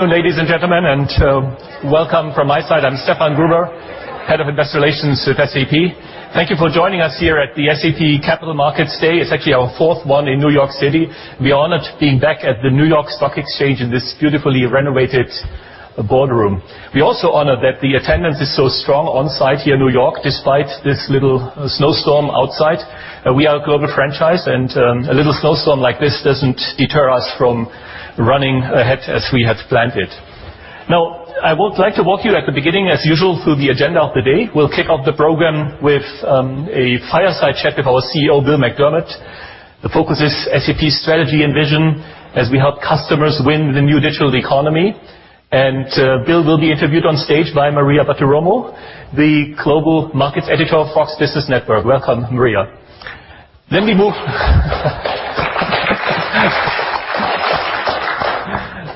Ladies and gentlemen, welcome from my side. I'm Stefan Gruber, Head of Investor Relations with SAP. Thank you for joining us here at the SAP Capital Markets Day. It's actually our fourth one in New York City. We are honored to be back at the New York Stock Exchange in this beautifully renovated boardroom. We also honor that the attendance is so strong on-site here in New York, despite this little snowstorm outside. We are a global franchise, and a little snowstorm like this doesn't deter us from running ahead as we had planned it. Now, I would like to walk you at the beginning, as usual, through the agenda of the day. We'll kick off the program with a fireside chat with our CEO, Bill McDermott. The focus is SAP's strategy and vision as we help customers win the new digital economy. Bill will be interviewed on stage by Maria Bartiromo, the Global Markets editor of Fox Business Network. Welcome, Maria.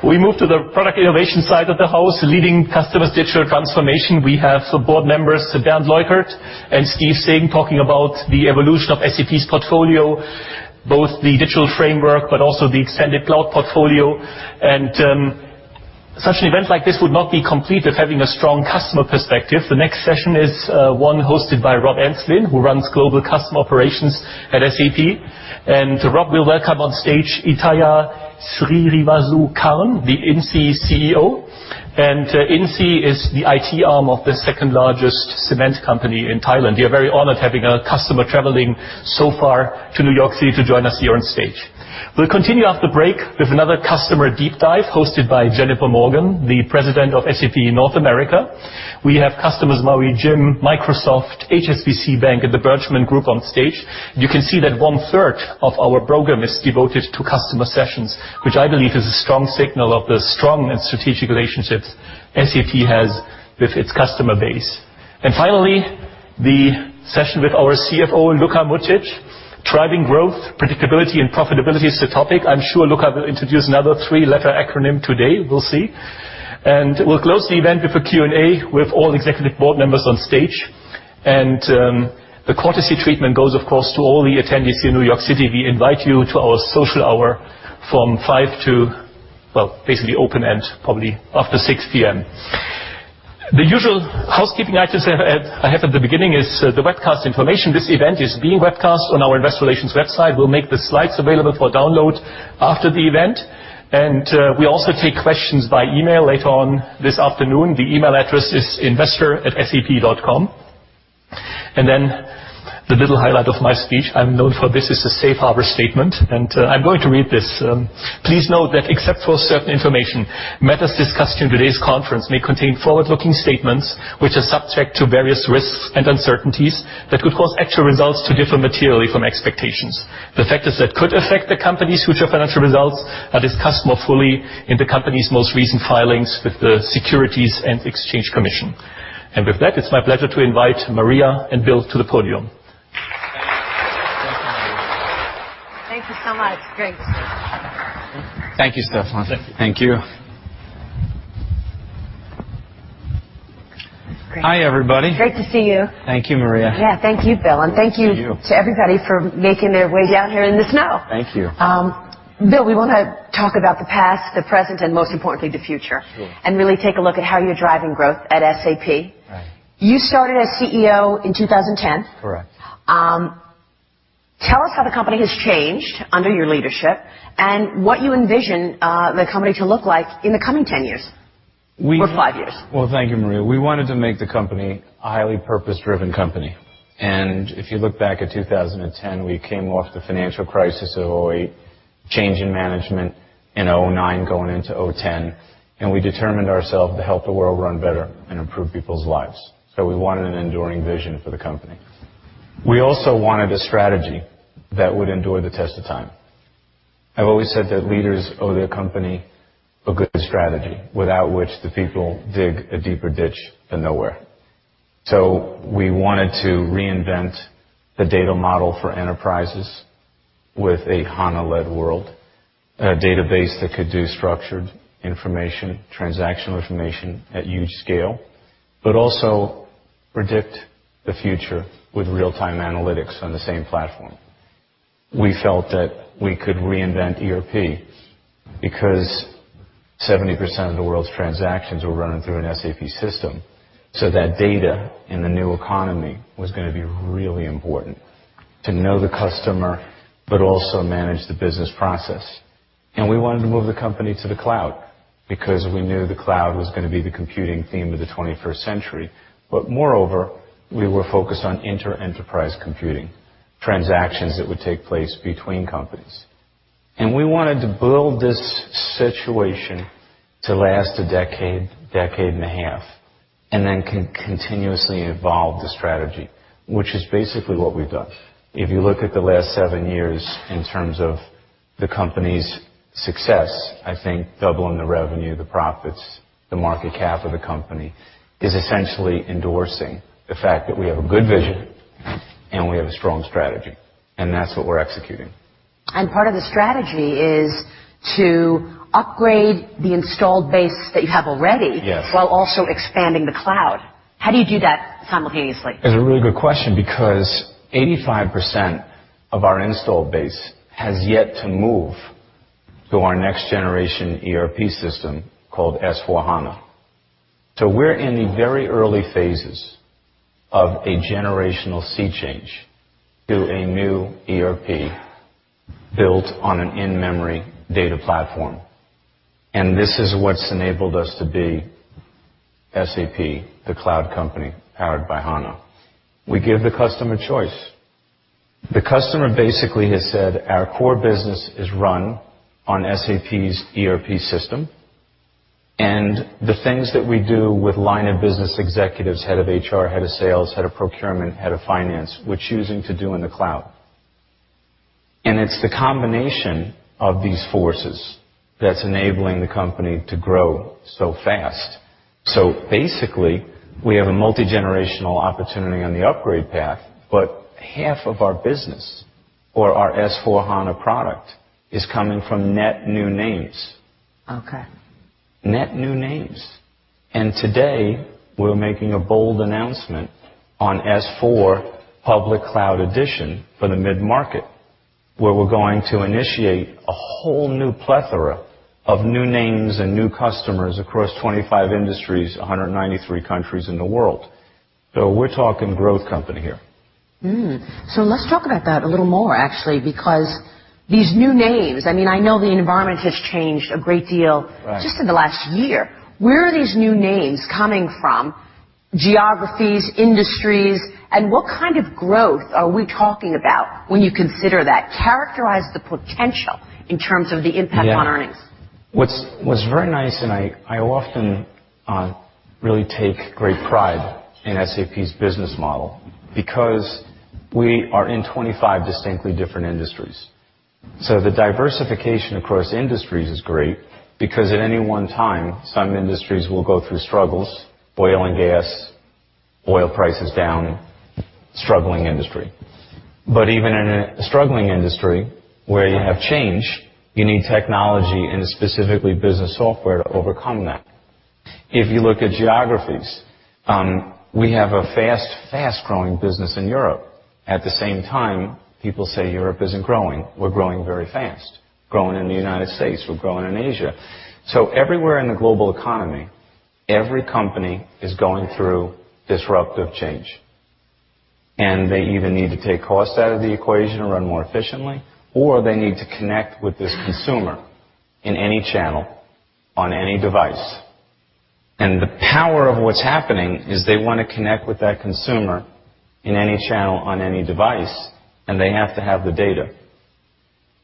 We move to the product innovation side of the house, leading customers' digital transformation. We have some board members, Bernd Leukert and Steve Singh, talking about the evolution of SAP's portfolio, both the digital framework, but also the extended cloud portfolio. Such an event like this would not be complete without having a strong customer perspective. The next session is one hosted by Rob Enslin, who runs Global Customer Operations at SAP. Rob will welcome on stage Ittaya Sirivasukarn, the INSEE CEO. INSEE is the IT subsidiary of the second-largest cement company in Thailand. We are very honored having a customer traveling so far to New York City to join us here on stage. We'll continue after the break with another customer deep dive hosted by Jennifer Morgan, the President of SAP North America. We have customers Maui Jim, Microsoft, HSBC Bank, and the Birchman Group on stage. You can see that one-third of our program is devoted to customer sessions, which I believe is a strong signal of the strong and strategic relationships SAP has with its customer base. Finally, the session with our CFO, Luka Mucic. Driving growth, predictability, and profitability is the topic. I'm sure Luka will introduce another three-letter acronym today, we'll see. We'll close the event with a Q&A with all executive board members on stage. The courtesy treatment goes, of course, to all the attendees here in New York City. We invite you to our social hour from 5:00 to, well, basically open-end, probably after 6:00 P.M. The usual housekeeping items I have at the beginning is the webcast information. This event is being webcast on our investor relations website. We'll make the slides available for download after the event, and we also take questions by email later on this afternoon. The email address is investor@sap.com. The little highlight of my speech, I'm known for this, is the safe harbor statement, and I'm going to read this. Please note that except for certain information, matters discussed in today's conference may contain forward-looking statements, which are subject to various risks and uncertainties that could cause actual results to differ materially from expectations. The factors that could affect the company's future financial results are discussed more fully in the company's most recent filings with the Securities and Exchange Commission. With that, it's my pleasure to invite Maria and Bill to the podium. Thank you so much. Great. Thank you, Stefan. Thank you. Hi, everybody. Great to see you. Thank you, Maria. Yeah. Thank you, Bill. Of course. Thank you. To you to everybody for making their way down here in the snow. Thank you. Bill, we want to talk about the past, the present, and most importantly, the future. Sure. Really take a look at how you're driving growth at SAP. Right. You started as CEO in 2010. Correct. Tell us how the company has changed under your leadership and what you envision the company to look like in the coming 10 years. We- Five years. Well, thank you, Maria. We wanted to make the company a highly purpose-driven company. If you look back at 2010, we came off the financial crisis of 2008, change in management in 2009, going into 2010, we determined ourselves to help the world run better and improve people's lives. We wanted an enduring vision for the company. We also wanted a strategy that would endure the test of time. I've always said that leaders owe their company a good strategy, without which the people dig a deeper ditch to nowhere. We wanted to reinvent the data model for enterprises with a HANA-led world, a database that could do structured information, transactional information at huge scale, but also predict the future with real-time analytics on the same platform. We felt that we could reinvent ERP because 70% of the world's transactions were running through an SAP system. That data in the new economy was going to be really important to know the customer, but also manage the business process. We wanted to move the company to the cloud because we knew the cloud was going to be the computing theme of the 21st century. Moreover, we were focused on inter-enterprise computing, transactions that would take place between companies. We wanted to build this situation to last a decade and a half, then continuously evolve the strategy, which is basically what we've done. If you look at the last seven years in terms of the company's success, I think doubling the revenue, the profits, the market cap of the company, is essentially endorsing the fact that we have a good vision and we have a strong strategy, and that's what we're executing. Part of the strategy is to upgrade the installed base that you have already. Yes while also expanding the cloud. How do you do that simultaneously? That's a really good question because 85% of our install base has yet to move to our next generation ERP system called SAP S/4HANA. We're in the very early phases of a generational sea change to a new ERP built on an in-memory data platform. This is what's enabled us to be SAP, the cloud company powered by HANA. We give the customer choice. The customer basically has said, our core business is run on SAP's ERP system, and the things that we do with line of business executives, head of HR, head of sales, head of procurement, head of finance, we're choosing to do in the cloud. It's the combination of these forces that's enabling the company to grow so fast. Basically, we have a multigenerational opportunity on the upgrade path, but half of our business or our SAP S/4HANA product is coming from net new names. Okay. Net new names. Today, we're making a bold announcement on S/4 Public Cloud Edition for the mid-market, where we're going to initiate a whole new plethora of new names and new customers across 25 industries, 193 countries in the world. We're talking growth company here. Let's talk about that a little more actually, because these new names, I know the environment has changed a great deal. Right just in the last year. Where are these new names coming from, geographies, industries, and what kind of growth are we talking about when you consider that? Characterize the potential in terms of the impact on earnings. Yeah. What's very nice, I often really take great pride in SAP's business model because we are in 25 distinctly different industries. The diversification across industries is great because at any one time, some industries will go through struggles, oil and gas, oil price is down, struggling industry. Even in a struggling industry where you have change, you need technology and specifically business software to overcome that. If you look at geographies, we have a fast growing business in Europe. At the same time, people say Europe isn't growing. We're growing very fast. Growing in the U.S. We're growing in Asia. Everywhere in the global economy, every company is going through disruptive change, and they either need to take cost out of the equation or run more efficiently, or they need to connect with this consumer in any channel, on any device. The power of what's happening is they want to connect with that consumer in any channel, on any device, and they have to have the data,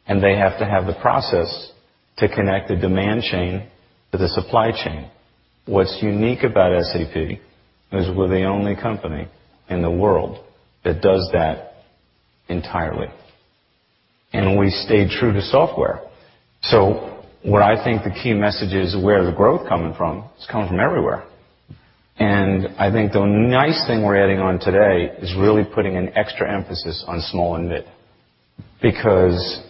and they have to have the process to connect the demand chain to the supply chain. What's unique about SAP is we're the only company in the world that does that entirely, and we stay true to software. What I think the key message is where the growth coming from, it's coming from everywhere. I think the nice thing we're adding on today is really putting an extra emphasis on small and mid because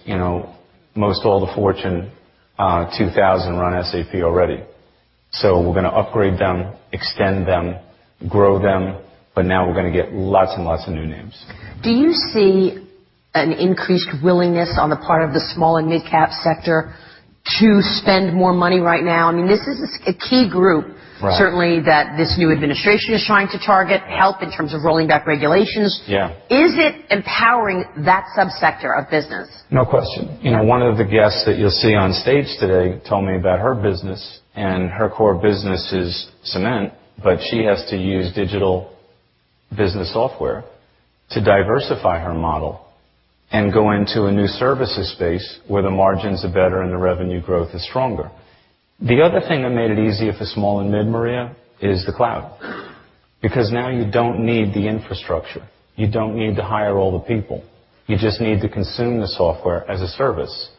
most all the Fortune 2000 run SAP already. We're going to upgrade them, extend them, grow them, but now we're going to get lots and lots of new names. Do you see an increased willingness on the part of the small and mid-cap sector to spend more money right now? This is a key group. Right certainly that this new administration is trying to target, help in terms of rolling back regulations. Yeah. Is it empowering that subsector of business? No question. One of the guests that you'll see on stage today told me about her business, and her core business is cement, but she has to use digital business software to diversify her model and go into a new services space where the margins are better and the revenue growth is stronger. The other thing that made it easier for small and mid, Maria, is the cloud. Now you don't need the infrastructure. You don't need to hire all the people. You just need to consume the software as a service.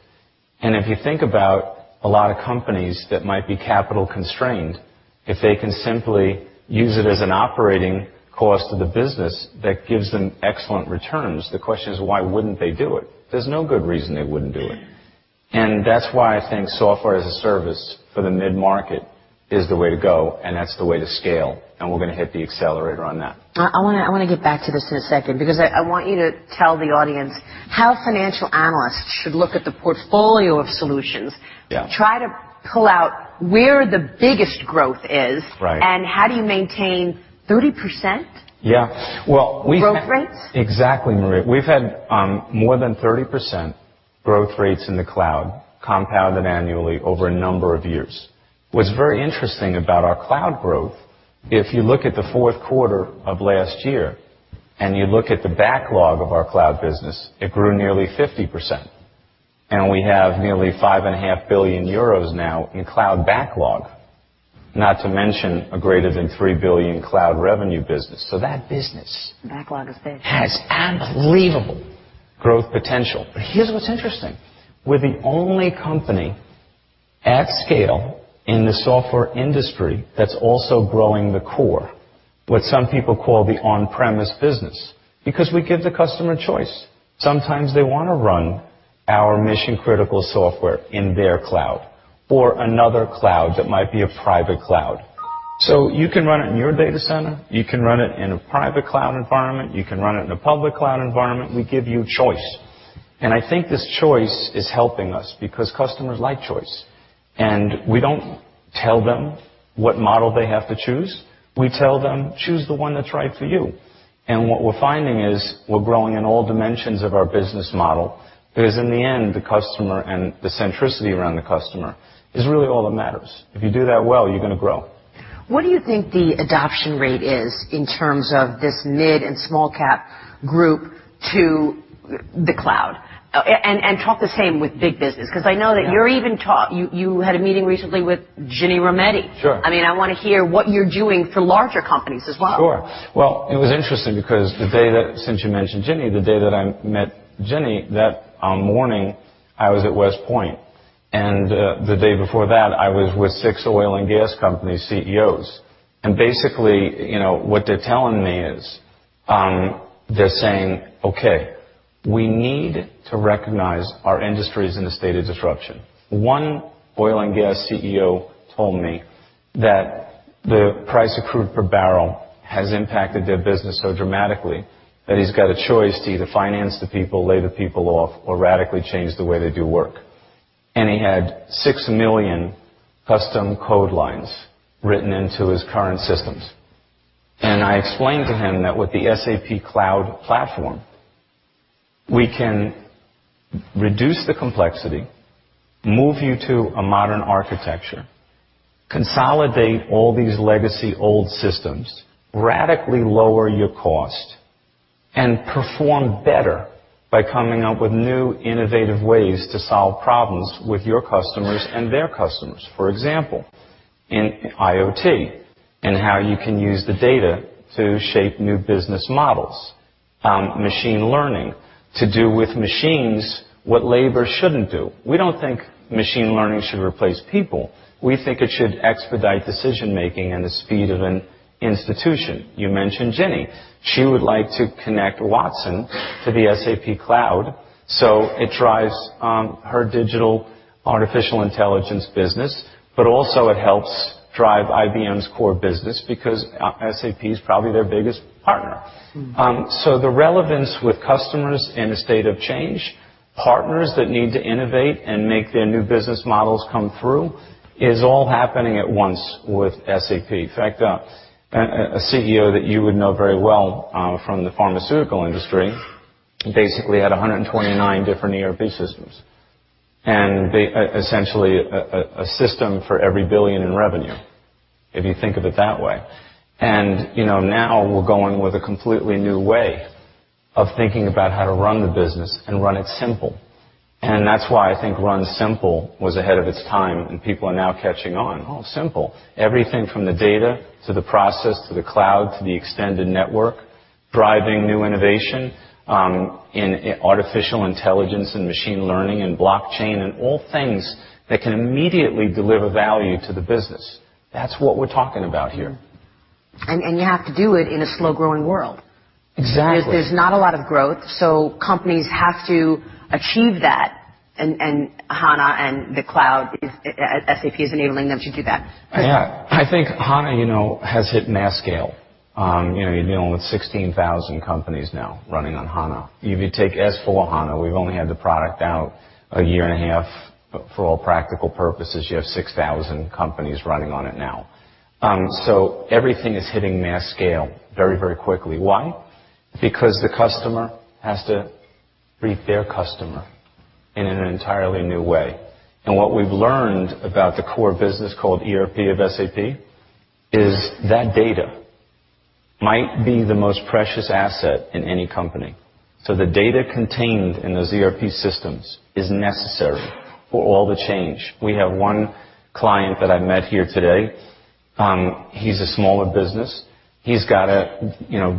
If you think about a lot of companies that might be capital constrained, if they can simply use it as an operating cost of the business, that gives them excellent returns. The question is, why wouldn't they do it? There's no good reason they wouldn't do it. That's why I think software as a service for the mid-market is the way to go, and that's the way to scale, and we're going to hit the accelerator on that. I want to get back to this in a second because I want you to tell the audience how financial analysts should look at the portfolio of solutions. Yeah try to pull out where the biggest growth is. Right how do you maintain 30%? Yeah. Well, we've had. growth rates? Exactly, Maria. We've had more than 30% growth rates in the cloud compounded annually over a number of years. What's very interesting about our cloud growth, if you look at the fourth quarter of last year and you look at the backlog of our cloud business, it grew nearly 50%, and we have nearly €5.5 billion now in cloud backlog, not to mention a greater than 3 billion cloud revenue business. Backlog is big. has unbelievable growth potential. Here's what's interesting. We're the only company at scale in the software industry that's also growing the core, what some people call the on-premise business, because we give the customer choice. Sometimes they want to run our mission critical software in their cloud or another cloud that might be a private cloud. You can run it in your data center, you can run it in a private cloud environment, you can run it in a public cloud environment. We give you choice. I think this choice is helping us because customers like choice. We don't tell them what model they have to choose. We tell them, "Choose the one that's right for you." What we're finding is, we're growing in all dimensions of our business model, because in the end, the customer and the centricity around the customer is really all that matters. If you do that well, you're going to grow. What do you think the adoption rate is in terms of this mid and small cap group to the cloud? Talk the same with big business, because I know that. Yeah You had a meeting recently with Ginni Rometty. Sure. I mean, I want to hear what you're doing for larger companies as well. Sure. Well, it was interesting because the day that, since you mentioned Ginni, the day that I met Ginni, that morning I was at West Point. The day before that, I was with six oil and gas company CEOs. Basically, what they're telling me is, they're saying, "Okay, we need to recognize our industry is in a state of disruption." One oil and gas CEO told me that the price of crude per barrel has impacted their business so dramatically that he's got a choice to either finance the people, lay the people off, or radically change the way they do work. He had 6 million custom code lines written into his current systems. I explained to him that with the SAP Cloud Platform, we can reduce the complexity, move you to a modern architecture, consolidate all these legacy old systems, radically lower your cost, and perform better by coming up with new, innovative ways to solve problems with your customers and their customers. For example, in IoT and how you can use the data to shape new business models. Machine learning, to do with machines what labor shouldn't do. We don't think machine learning should replace people. We think it should expedite decision-making and the speed of an institution. You mentioned Ginni. She would like to connect Watson to the SAP Cloud so it drives her digital artificial intelligence business. Also it helps drive IBM's core business because SAP is probably their biggest partner. The relevance with customers in a state of change, partners that need to innovate and make their new business models come through, is all happening at once with SAP. In fact, a CEO that you would know very well from the pharmaceutical industry basically had 129 different ERP systems, and essentially a system for every billion in revenue, if you think of it that way. Now we're going with a completely new way of thinking about how to run the business and Run Simple. That's why I think Run Simple was ahead of its time, and people are now catching on. Simple. Everything from the data, to the process, to the cloud, to the extended network, driving new innovation in artificial intelligence and machine learning and blockchain, and all things that can immediately deliver value to the business. That's what we're talking about here. You have to do it in a slow-growing world. Exactly. There's not a lot of growth, companies have to achieve that. SAP HANA and the cloud is, SAP is enabling them to do that. Yeah. I think SAP HANA has hit mass scale. You're dealing with 16,000 companies now running on SAP HANA. If you take SAP S/4HANA, we've only had the product out a year and a half. For all practical purposes, you have 6,000 companies running on it now. Wow. Everything is hitting mass scale very, very quickly. Why? Because the customer has to reach their customer in an entirely new way. What we've learned about the core business called ERP of SAP is that data might be the most precious asset in any company. The data contained in those ERP systems is necessary for all the change. We have one client that I met here today. He's a smaller business. He's got to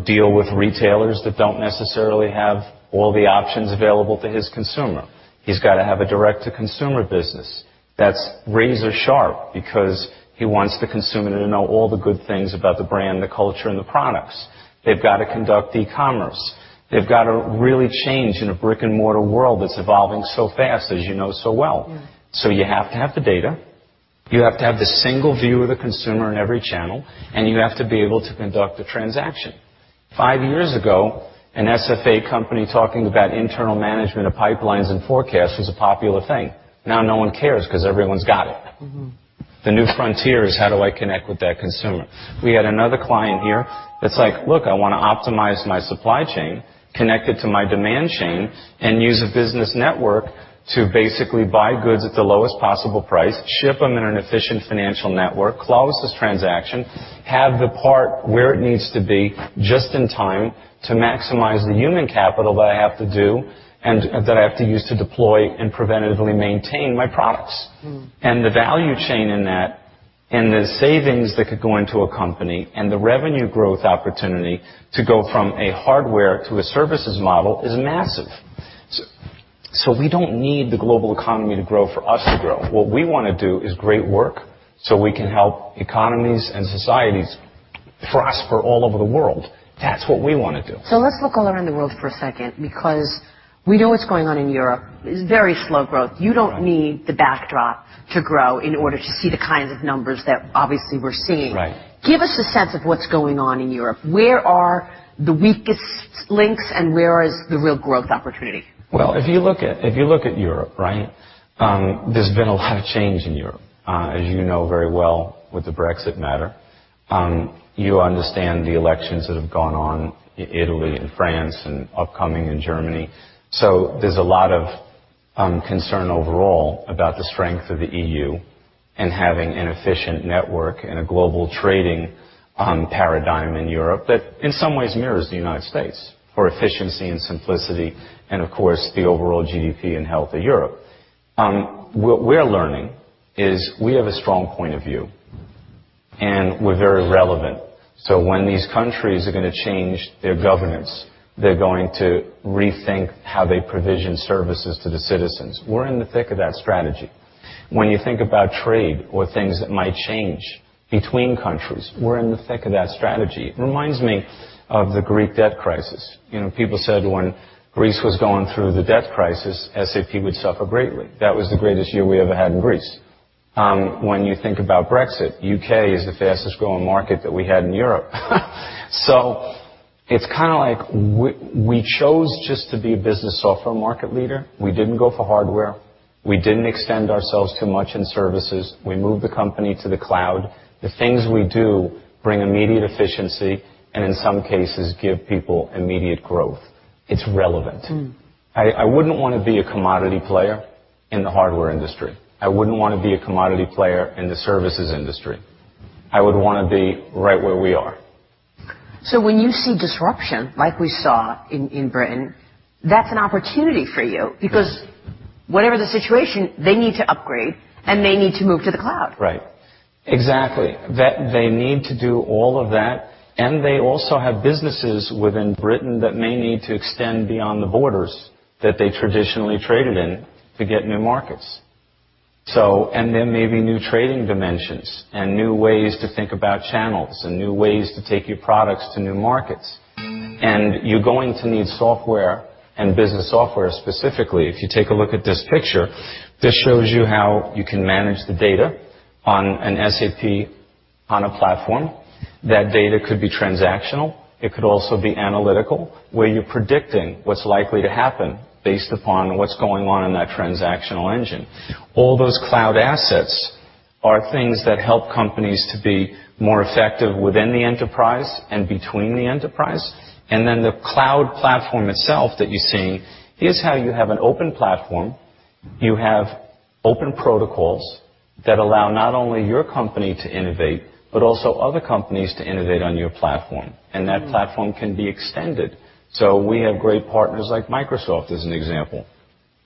deal with retailers that don't necessarily have all the options available to his consumer. He's got to have a direct-to-consumer business that's razor sharp, because he wants the consumer to know all the good things about the brand, the culture, and the products. They've got to conduct e-commerce. They've got to really change in a brick-and-mortar world that's evolving so fast, as you know so well. Yeah. You have to have the data, you have to have the single view of the consumer in every channel, and you have to be able to conduct a transaction. Five years ago, an SFA company talking about internal management of pipelines and forecasts was a popular thing. Now no one cares because everyone's got it. The new frontier is how do I connect with that consumer? We had another client here that's like, "Look, I want to optimize my supply chain, connect it to my demand chain, and use a business network to basically buy goods at the lowest possible price, ship them in an efficient financial network, close this transaction, have the part where it needs to be just in time to maximize the human capital that I have to do, and that I have to use to deploy and preventatively maintain my products. The value chain in that, and the savings that could go into a company, and the revenue growth opportunity to go from a hardware to a services model is massive. We don't need the global economy to grow for us to grow. What we want to do is great work so we can help economies and societies for us, for all over the world, that's what we want to do. Let's look all around the world for a second, because we know what's going on in Europe. Very slow growth. Right. You don't need the backdrop to grow in order to see the kinds of numbers that obviously we're seeing. Right. Give us a sense of what's going on in Europe. Where are the weakest links, and where is the real growth opportunity? Well, if you look at Europe, right? There's been a lot of change in Europe, as you know very well with the Brexit matter. You understand the elections that have gone on in Italy and France and upcoming in Germany. There's a lot of concern overall about the strength of the EU and having an efficient network and a global trading paradigm in Europe that in some ways mirrors the U.S. for efficiency and simplicity and, of course, the overall GDP and health of Europe. What we're learning is we have a strong point of view, and we're very relevant. When these countries are going to change their governance, they're going to rethink how they provision services to the citizens. We're in the thick of that strategy. When you think about trade or things that might change between countries, we're in the thick of that strategy. It reminds me of the Greek debt crisis. People said when Greece was going through the debt crisis, SAP would suffer greatly. That was the greatest year we ever had in Greece. When you think about Brexit, U.K. is the fastest-growing market that we had in Europe. It's like we chose just to be a business software market leader. We didn't go for hardware. We didn't extend ourselves too much in services. We moved the company to the cloud. The things we do bring immediate efficiency and, in some cases, give people immediate growth. It's relevant. I wouldn't want to be a commodity player in the hardware industry. I wouldn't want to be a commodity player in the services industry. I would want to be right where we are. When you see disruption like we saw in Britain, that's an opportunity for you. Yeah Whatever the situation, they need to upgrade, and they need to move to the cloud. Right. Exactly. They need to do all of that, and they also have businesses within Britain that may need to extend beyond the borders that they traditionally traded in to get new markets. There may be new trading dimensions and new ways to think about channels and new ways to take your products to new markets. You're going to need software and business software, specifically. If you take a look at this picture, this shows you how you can manage the data on an SAP HANA platform. That data could be transactional. It could also be analytical, where you're predicting what's likely to happen based upon what's going on in that transactional engine. All those cloud assets are things that help companies to be more effective within the enterprise and between the enterprise. The cloud platform itself that you're seeing, here's how you have an open platform. You have open protocols that allow not only your company to innovate, but also other companies to innovate on your platform. That platform can be extended. We have great partners like Microsoft, as an example.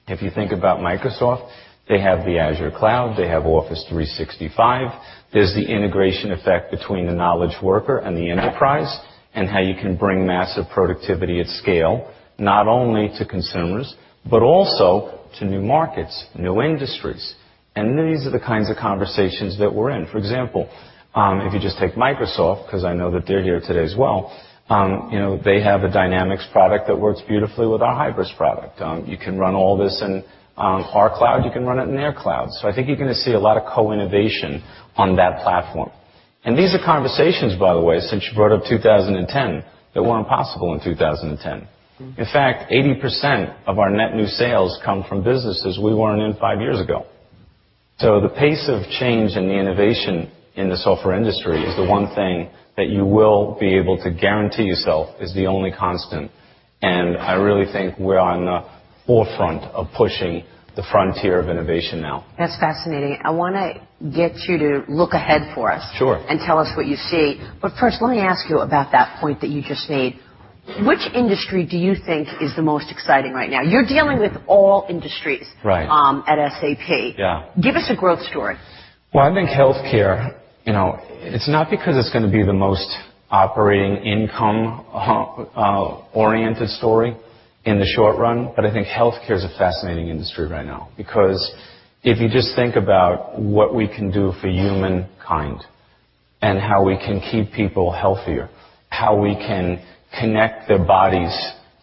If you think about Microsoft, they have the Azure cloud, they have Office 365. There's the integration effect between the knowledge worker and the enterprise, and how you can bring massive productivity at scale, not only to consumers, but also to new markets, new industries. These are the kinds of conversations that we're in. For example, if you just take Microsoft, because I know that they're here today as well, they have a Dynamics product that works beautifully with our Hybris product. You can run all this in our cloud, you can run it in their cloud. I think you're going to see a lot of co-innovation on that platform. These are conversations, by the way, since you brought up 2010, that weren't possible in 2010. In fact, 80% of our net new sales come from businesses we weren't in five years ago. The pace of change and the innovation in the software industry is the one thing that you will be able to guarantee yourself is the only constant, and I really think we're on the forefront of pushing the frontier of innovation now. That's fascinating. I want to get you to look ahead for us. Sure Tell us what you see. First, let me ask you about that point that you just made. Which industry do you think is the most exciting right now? You're dealing with all industries. Right at SAP. Yeah. Give us a growth story. Well, I think healthcare. It's not because it's going to be the most operating income-oriented story in the short run, but I think healthcare is a fascinating industry right now. Because if you just think about what we can do for humankind and how we can keep people healthier, how we can connect their bodies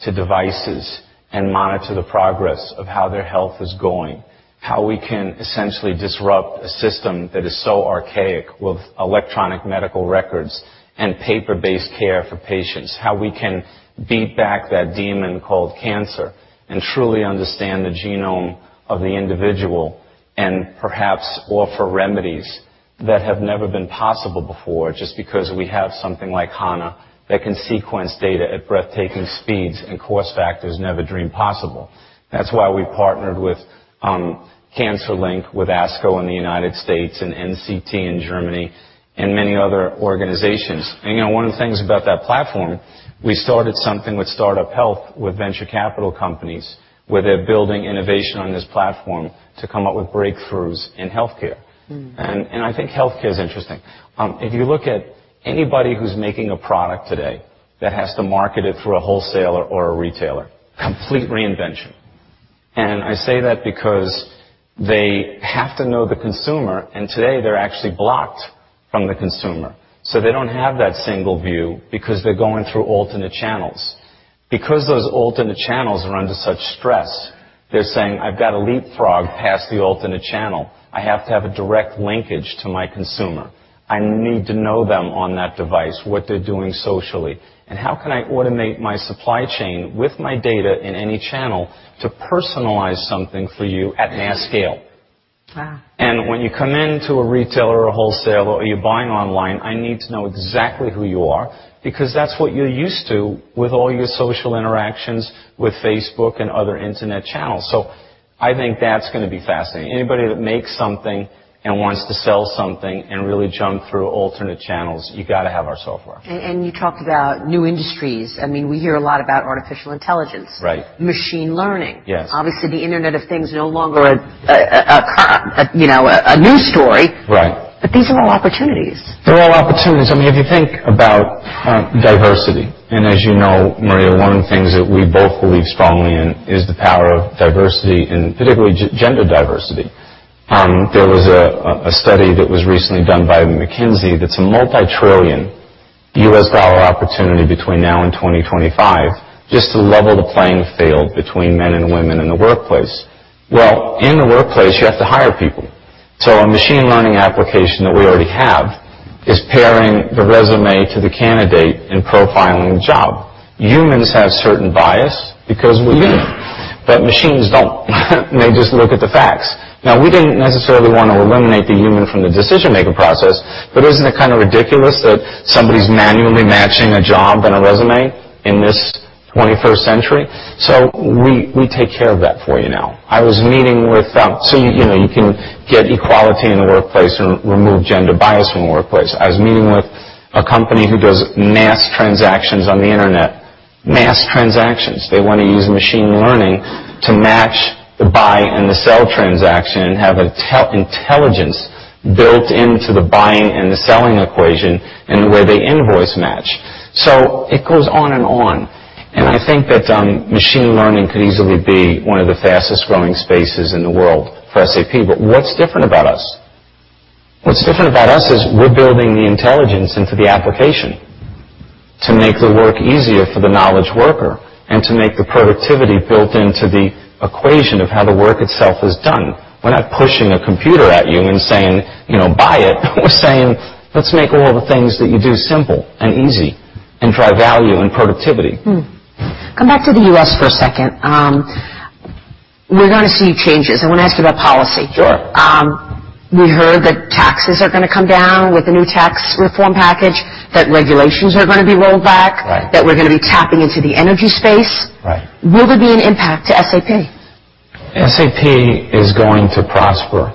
to devices and monitor the progress of how their health is going, how we can essentially disrupt a system that is so archaic with electronic medical records and paper-based care for patients, how we can beat back that demon called cancer and truly understand the genome of the individual and perhaps offer remedies that have never been possible before just because we have something like HANA that can sequence data at breathtaking speeds and cost factors never dreamed possible. That's why we partnered with CancerLinQ, with ASCO in the United States, and NCT in Germany, and many other organizations. One of the things about that platform, we started something with StartUp Health, with venture capital companies, where they're building innovation on this platform to come up with breakthroughs in healthcare. I think healthcare is interesting. If you look at anybody who's making a product today that has to market it through a wholesaler or a retailer, complete reinvention. I say that because they have to know the consumer, and today they're actually blocked from the consumer. They don't have that single view because they're going through alternate channels. Because those alternate channels are under such stress, they're saying, "I've got to leapfrog past the alternate channel. I have to have a direct linkage to my consumer. I need to know them on that device, what they're doing socially. How can I automate my supply chain with my data in any channel to personalize something for you at mass scale? Wow. When you come into a retail or a wholesale, or you're buying online, I need to know exactly who you are, because that's what you're used to with all your social interactions with Facebook and other internet channels. I think that's going to be fascinating. Anybody that makes something and wants to sell something and really jump through alternate channels, you got to have our software. You talked about new industries. We hear a lot about artificial intelligence- Right machine learning. Yes. The Internet of Things is no longer a news story. Right. These are all opportunities. They're all opportunities. If you think about diversity, and as you know, Maria Bartiromo, one of the things that we both believe strongly in is the power of diversity, and particularly gender diversity. There was a study that was recently done by McKinsey & Company that's a multi-trillion US dollar opportunity between now and 2025, just to level the playing field between men and women in the workplace. Well, in the workplace, you have to hire people. A machine learning application that we already have is pairing the resume to the candidate and profiling the job. Humans have certain bias because we're human, but machines don't. They just look at the facts. We didn't necessarily want to eliminate the human from the decision-making process, but isn't it kind of ridiculous that somebody's manually matching a job and a resume in this 21st century? We take care of that for you now. You can get equality in the workplace and remove gender bias from the workplace. I was meeting with a company who does mass transactions on the internet. Mass transactions. They want to use machine learning to match the buy and the sell transaction, and have intelligence built into the buying and the selling equation in the way they invoice match. It goes on and on. I think that machine learning could easily be one of the fastest-growing spaces in the world for SAP. What's different about us? What's different about us is we're building the intelligence into the application to make the work easier for the knowledge worker, and to make the productivity built into the equation of how the work itself is done. We're not pushing a computer at you and saying, "Buy it." We're saying, "Let's make all the things that you do simple and easy, and drive value and productivity. Come back to the U.S. for a second. We're going to see changes. I want to ask you about policy. Sure. We heard that taxes are going to come down with the new tax reform package, that regulations are going to be rolled back. Right that we're going to be tapping into the energy space. Right. Will there be an impact to SAP? SAP is going to prosper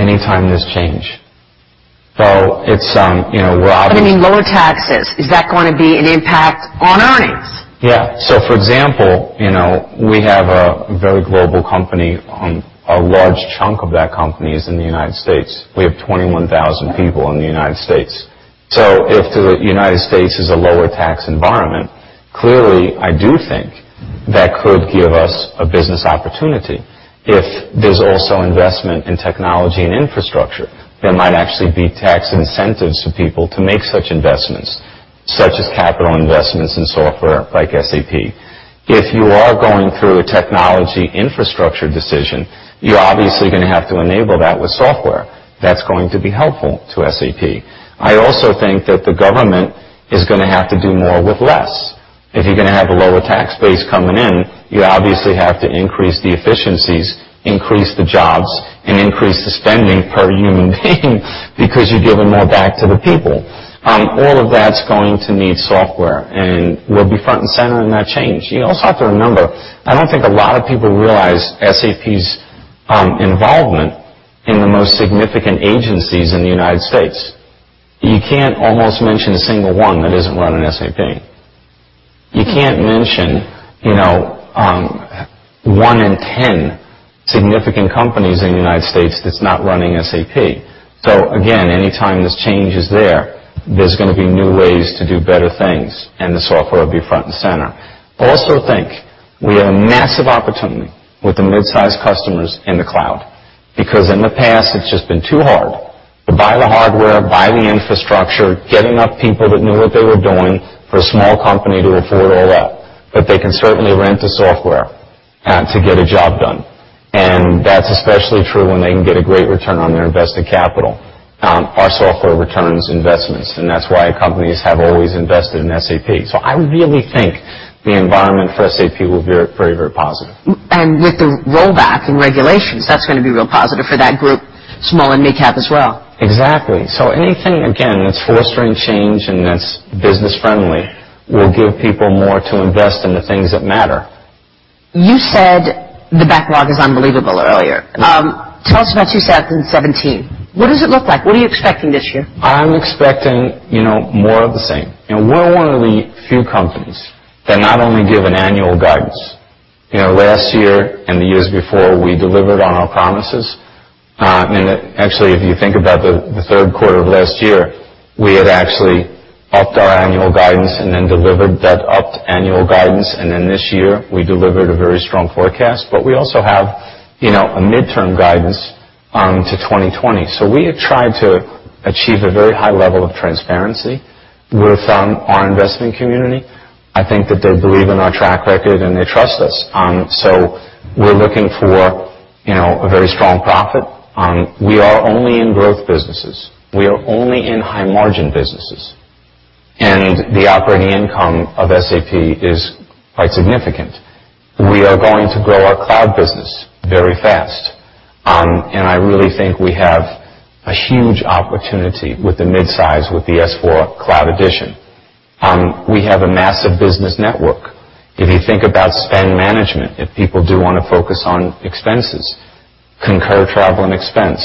any time there's change. I mean lower taxes. Is that going to be an impact on earnings? Yeah. For example, we have a very global company. A large chunk of that company is in the United States. We have 21,000 people in the United States. If the United States is a lower tax environment, clearly, I do think that could give us a business opportunity. If there's also investment in technology and infrastructure, there might actually be tax incentives for people to make such investments, such as capital investments in software like SAP. If you are going through a technology infrastructure decision, you're obviously going to have to enable that with software. That's going to be helpful to SAP. I also think that the government is going to have to do more with less. If you're going to have a lower tax base coming in, you obviously have to increase the efficiencies, increase the jobs, and increase the spending per human being because you're giving more back to the people. All of that's going to need software. We'll be front and center in that change. You also have to remember, I don't think a lot of people realize SAP's involvement in the most significant agencies in the U.S. You can't almost mention a single one that isn't running SAP. You can't mention one in 10 significant companies in the U.S. that's not running SAP. Again, any time there's changes there's going to be new ways to do better things, and the software will be front and center. I also think we have massive opportunity with the midsize customers in the cloud. In the past, it's just been too hard to buy the hardware, buy the infrastructure, get enough people that knew what they were doing for a small company to afford all that. They can certainly rent the software to get a job done. That's especially true when they can get a great return on their invested capital. Our software returns investments, and that's why companies have always invested in SAP. I really think the environment for SAP will be very, very positive. With the rollback in regulations, that's going to be real positive for that group, small and midcap as well. Exactly. Anything, again, that's fostering change and that's business friendly, will give people more to invest in the things that matter. You said the backlog is unbelievable earlier. Tell us about 2017. What does it look like? What are you expecting this year? I'm expecting more of the same. We're one of the few companies that not only give an annual guidance. Last year and the years before, we delivered on our promises. Actually, if you think about the third quarter of last year, we had actually upped our annual guidance and then delivered that upped annual guidance. Then this year, we delivered a very strong forecast. We also have a midterm guidance to 2020. We have tried to achieve a very high level of transparency with our investment community. I think that they believe in our track record, and they trust us. We're looking for a very strong profit. We are only in growth businesses. We are only in high-margin businesses. The operating income of SAP is quite significant. We are going to grow our cloud business very fast. I really think we have a huge opportunity with the midsize, with the S/4 Cloud Edition. We have a massive business network. If you think about spend management, if people do want to focus on expenses, Concur, travel, and expense,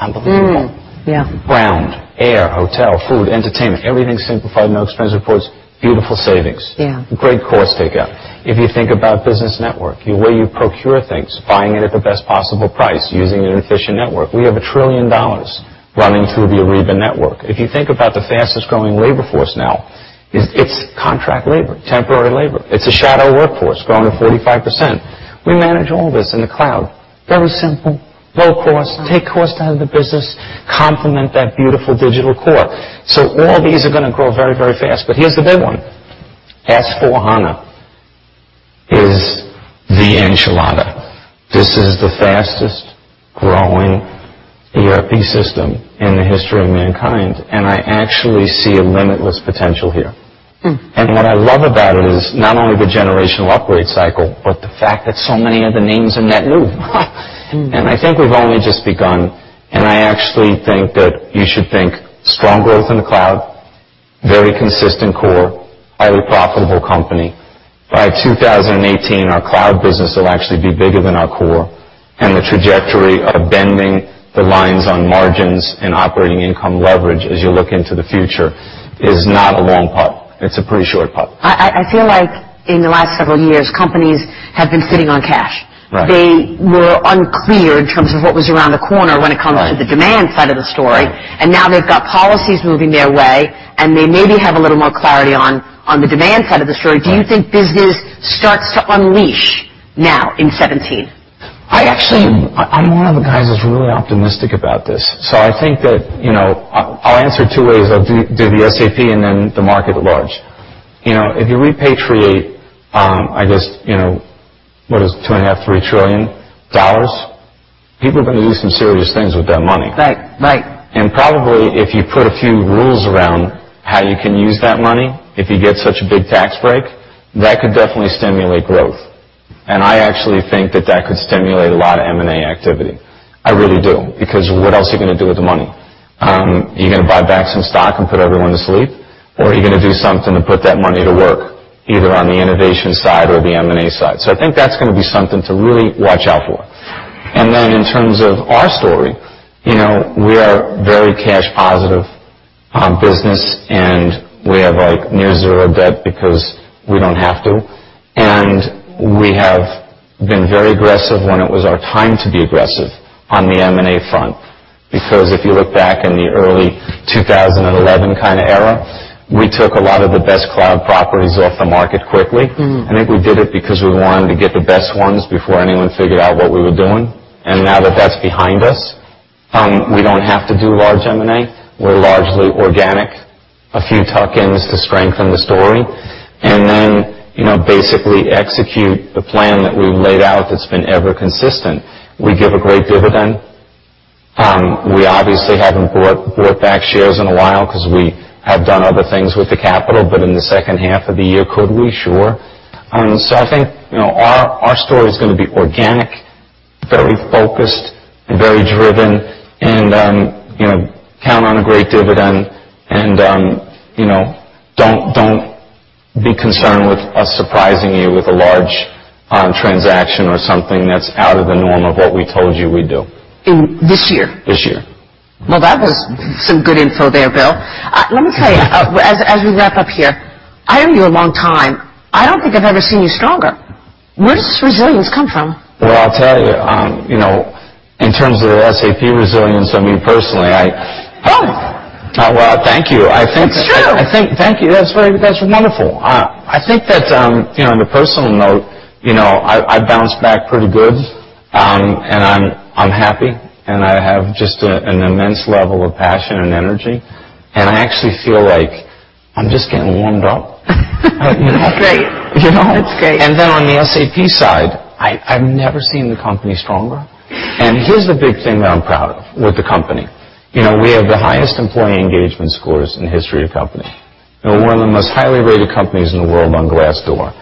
unbelievable. Yeah. Ground, air, hotel, food, entertainment, everything simplified, no expense reports, beautiful savings. Yeah. Great cost takeout. If you think about business network, the way you procure things, buying it at the best possible price, using an efficient network. We have $1 trillion running through the Ariba Network. If you think about the fastest-growing labor force now, it's contract labor, temporary labor. It's a shadow workforce growing at 45%. We manage all this in the cloud. Very simple, low cost, take cost out of the business, complement that beautiful digital core. All these are going to grow very, very fast. Here's the big one. S/4HANA is the enchilada. This is the fastest-growing ERP system in the history of mankind, and I actually see a limitless potential here. What I love about it is not only the generational upgrade cycle, but the fact that so many of the names are net new. I think we've only just begun, and I actually think that you should think strong growth in the cloud, very consistent core, highly profitable company. By 2018, our cloud business will actually be bigger than our core, and the trajectory of bending the lines on margins and operating income leverage as you look into the future is not a long putt. It's a pretty short putt. I feel like in the last several years, companies have been sitting on cash. Right. They were unclear in terms of what was around the corner when it. Right to the demand side of the story. Now they've got policies moving their way, and they maybe have a little more clarity on the demand side of the story. Right. Do you think business starts to unleash now in 2017? I'm one of the guys that's really optimistic about this. I think that, I'll answer two ways. I'll do the SAP and then the market at large. If you repatriate, I guess, what is it? $2.5 trillion, EUR 3 trillion, people are going to do some serious things with that money. Right. Probably, if you put a few rules around how you can use that money, if you get such a big tax break, that could definitely stimulate growth. I actually think that that could stimulate a lot of M&A activity. I really do, because what else are you going to do with the money? Are you going to buy back some stock and put everyone to sleep, or are you going to do something to put that money to work, either on the innovation side or the M&A side? I think that's going to be something to really watch out for. Then in terms of our story, we are a very cash positive business, and we have near zero debt because we don't have to. We have been very aggressive when it was our time to be aggressive on the M&A front. If you look back in the early 2011 kind of era, we took a lot of the best cloud properties off the market quickly. I think we did it because we wanted to get the best ones before anyone figured out what we were doing. Now that that's behind us, we don't have to do large M&A. We're largely organic. A few tuck-ins to strengthen the story. Then, basically execute the plan that we've laid out that's been ever consistent. We give a great dividend. We obviously haven't bought back shares in a while because we have done other things with the capital, but in the second half of the year, could we? Sure. I think our story's going to be organic, very focused, and very driven, and count on a great dividend. Don't be concerned with us surprising you with a large transaction or something that's out of the norm of what we told you we'd do. In this year? This year. Well, that was some good info there, Bill. Let me tell you, as we wrap up here, I've known you a long time. I don't think I've ever seen you stronger. Where does this resilience come from? Well, I'll tell you. In terms of the SAP resilience and me personally. Both. Well, thank you. It's true thank you. That's very wonderful. I think that, on a personal note, I bounced back pretty good. I'm happy, and I have just an immense level of passion and energy, and I actually feel like I'm just getting warmed up. Great. You know? That's great. On the SAP side, I've never seen the company stronger. Here's the big thing that I'm proud of with the company. We have the highest employee engagement scores in the history of the company, and we're one of the most highly rated companies in the world on Glassdoor.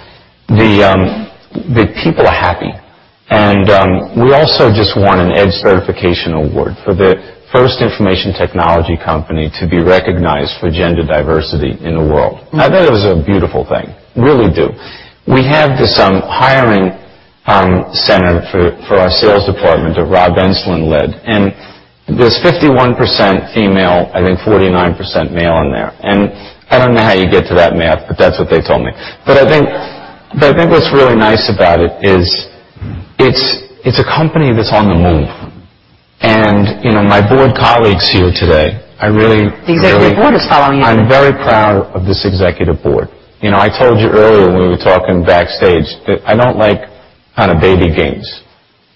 The people are happy. We also just won an EDGE Certification award for the first information technology company to be recognized for gender diversity in the world. I thought it was a beautiful thing. Really do. We have this hiring center for our sales department that Rob Enslin led. There's 51% female, I think 49% male in there. I don't know how you get to that math, but that's what they told me. I think what's really nice about it is it's a company that's on the move. My board colleagues here today, The executive board is following you I'm very proud of this executive board. I told you earlier when we were talking backstage that I don't like kind of baby games,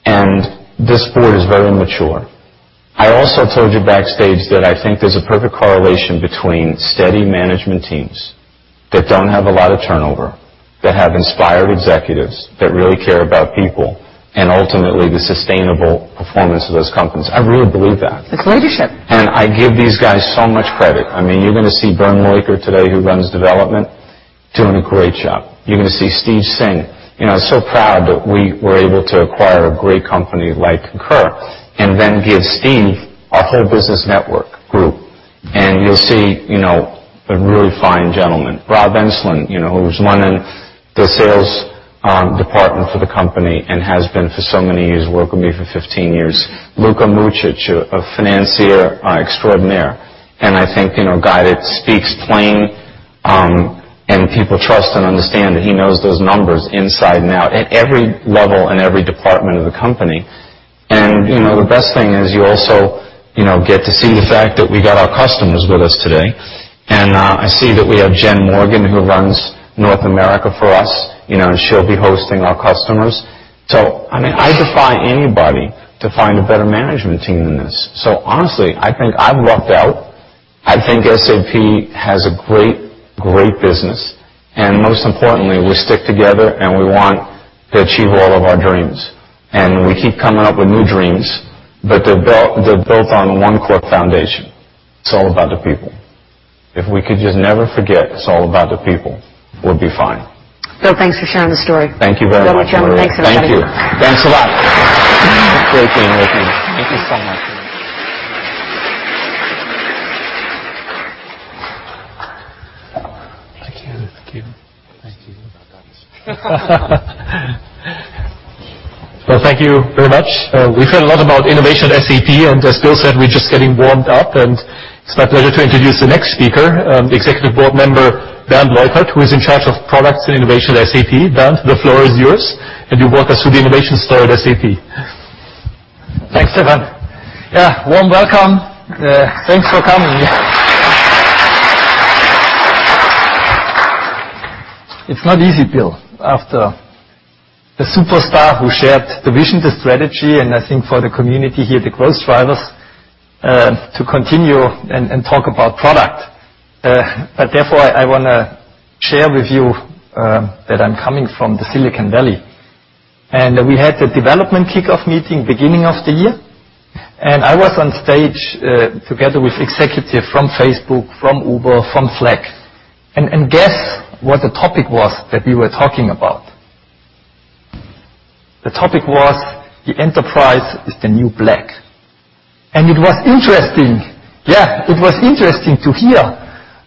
and this board is very mature. I also told you backstage that I think there's a perfect correlation between steady management teams that don't have a lot of turnover, that have inspired executives, that really care about people, and ultimately, the sustainable performance of those companies. I really believe that. It's leadership. I give these guys so much credit. You're going to see Bernd Leukert today, who runs development, doing a great job. You're going to see Steve Singh. I was so proud that we were able to acquire a great company like Concur and then give Steve our whole business network group. You'll see a really fine gentleman, Rob Enslin, who's running the sales department for the company and has been for so many years, working with me for 15 years. Luka Mucic, a financier extraordinaire, and I think a guy that speaks plain, and people trust and understand that he knows those numbers inside and out at every level and every department of the company. The best thing is you also get to see the fact that we got our customers with us today. I see that we have Jen Morgan, who runs North America for us. She'll be hosting our customers. I defy anybody to find a better management team than this. Honestly, I think I've lucked out. I think SAP has a great business, most importantly, we stick together, we want to achieve all of our dreams. We keep coming up with new dreams, but they're built on one core foundation. It's all about the people. If we could just never forget it's all about the people, we'll be fine. Bill, thanks for sharing the story. Thank you very much, Martina. Bill McDermott, thanks everybody. Thank you. Thanks a lot. Great being with you. Thank you so much. Thank you. Thank you. Well, thank you very much. We've heard a lot about innovation at SAP. As Bill said, we're just getting warmed up. It's my pleasure to introduce the next speaker, Executive Board Member Bernd Leukert, who is in charge of products and innovation at SAP. Bernd, the floor is yours, and you walk us through the innovation story at SAP. Thanks, Stefan. Yeah, warm welcome. Thanks for coming. It's not easy, Bill, after the superstar who shared the vision, the strategy, and I think for the community here, the growth drivers, to continue and talk about product. Therefore, I want to share with you that I'm coming from the Silicon Valley. We had the development kickoff meeting beginning of the year. I was on stage together with executive from Facebook, from Uber, from Slack. Guess what the topic was that we were talking about? The topic was The Enterprise is the New Black. It was interesting. Yeah, it was interesting to hear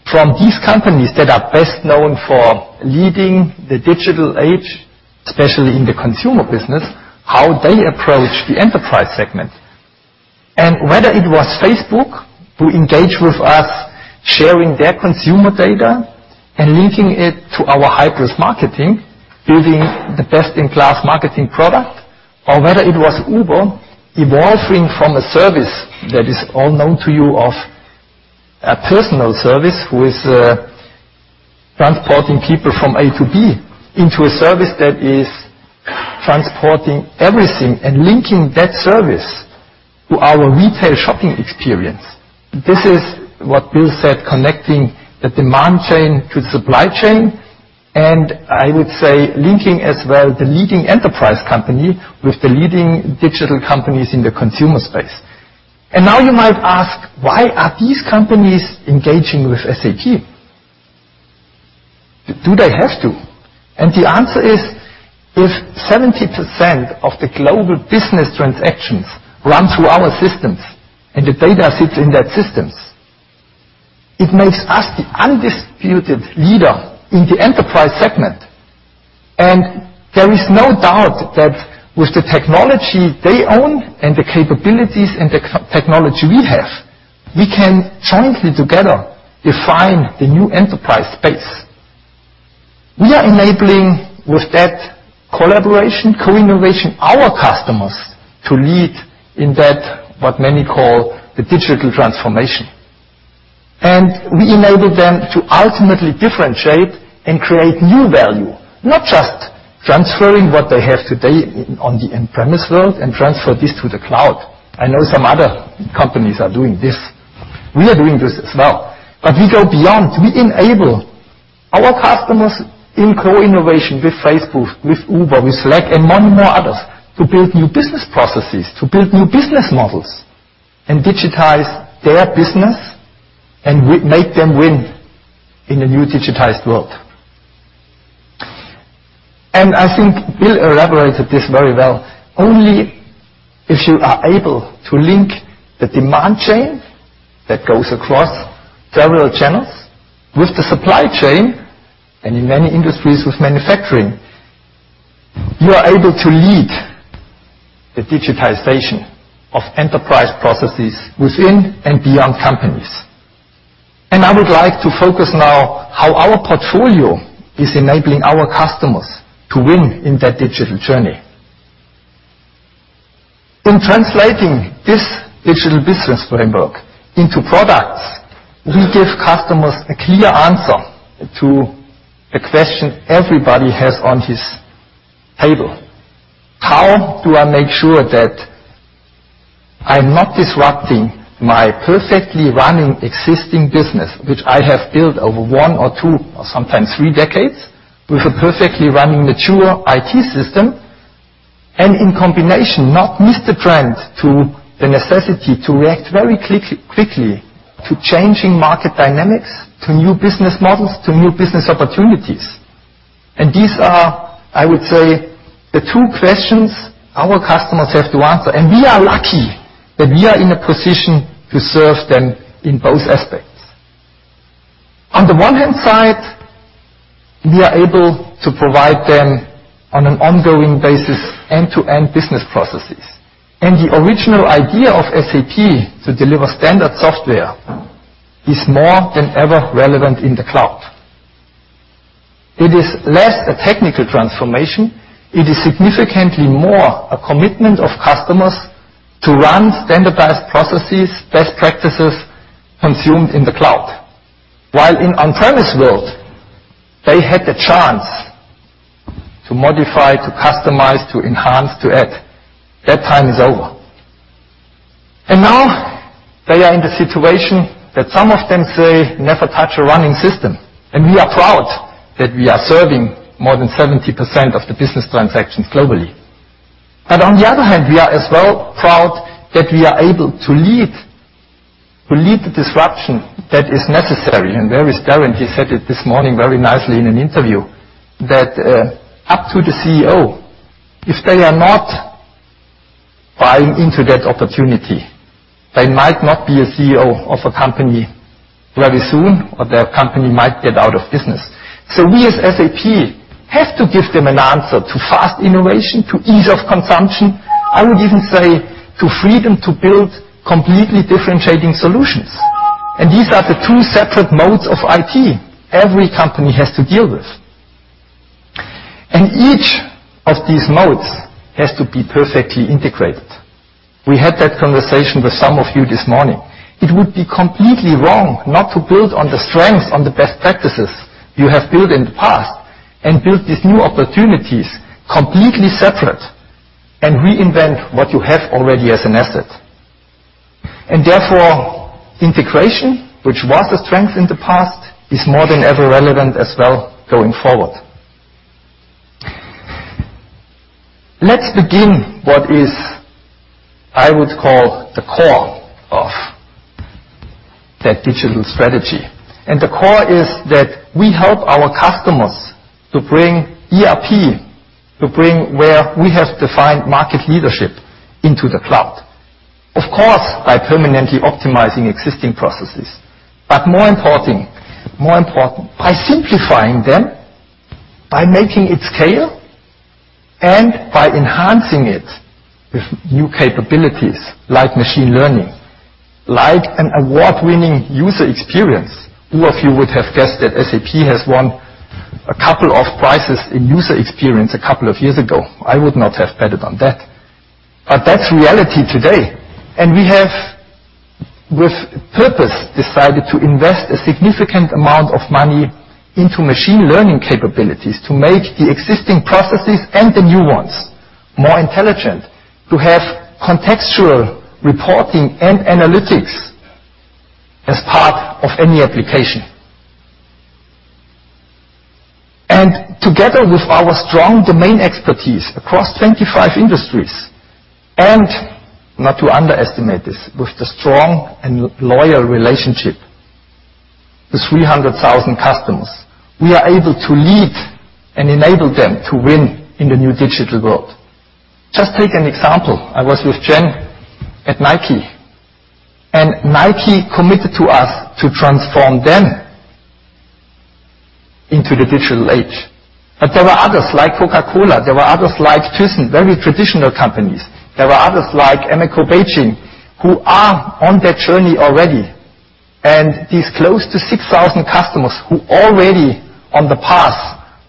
from these companies that are best known for leading the digital age, especially in the consumer business, how they approach the enterprise segment. Facebook, who engaged with us, sharing their consumer data and linking it to our SAP Hybris Marketing, building the best-in-class marketing product, or whether it was Uber evolving from a service that is all known to you of a personal service, who is transporting people from A to B, into a service that is transporting everything and linking that service to our retail shopping experience. This is what Bill said, connecting the demand chain to the supply chain, linking as well the leading enterprise company with the leading digital companies in the consumer space. Now you might ask, why are these companies engaging with SAP? Do they have to? The answer is, if 70% of the global business transactions run through our systems and the data sits in that systems, it makes us the undisputed leader in the enterprise segment. There is no doubt that with the technology they own and the capabilities and the technology we have, we can jointly, together, define the new enterprise space. We are enabling, with that collaboration, co-innovation, our customers to lead in that what many call the digital transformation. We enable them to ultimately differentiate and create new value, not just transferring what they have today on the on-premise world and transfer this to the cloud. I know some other companies are doing this. We are doing this as well. We go beyond. We enable our customers in co-innovation with Facebook, with Uber, with Slack, and many more others, to build new business processes, to build new business models, and digitize their business and make them win in the new digitized world. I think Bill elaborated this very well. Only if you are able to link the demand chain that goes across several channels with the supply chain, and in many industries with manufacturing, you are able to lead the digitization of enterprise processes within and beyond companies. I would like to focus now how our portfolio is enabling our customers to win in that digital journey. In translating this digital business framework into products, we give customers a clear answer to the question everybody has on his table. How do I make sure that I'm not disrupting my perfectly running existing business, which I have built over one or two, or sometimes three decades, with a perfectly running mature IT system, and in combination, not miss the trend to the necessity to react very quickly to changing market dynamics, to new business models, to new business opportunities? These are, I would say, the two questions our customers have to answer. We are lucky that we are in a position to serve them in both aspects. On the one hand side, we are able to provide them on an ongoing basis end-to-end business processes. The original idea of SAP to deliver standard software is more than ever relevant in the cloud. It is less a technical transformation. It is significantly more a commitment of customers to run standardized processes, best practices consumed in the cloud. While in on-premise world, they had the chance to modify, to customize, to enhance, to add. That time is over. Now they are in the situation that some of them say, "Never touch a running system." We are proud that we are serving more than 70% of the business transactions globally. On the other hand, we are as well proud that we are able to lead the disruption that is necessary. There is Darren, he said it this morning very nicely in an interview, that up to the CEO, if they are not buying into that opportunity, they might not be a CEO of a company very soon, or their company might get out of business. We as SAP have to give them an answer to fast innovation, to ease of consumption, I would even say, to freedom to build completely differentiating solutions. These are the two separate modes of IT every company has to deal with. Each of these modes has to be perfectly integrated. We had that conversation with some of you this morning. It would be completely wrong not to build on the strengths, on the best practices you have built in the past, and build these new opportunities completely separate and reinvent what you have already as an asset. Therefore, integration, which was a strength in the past, is more than ever relevant as well going forward. Let's begin what is, I would call, the core of that digital strategy. The core is that we help our customers to bring ERP, to bring where we have defined market leadership into the cloud. Of course, by permanently optimizing existing processes. More important, by simplifying them, by making it scale, and by enhancing it with new capabilities like machine learning, like an award-winning user experience. Who of you would have guessed that SAP has won a couple of prizes in user experience a couple of years ago? I would not have betted on that. That's reality today. We have, with purpose, decided to invest a significant amount of money into machine learning capabilities to make the existing processes and the new ones more intelligent, to have contextual reporting and analytics as part of any application. Together with our strong domain expertise across 25 industries, and not to underestimate this, with the strong and loyal relationship with 300,000 customers, we are able to lead and enable them to win in the new digital world. Just take an example. I was with Jen at Nike. Nike committed to us to transform them into the digital age. There were others like Coca-Cola. There were others like Tyson, very traditional companies. There were others like Ameco Beijing who are on that journey already. These close to 6,000 customers who already on the path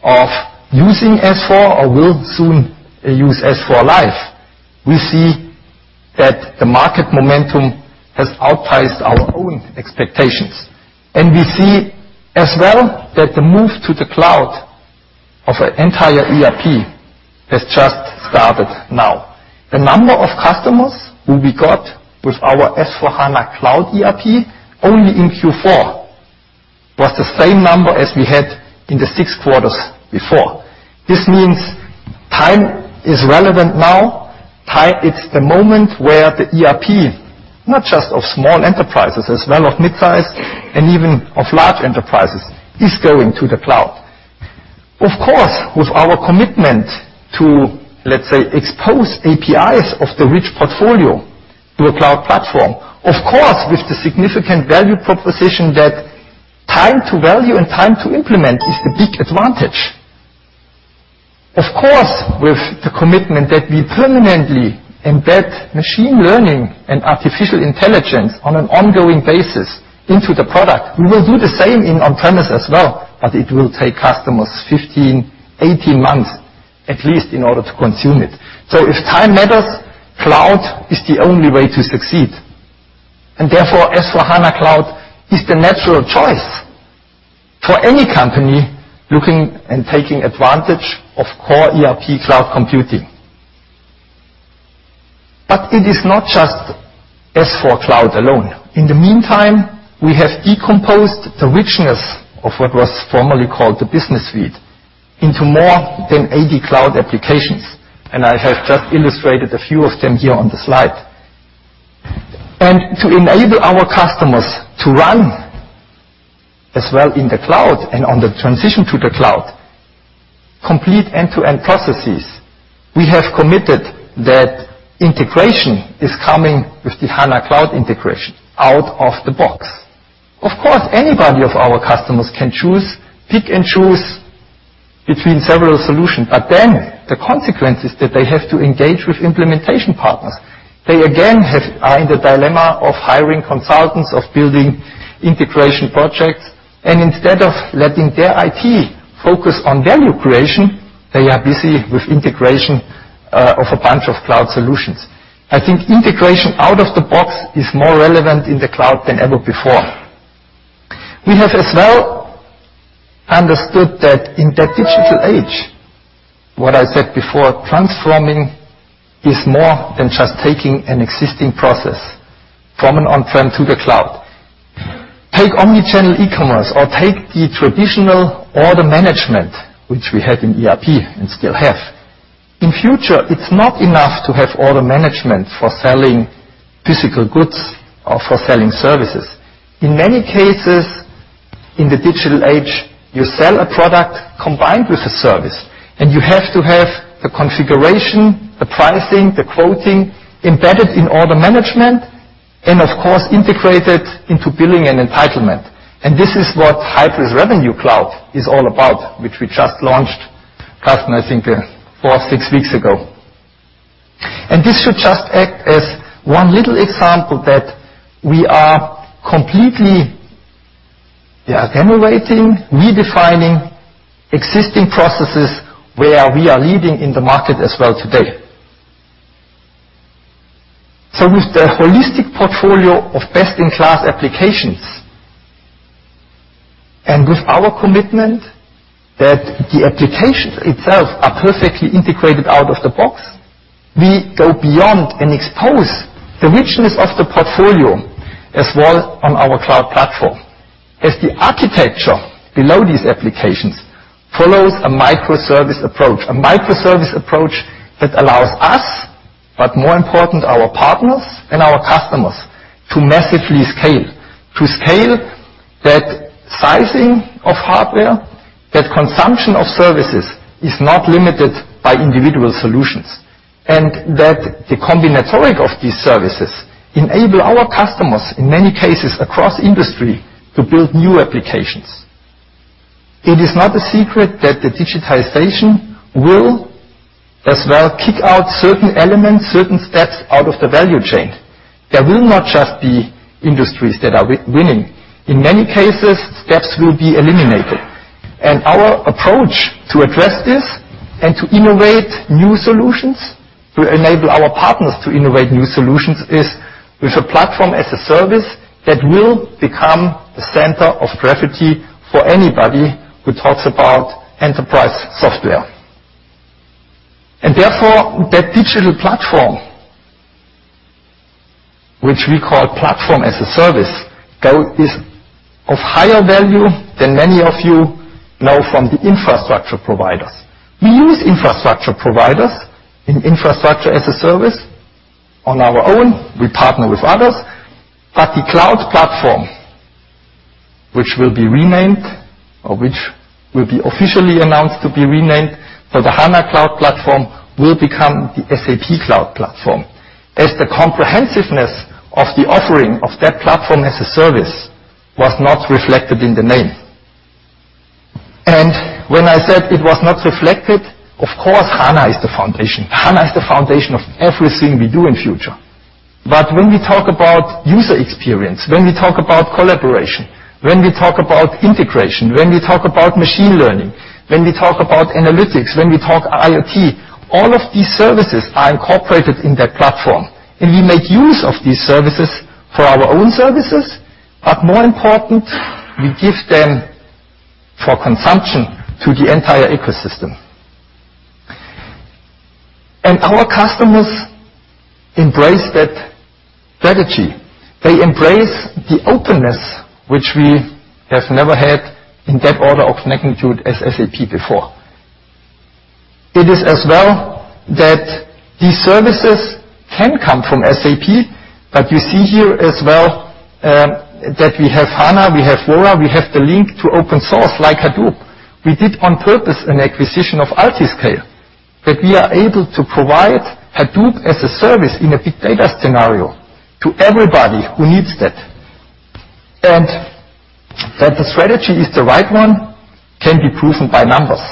of using S/4 or will soon use S/4 Live, we see that the market momentum has outpaced our own expectations. We see as well that the move to the cloud of an entire ERP has just started now. The number of customers who we got with our S/4HANA Cloud ERP only in Q4 was the same number as we had in the six quarters before. This means time is relevant now. Time, it's the moment where the ERP, not just of small enterprises, as well of midsize and even of large enterprises, is going to the cloud. Of course, with our commitment to, let's say, expose APIs of the rich portfolio to a cloud platform. Of course, with the significant value proposition that Time to value and time to implement is the big advantage. With the commitment that we permanently embed machine learning and artificial intelligence on an ongoing basis into the product. We will do the same in on-premise as well, but it will take customers 15, 18 months at least in order to consume it. If time matters, cloud is the only way to succeed, and therefore, SAP S/4HANA Cloud is the natural choice for any company looking and taking advantage of core ERP cloud computing. It is not just S/4 Cloud alone. In the meantime, we have decomposed the richness of what was formerly called the business suite into more than 80 cloud applications, and I have just illustrated a few of them here on the slide. To enable our customers to run as well in the cloud and on the transition to the cloud, complete end-to-end processes, we have committed that integration is coming with the HANA Cloud Integration out of the box. Of course, anybody of our customers can pick and choose between several solutions. The consequence is that they have to engage with implementation partners. They again are in the dilemma of hiring consultants, of building integration projects, and instead of letting their IT focus on value creation, they are busy with integration of a bunch of cloud solutions. I think integration out of the box is more relevant in the cloud than ever before. We have as well understood that in that digital age, what I said before, transforming is more than just taking an existing process from an on-prem to the cloud. Take omni-channel e-commerce or take the traditional order management, which we had in ERP and still have. In future, it's not enough to have order management for selling physical goods or for selling services. In many cases, in the digital age, you sell a product combined with a service, and you have to have the configuration, the pricing, the quoting embedded in order management and, of course, integrated into billing and entitlement. This is what SAP Hybris Revenue Cloud is all about, which we just launched last, I think, four or six weeks ago. This should just act as one little example that we are completely generating, redefining existing processes where we are leading in the market as well today. With the holistic portfolio of best-in-class applications and with our commitment that the applications itself are perfectly integrated out of the box, we go beyond and expose the richness of the portfolio as well on our cloud platform. As the architecture below these applications follows a microservice approach, a microservice approach that allows us, but more important, our partners and our customers to massively scale. To scale that sizing of hardware, that consumption of services is not limited by individual solutions, and that the combinatorics of these services enable our customers, in many cases across industry, to build new applications. It is not a secret that the digitalization will as well kick out certain elements, certain steps out of the value chain. There will not just be industries that are winning. In many cases, steps will be eliminated. Our approach to address this and to innovate new solutions, to enable our partners to innovate new solutions is with a platform-as-a-service that will become the center of gravity for anybody who talks about enterprise software. Therefore, that digital platform, which we call platform-as-a-service, is of higher value than many of you know from the infrastructure providers. We use infrastructure providers in infrastructure as a service on our own. We partner with others. The cloud platform, which will be renamed or which will be officially announced to be renamed for the SAP HANA Cloud Platform, will become the SAP Cloud Platform, as the comprehensiveness of the offering of that platform as a service was not reflected in the name. When I said it was not reflected, of course, SAP HANA is the foundation. SAP HANA is the foundation of everything we do in future. When we talk about user experience, when we talk about collaboration, when we talk about integration, when we talk about machine learning, when we talk about analytics, when we talk IoT, all of these services are incorporated in that platform. We make use of these services for our own services, more important, we give them for consumption to the entire ecosystem. Our customers embrace that strategy. They embrace the openness, which we have never had in that order of magnitude as SAP before. It is as well that these services can come from SAP, you see here as well that we have SAP HANA, we have Vora, we have the link to open source like Hadoop. We did on purpose an acquisition of Altiscale that we are able to provide Hadoop as a service in a big data scenario to everybody who needs that. That the strategy is the right one can be proven by numbers.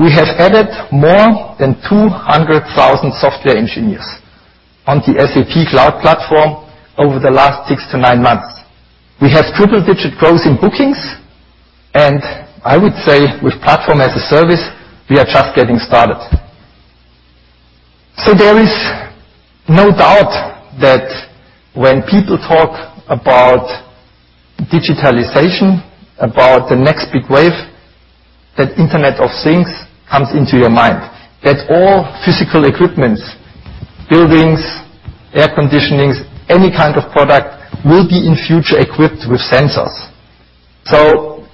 We have added more than 200,000 software engineers on the SAP Cloud Platform over the last six to nine months. We have triple-digit growth in bookings, I would say with platform-as-a-service, we are just getting started. There is no doubt that when people talk about digitalization, about the next big wave, that Internet of Things comes into your mind. That all physical equipment, buildings, air conditionings, any kind of product will be in future equipped with sensors.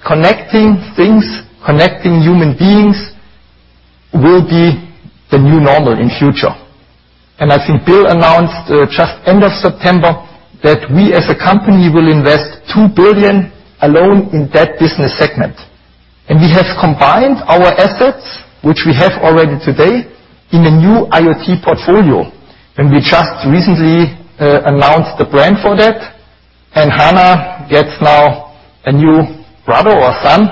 Connecting things, connecting human beings will be the new normal in future. I think Bill announced just end of September that we as a company will invest 2 billion alone in that business segment. We have combined our assets, which we have already today, in a new IoT portfolio. We just recently announced the brand for that, SAP HANA gets now a new brother or son,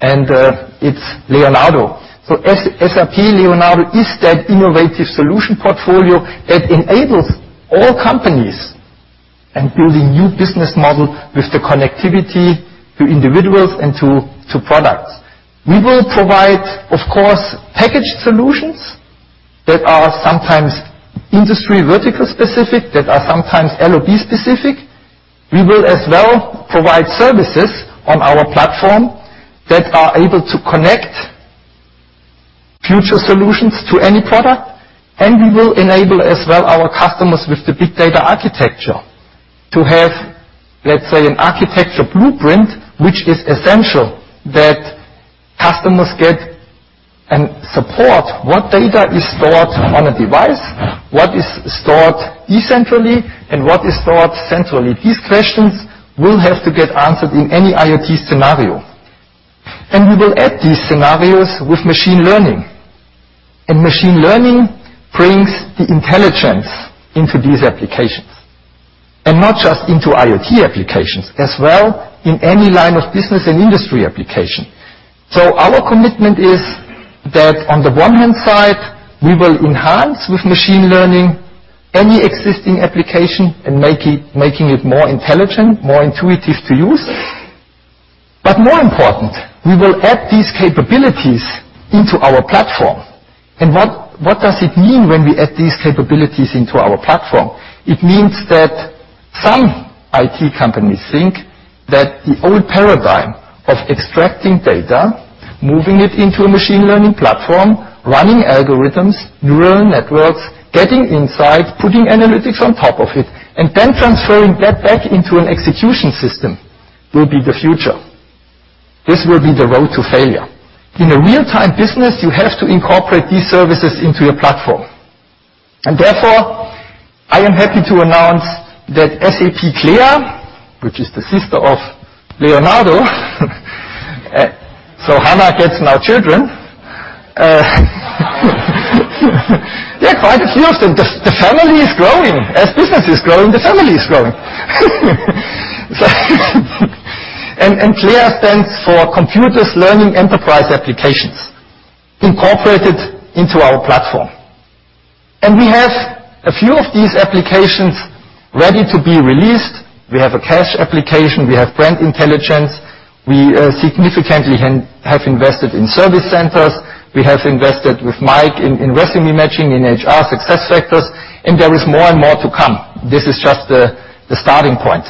it is Leonardo. SAP Leonardo is that innovative solution portfolio that enables all companies in building new business model with the connectivity to individuals and to products. We will provide, of course, packaged solutions that are sometimes industry vertical specific, that are sometimes LOB-specific. We will as well provide services on our platform that are able to connect future solutions to any product. We will enable as well our customers with the big data architecture to have, let's say, an architecture blueprint, which is essential that customers get and support what data is stored on a device, what is stored locally, and what is stored centrally. These questions will have to get answered in any IoT scenario. We will add these scenarios with machine learning. Machine learning brings the intelligence into these applications. Not just into IoT applications, as well in any line of business and industry application. Our commitment is that on the one hand side, we will enhance with machine learning any existing application and making it more intelligent, more intuitive to use. More important, we will add these capabilities into our platform. What does it mean when we add these capabilities into our platform? It means that some IT companies think that the old paradigm of extracting data, moving it into a machine learning platform, running algorithms, neural networks, getting insight, putting analytics on top of it, then transferring that back into an execution system will be the future. This will be the road to failure. In a real-time business, you have to incorporate these services into your platform. Therefore, I am happy to announce that SAP Clea, which is the sister of Leonardo so HANA gets now children. Yeah, quite a few of them. The family is growing. As business is growing, the family is growing. Clea stands for Computers Learning Enterprise Applications, incorporated into our platform. We have a few of these applications ready to be released. We have a cash application. We have brand intelligence. We significantly have invested in service centers. We have invested with Mike in resume matching, in SAP SuccessFactors, there is more and more to come. This is just the starting point.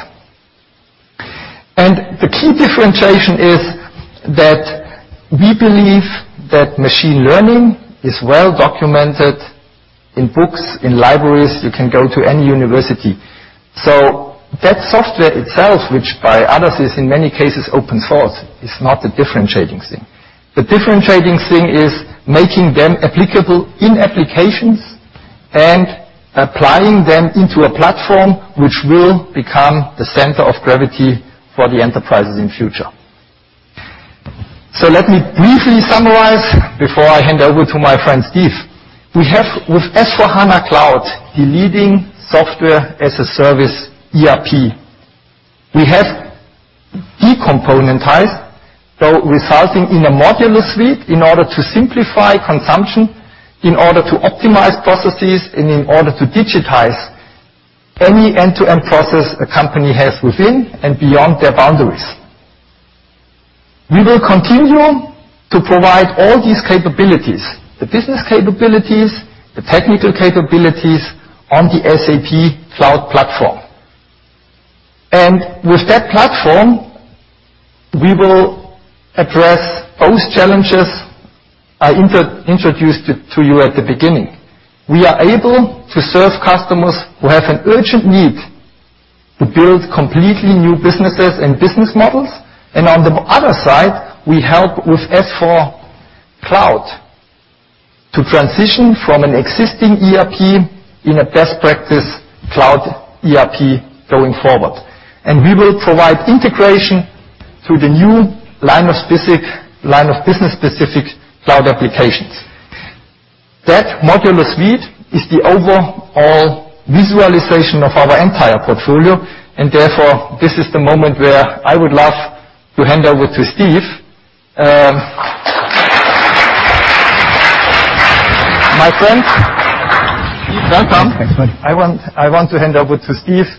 The key differentiation is that we believe that machine learning is well documented in books, in libraries. You can go to any university. That software itself, which by others is in many cases open source, is not the differentiating thing. The differentiating thing is making them applicable in applications and applying them into a platform, which will become the center of gravity for the enterprises in future. Let me briefly summarize before I hand over to my friend, Steve. We have with SAP S/4HANA Cloud, the leading software-as-a-service ERP. We have de-componentized, resulting in a modular suite in order to simplify consumption, in order to optimize processes, and in order to digitize any end-to-end process a company has within and beyond their boundaries. We will continue to provide all these capabilities, the business capabilities, the technical capabilities on the SAP Cloud Platform. With that platform, we will address both challenges I introduced it to you at the beginning. We are able to serve customers who have an urgent need to build completely new businesses and business models. On the other side, we help with S/4 Cloud to transition from an existing ERP in a best practice cloud ERP going forward. We will provide integration Through the new line of business-specific cloud applications. That modular suite is the overall visualization of our entire portfolio, therefore, this is the moment where I would love to hand over to Steve. My friend. Welcome. Thanks, man. I want to hand over to Steve,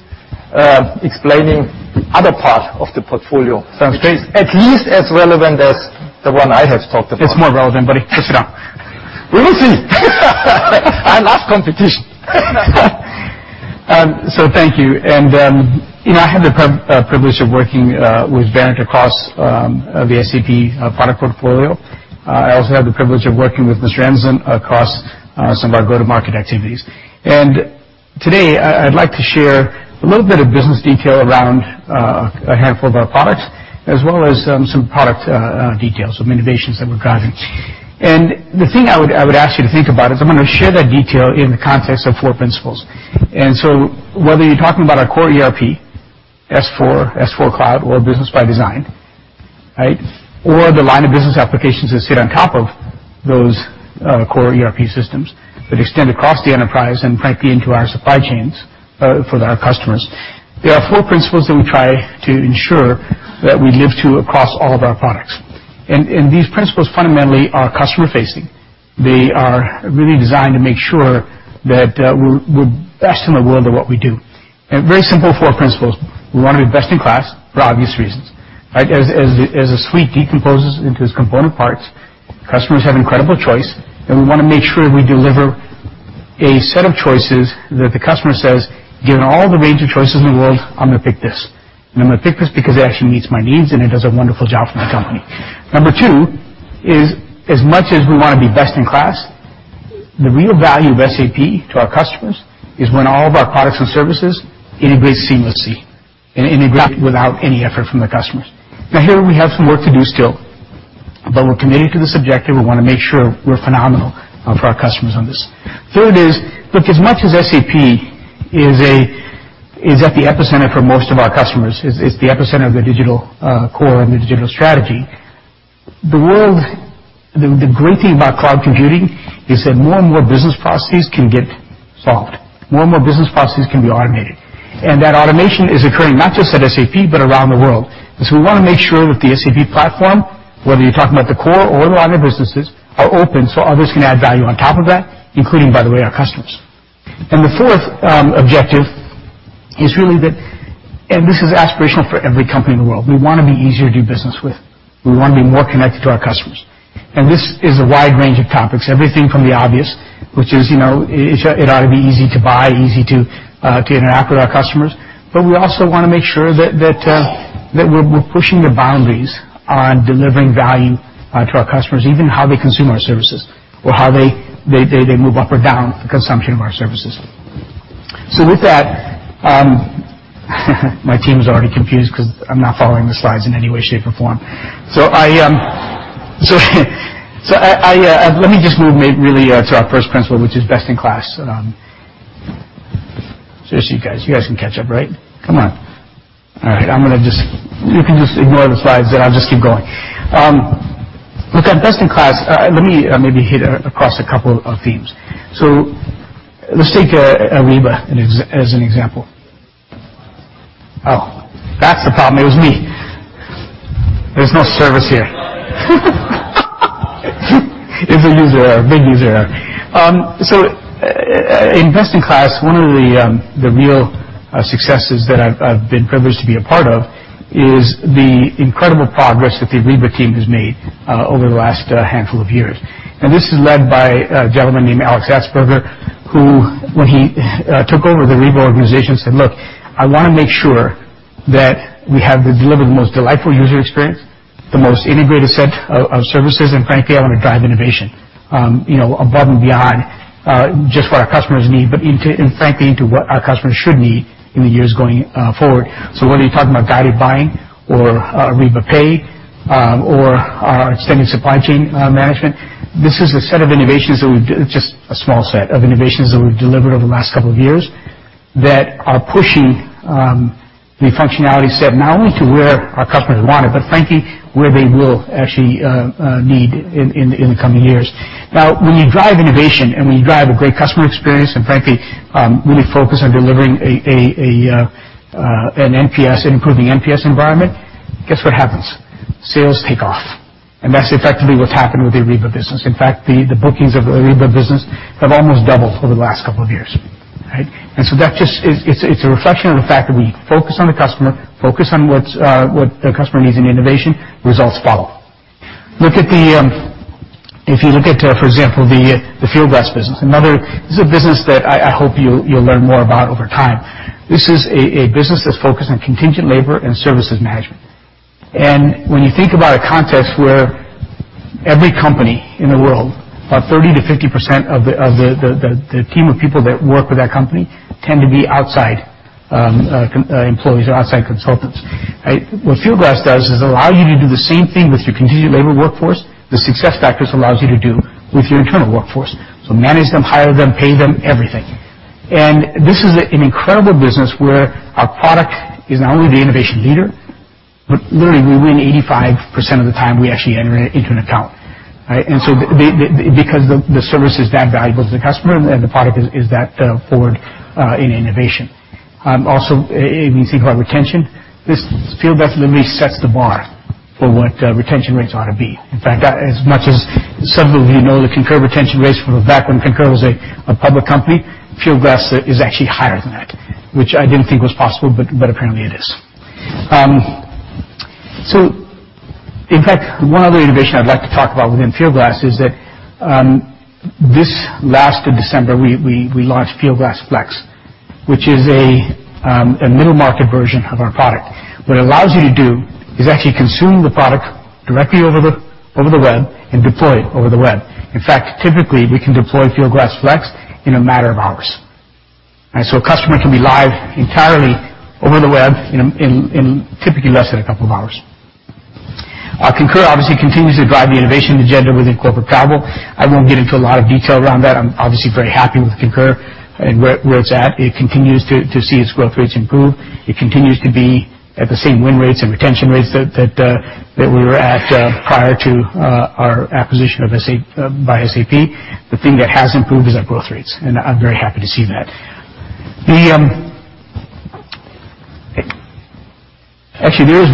explaining the other part of the portfolio. Sounds great. At least as relevant as the one I have talked about. It's more relevant, it's okay. We will see. I love competition. Thank you. I had the privilege of working with Bernd across the SAP product portfolio. I also had the privilege of working with Rob Enslin across some of our go-to-market activities. Today, I'd like to share a little bit of business detail around a handful of our products, as well as some product details, some innovations that we're driving. The thing I would ask you to think about is I'm going to share that detail in the context of four principles. Whether you're talking about our core ERP, S4, S/4 Cloud or Business ByDesign, or the line of business applications that sit on top of those core ERP systems that extend across the enterprise and frankly, into our supply chains for our customers. There are four principles that we try to ensure that we live to across all of our products. These principles fundamentally are customer-facing. They are really designed to make sure that we're best in the world at what we do. Very simple four principles. We want to be best in class for obvious reasons. As a suite decomposes into its component parts, customers have incredible choice, and we want to make sure we deliver a set of choices that the customer says, "Given all the range of choices in the world, I'm going to pick this, and I'm going to pick this because it actually meets my needs, and it does a wonderful job for my company." Number 2 is, as much as we want to be best in class, the real value of SAP to our customers is when all of our products and services integrate seamlessly and integrate without any effort from the customers. Now, here we have some work to do still, but we're committed to this objective. We want to make sure we're phenomenal for our customers on this. Third is, look, as much as SAP is at the epicenter for most of our customers, is the epicenter of their digital core and their digital strategy. The great thing about cloud computing is that more and more business processes can get solved. More and more business processes can be automated. That automation is occurring not just at SAP, but around the world. We want to make sure that the SAP platform, whether you're talking about the core or the line of businesses, are open so others can add value on top of that, including, by the way, our customers. The fourth objective is really that, and this is aspirational for every company in the world. We want to be easier to do business with. We want to be more connected to our customers. This is a wide range of topics, everything from the obvious, which is, it ought to be easy to buy, easy to interact with our customers. We also want to make sure that we're pushing the boundaries on delivering value to our customers, even how they consume our services or how they move up or down the consumption of our services. With that, my team is already confused because I'm not following the slides in any way, shape, or form. Let me just move really to our first principle, which is best in class. Seriously, you guys can catch up, right? Come on. All right. You can just ignore the slides, and I'll just keep going. Look at best in class. Let me maybe hit across a couple of themes. Let's take Ariba as an example. Oh, that's the problem. It was me. There's no service here. It's a user error, big user error. In best in class, one of the real successes that I've been privileged to be a part of is the incredible progress that the Ariba team has made over the last handful of years. This is led by a gentleman named Alex Atzberger, who, when he took over the Ariba organization, said, "Look, I want to make sure that we have delivered the most delightful user experience, the most integrated set of services, and frankly, I want to drive innovation, above and beyond, just what our customers need, but frankly, into what our customers should need in the years going forward." Whether you're talking about guided buying or AribaPay, or our extended supply chain management, this is a set of innovations that we've just a small set of innovations that we've delivered over the last couple of years that are pushing the functionality set, not only to where our customers want it, but frankly, where they will actually need in the coming years. When you drive innovation and when you drive a great customer experience and frankly, really focus on delivering an NPS, an improving NPS environment, guess what happens? Sales take off. That's effectively what's happened with the Ariba business. In fact, the bookings of the Ariba business have almost doubled over the last couple of years. Right? That just is a reflection of the fact that we focus on the customer, focus on what the customer needs in innovation, results follow. If you look at, for example, the Fieldglass business. This is a business that I hope you'll learn more about over time. This is a business that's focused on contingent labor and services management. When you think about a context where every company in the world, about 30%-50% of the team of people that work with that company tend to be outside employees or outside consultants. Right? What Fieldglass does is allow you to do the same thing with your contingent labor workforce, SuccessFactors allows you to do with your internal workforce. Manage them, hire them, pay them, everything. This is an incredible business where our product is not only the innovation leader, but literally we win 85% of the time we actually enter into an account. Right? Because the service is that valuable to the customer and the product is that forward in innovation. Also, when you think about retention, Fieldglass literally sets the bar for what retention rates ought to be. In fact, as much as some of you know the Concur retention rates from back when Concur was a public company, Fieldglass is actually higher than that, which I didn't think was possible, but apparently it is. In fact, one other innovation I'd like to talk about within Fieldglass is that, this last of December, we launched Fieldglass Flex, which is a middle market version of our product. What it allows you to do is actually consume the product directly over the web and deploy it over the web. In fact, typically, we can deploy Fieldglass Flex in a matter of hours. A customer can be live entirely over the web in typically less than a couple of hours. Concur obviously continues to drive the innovation agenda within corporate travel. I won't get into a lot of detail around that. I'm obviously very happy with Concur and where it's at. It continues to see its growth rates improve. It continues to be at the same win rates and retention rates that we were at prior to our acquisition by SAP. The thing that has improved is our growth rates, and I'm very happy to see that. Actually, there's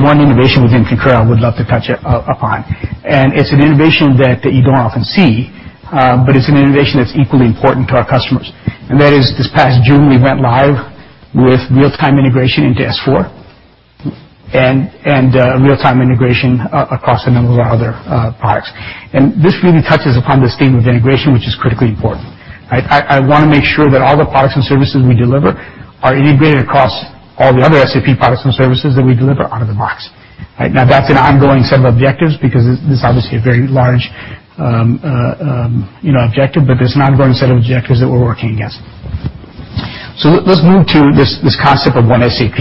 one innovation within Concur I would love to touch upon, and it's an innovation that you don't often see, but it's an innovation that's equally important to our customers. This past June, we went live with real-time integration into S/4 and real-time integration across a number of our other products. This really touches upon this theme of integration, which is critically important. Right? I want to make sure that all the products and services we deliver are integrated across all the other SAP products and services that we deliver out of the box. Right now, that's an ongoing set of objectives because this is obviously a very large objective, but it's an ongoing set of objectives that we're working against. Let's move to this concept of one SAP.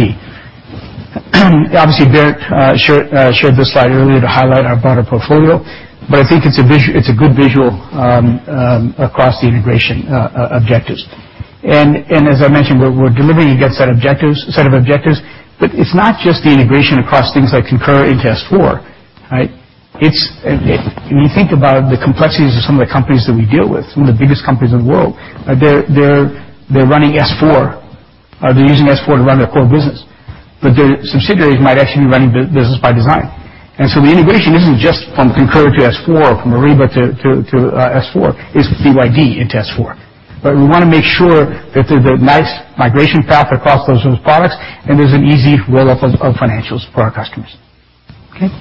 Obviously, Bernd shared this slide earlier to highlight our broader portfolio, but I think it's a good visual across the integration objectives. As I mentioned, we're delivering against that set of objectives, but it's not just the integration across things like Concur into S/4. Right? When you think about the complexities of some of the companies that we deal with, some of the biggest companies in the world, they're running S/4. They're using S/4 to run their core business. Their subsidiaries might actually be running Business ByDesign. The integration isn't just from Concur to S/4, from Ariba to S/4. It's BYD into S/4. We want to make sure that there's a nice migration path across those products, and there's an easy roll-up of financials for our customers. Okay.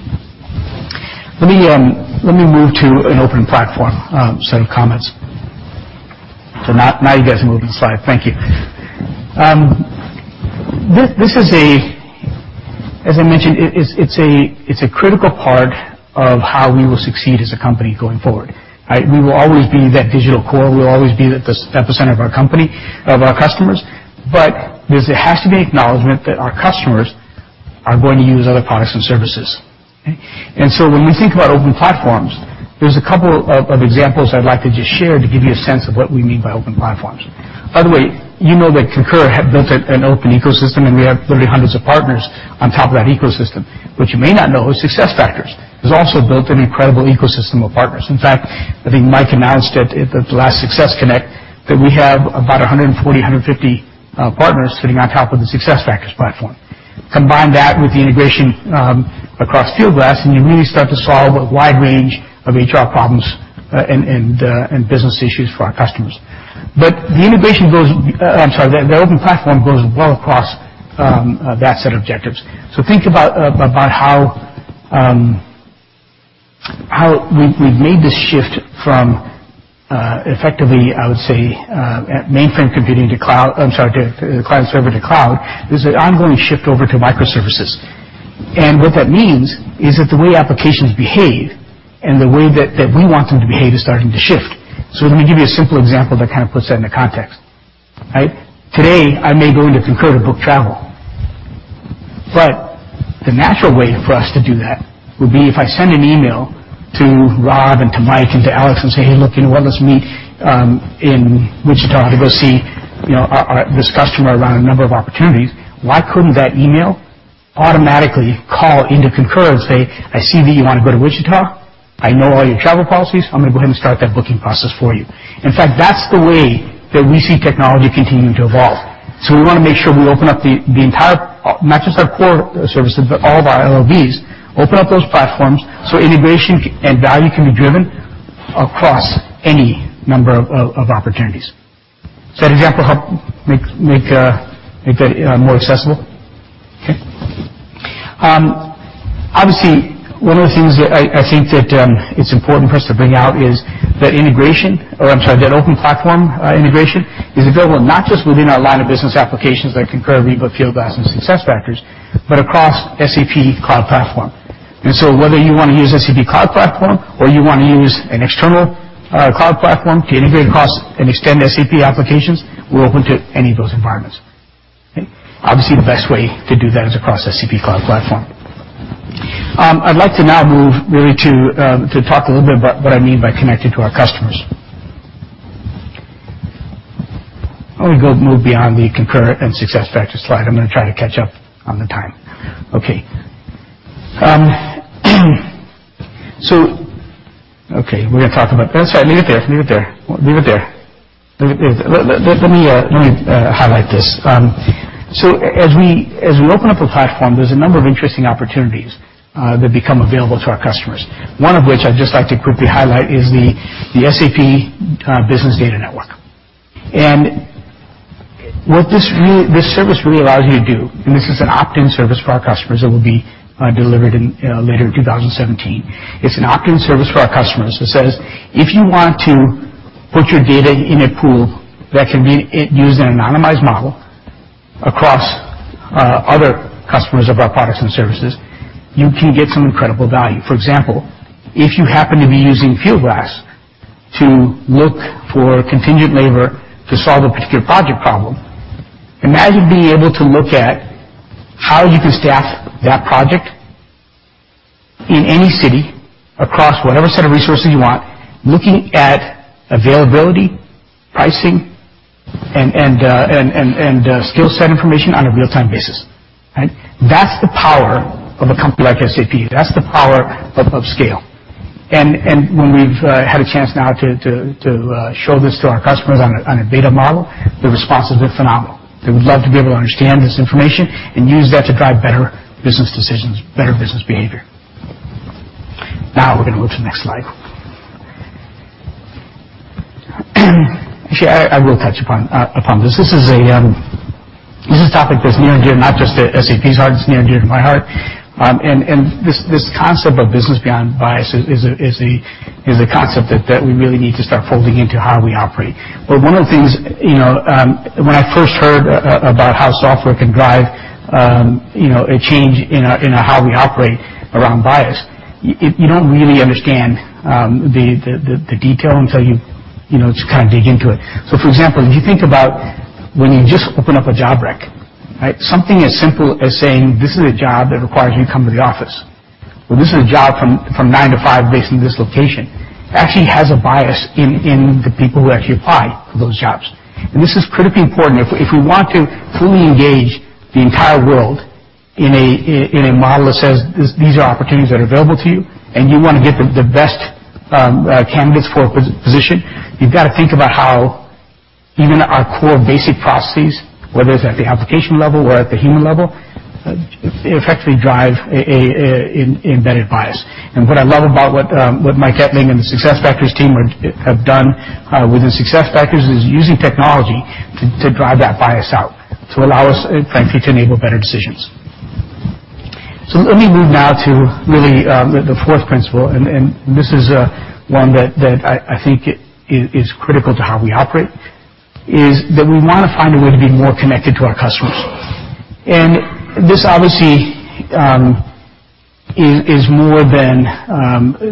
Let me move to an open platform set of comments. Now you guys are moving the slide. Thank you. As I mentioned, it's a critical part of how we will succeed as a company going forward. Right? We will always be that digital core. We'll always be at the epicenter of our company, of our customers, but there has to be an acknowledgement that our customers are going to use other products and services. Okay? When we think about open platforms, there's a couple of examples I'd like to just share to give you a sense of what we mean by open platforms. By the way, you know that Concur had built an open ecosystem, and we have literally hundreds of partners on top of that ecosystem. What you may not know is SuccessFactors has also built an incredible ecosystem of partners. In fact, I think Mike announced it at the last SuccessConnect, that we have about 140, 150 partners sitting on top of the SuccessFactors platform. Combine that with the integration across Fieldglass, and you really start to solve a wide range of HR problems and business issues for our customers. The open platform goes well across that set of objectives. Think about how we've made this shift from effectively, I would say, client-server to cloud. There's an ongoing shift over to microservices. What that means is that the way applications behave and the way that we want them to behave is starting to shift. Let me give you a simple example that kind of puts that into context. Right? Today, I may go into Concur to book travel. The natural way for us to do that would be if I send an email to Rob and to Mike and to Alex and say, "Hey, look, you know what? Let's meet in Wichita to go see this customer around a number of opportunities." Why couldn't that email automatically call into Concur and say, "I see that you want to go to Wichita. I know all your travel policies. I'm going to go ahead and start that booking process for you." In fact, that's the way that we see technology continuing to evolve. We want to make sure we open up the entire, not just our core services, but all of our LOBs, open up those platforms, so integration and value can be driven across any number of opportunities. Does that example help make that more accessible? Okay. Obviously, one of the things that I think that it's important for us to bring out is that integration, or I'm sorry, that open platform integration is available not just within our line of business applications like Concur, Ariba, Fieldglass, and SuccessFactors, but across SAP Cloud Platform. Whether you want to use SAP Cloud Platform or you want to use an external cloud platform to integrate across and extend SAP applications, we're open to any of those environments. Okay? Obviously, the best way to do that is across SAP Cloud Platform. I'd like to now move really to talk a little bit about what I mean by connecting to our customers. Why don't we go move beyond the Concur and SuccessFactors slide. I'm going to try to catch up on the time. Okay. Oh, sorry, leave it there. Let me highlight this. As we open up a platform, there's a number of interesting opportunities that become available to our customers. One of which I'd just like to quickly highlight is the SAP Business Network. What this service really allows you to do, and this is an opt-in service for our customers that will be delivered later in 2017. It's an opt-in service for our customers that says, if you want to put your data in a pool that can be used in an anonymized model across other customers of our products and services, you can get some incredible value. For example, if you happen to be using Fieldglass to look for contingent labor to solve a particular project problem, imagine being able to look at how you can staff that project in any city across whatever set of resources you want, looking at availability, pricing, and skill set information on a real-time basis. Right? That's the power of a company like SAP. That's the power of scale. When we've had a chance now to show this to our customers on a beta model, the responses were phenomenal. They would love to be able to understand this information and use that to drive better business decisions, better business behavior. Now we're going to go to the next slide. Actually, I will touch upon this. This is a topic that's near and dear, not just to SAP's heart, it's near and dear to my heart. This concept of business beyond bias is a concept that we really need to start folding into how we operate. One of the things, when I first heard about how software can drive a change in how we operate around bias, you don't really understand the detail until you just kind of dig into it. For example, if you think about when you just open up a job req, right? Something as simple as saying, "This is a job that requires you to come to the office. This is a job from nine to five based in this location," actually has a bias in the people who actually apply for those jobs. This is critically important. If we want to fully engage the entire world in a model that says, "These are opportunities that are available to you," and you want to get the best candidates for a position, you've got to think about how even our core basic processes, whether it's at the application level or at the human level, effectively drive an embedded bias. What I love about what Mike Ettling and the SuccessFactors team have done with the SuccessFactors is using technology to drive that bias out, to allow us, frankly, to enable better decisions. Let me move now to really the fourth principle, this is one that I think is critical to how we operate, is that we want to find a way to be more connected to our customers. This obviously, is more than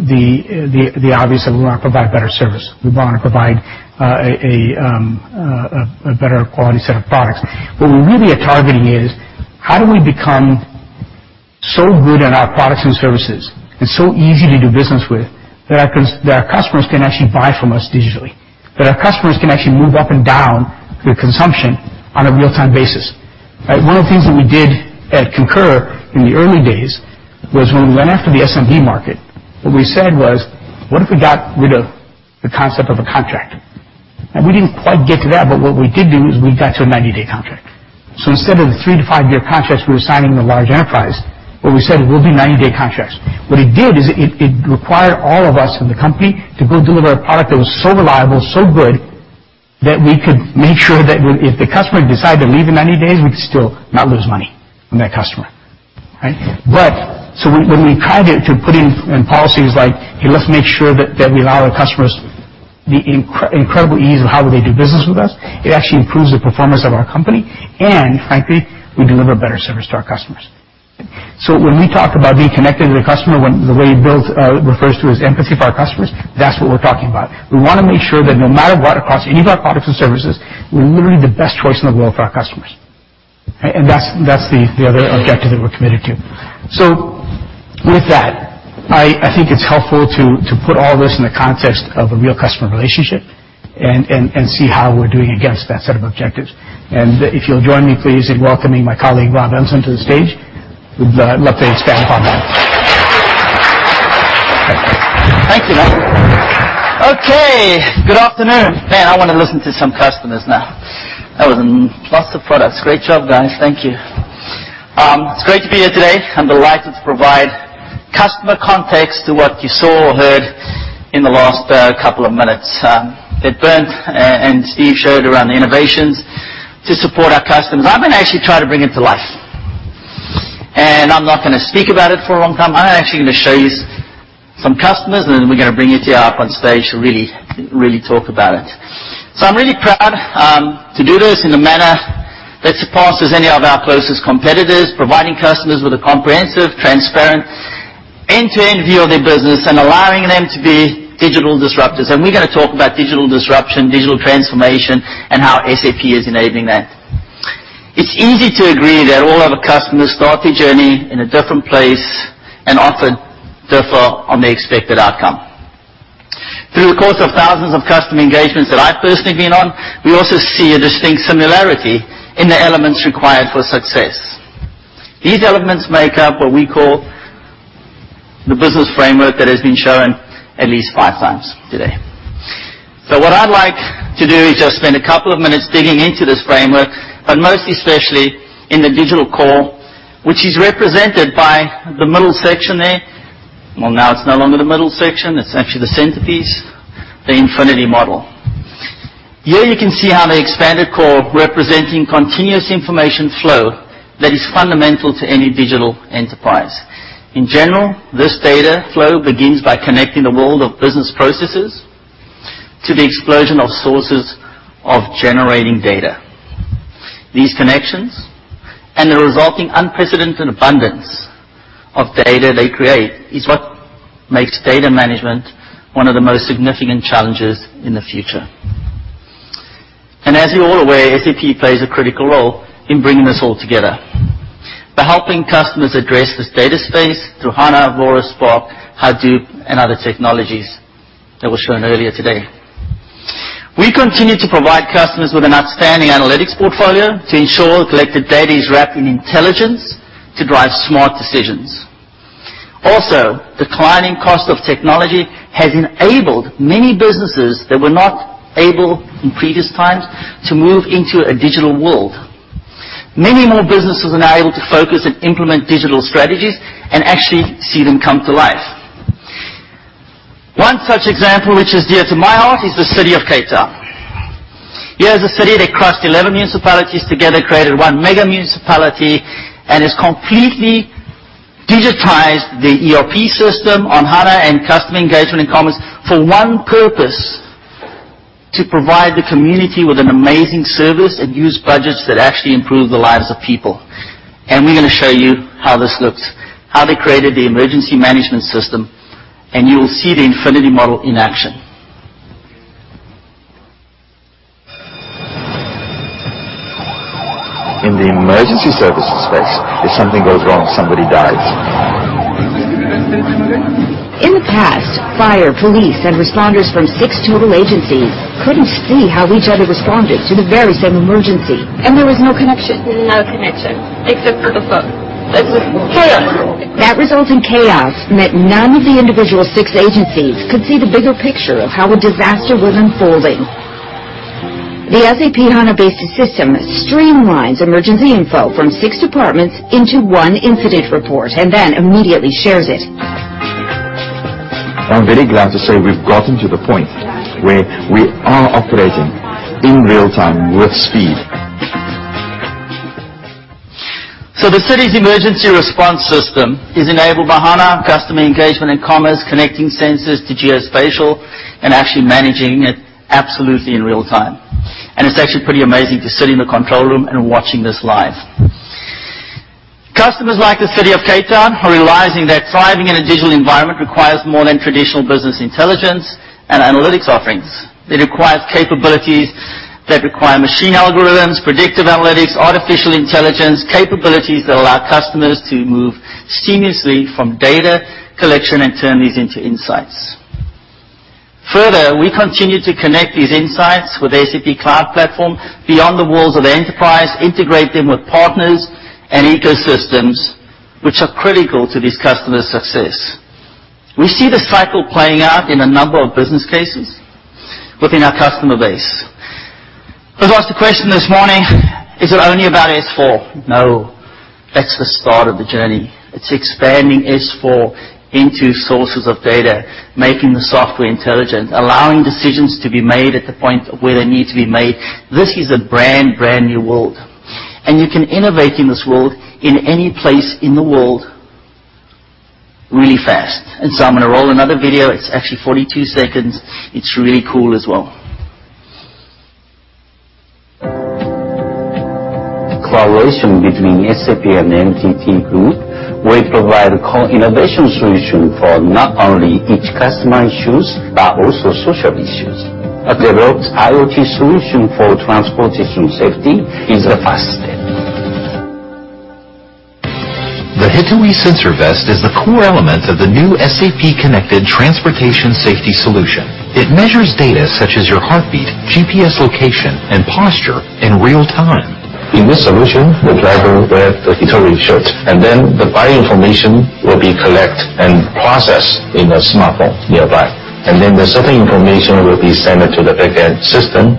the obvious, that we want to provide better service. We want to provide a better quality set of products. What we're really targeting is, how do we become so good at our products and services, and so easy to do business with that our customers can actually buy from us digitally, that our customers can actually move up and down their consumption on a real-time basis, right? One of the things that we did at Concur in the early days was when we went after the SMB market, what we said was, "What if we got rid of the concept of a contract?" We didn't quite get to that, but what we did do is we got to a 90-day contract. Instead of the three- to five-year contracts we were signing with large enterprise, what we said, "We'll do 90-day contracts." What it did is it required all of us in the company to go deliver a product that was so reliable, so good, that we could make sure that if the customer decided to leave in 90 days, we'd still not lose money on that customer. Right? When we tried to put in policies like, "Hey, let's make sure that we allow our customers the incredible ease of how would they do business with us," it actually improves the performance of our company, frankly, we deliver better service to our customers. When we talk about being connected to the customer, when the way Bill refers to as empathy for our customers, that's what we're talking about. We want to make sure that no matter what, across any of our products and services, we're literally the best choice in the world for our customers. That's the other objective that we're committed to. With that, I think it's helpful to put all this in the context of a real customer relationship and see how we're doing against that set of objectives. If you'll join me, please, in welcoming my colleague, Rob Enslin, to the stage, who'd love to expand upon that. Thank you. Okay, good afternoon. Man, I want to listen to some customers now. That was lots of products. Great job, guys. Thank you. It's great to be here today. I'm delighted to provide customer context to what you saw or heard in the last couple of minutes. They've learned, Steve showed around the innovations to support our customers. I'm actually going to try to bring it to life. I'm not going to speak about it for a long time. I'm actually going to show you some customers, then we're going to bring you here up on stage to really talk about it. I'm really proud to do this in a manner that surpasses any of our closest competitors, providing customers with a comprehensive, transparent, end-to-end view of their business and allowing them to be digital disruptors. We're going to talk about digital disruption, digital transformation, and how SAP is enabling that. It's easy to agree that all of our customers start their journey in a different place and often differ on the expected outcome. Through the course of thousands of customer engagements that I've personally been on, we also see a distinct similarity in the elements required for success. These elements make up what we call the business framework that has been shown at least five times today. What I'd like to do is just spend a couple of minutes digging into this framework, but most especially in the digital core, which is represented by the middle section there. Well, now it's no longer the middle section, it's actually the centerpiece, the infinity model. Here you can see how they expand a core representing continuous information flow that is fundamental to any digital enterprise. In general, this data flow begins by connecting the world of business processes to the explosion of sources of generating data. These connections and the resulting unprecedented abundance of data they create is what makes data management one of the most significant challenges in the future. As you're all aware, SAP plays a critical role in bringing this all together. By helping customers address this data space through SAP HANA, Apache Spark, Hadoop, and other technologies that were shown earlier today. We continue to provide customers with an outstanding analytics portfolio to ensure collected data is wrapped in intelligence to drive smart decisions. Also, declining cost of technology has enabled many businesses that were not able in previous times to move into a digital world. Many more businesses are now able to focus and implement digital strategies and actually see them come to life. One such example, which is dear to my heart, is the City of Cape Town. Here is a city that crossed 11 municipalities together, created one mega municipality, and has completely digitized the ERP system on HANA and customer engagement and commerce for one purpose: to provide the community with an amazing service and use budgets that actually improve the lives of people. We're going to show you how this looks, how they created the emergency management system, and you will see the infinity model in action. In the emergency services space, if something goes wrong, somebody dies. In the past, fire, police, and responders from six total agencies couldn't see how each other responded to the very same emergency, and there was no connection. No connection except for the phone. It's chaos. That resulting chaos meant none of the individual six agencies could see the bigger picture of how a disaster was unfolding. The SAP HANA-based system streamlines emergency info from six departments into one incident report, and then immediately shares it. I'm very glad to say we've gotten to the point where we are operating in real time with speed. The city's emergency response system is enabled by HANA, customer engagement and commerce, connecting sensors to geospatial and actually managing it absolutely in real time. It's actually pretty amazing to sit in the control room and watching this live. Customers like the City of Cape Town are realizing that thriving in a digital environment requires more than traditional business intelligence and analytics offerings. It requires capabilities that require machine algorithms, predictive analytics, artificial intelligence, capabilities that allow customers to move seamlessly from data collection and turn these into insights. Further, we continue to connect these insights with SAP Cloud Platform beyond the walls of the enterprise, integrate them with partners and ecosystems which are critical to this customer's success. We see this cycle playing out in a number of business cases within our customer base. I was asked a question this morning, "Is it only about S/4?" No, that's the start of the journey. It's expanding S/4 into sources of data, making the software intelligent, allowing decisions to be made at the point where they need to be made. This is a brand new world, and you can innovate in this world in any place in the world really fast. I'm going to roll another video. It's actually 42 seconds. It's really cool as well. The collaboration between SAP and NTT Group, we provide co-innovation solution for not only each customer issues, but also social issues. A developed IoT solution for transportation safety is the first step. The hitoe sensor vest is the core element of the new SAP Connected Transportation Safety solution. It measures data such as your heartbeat, GPS location, and posture in real time. In this solution, the driver wear the hitoe shirt, the body information will be collect and processed in a smartphone nearby. The certain information will be sent to the backend system.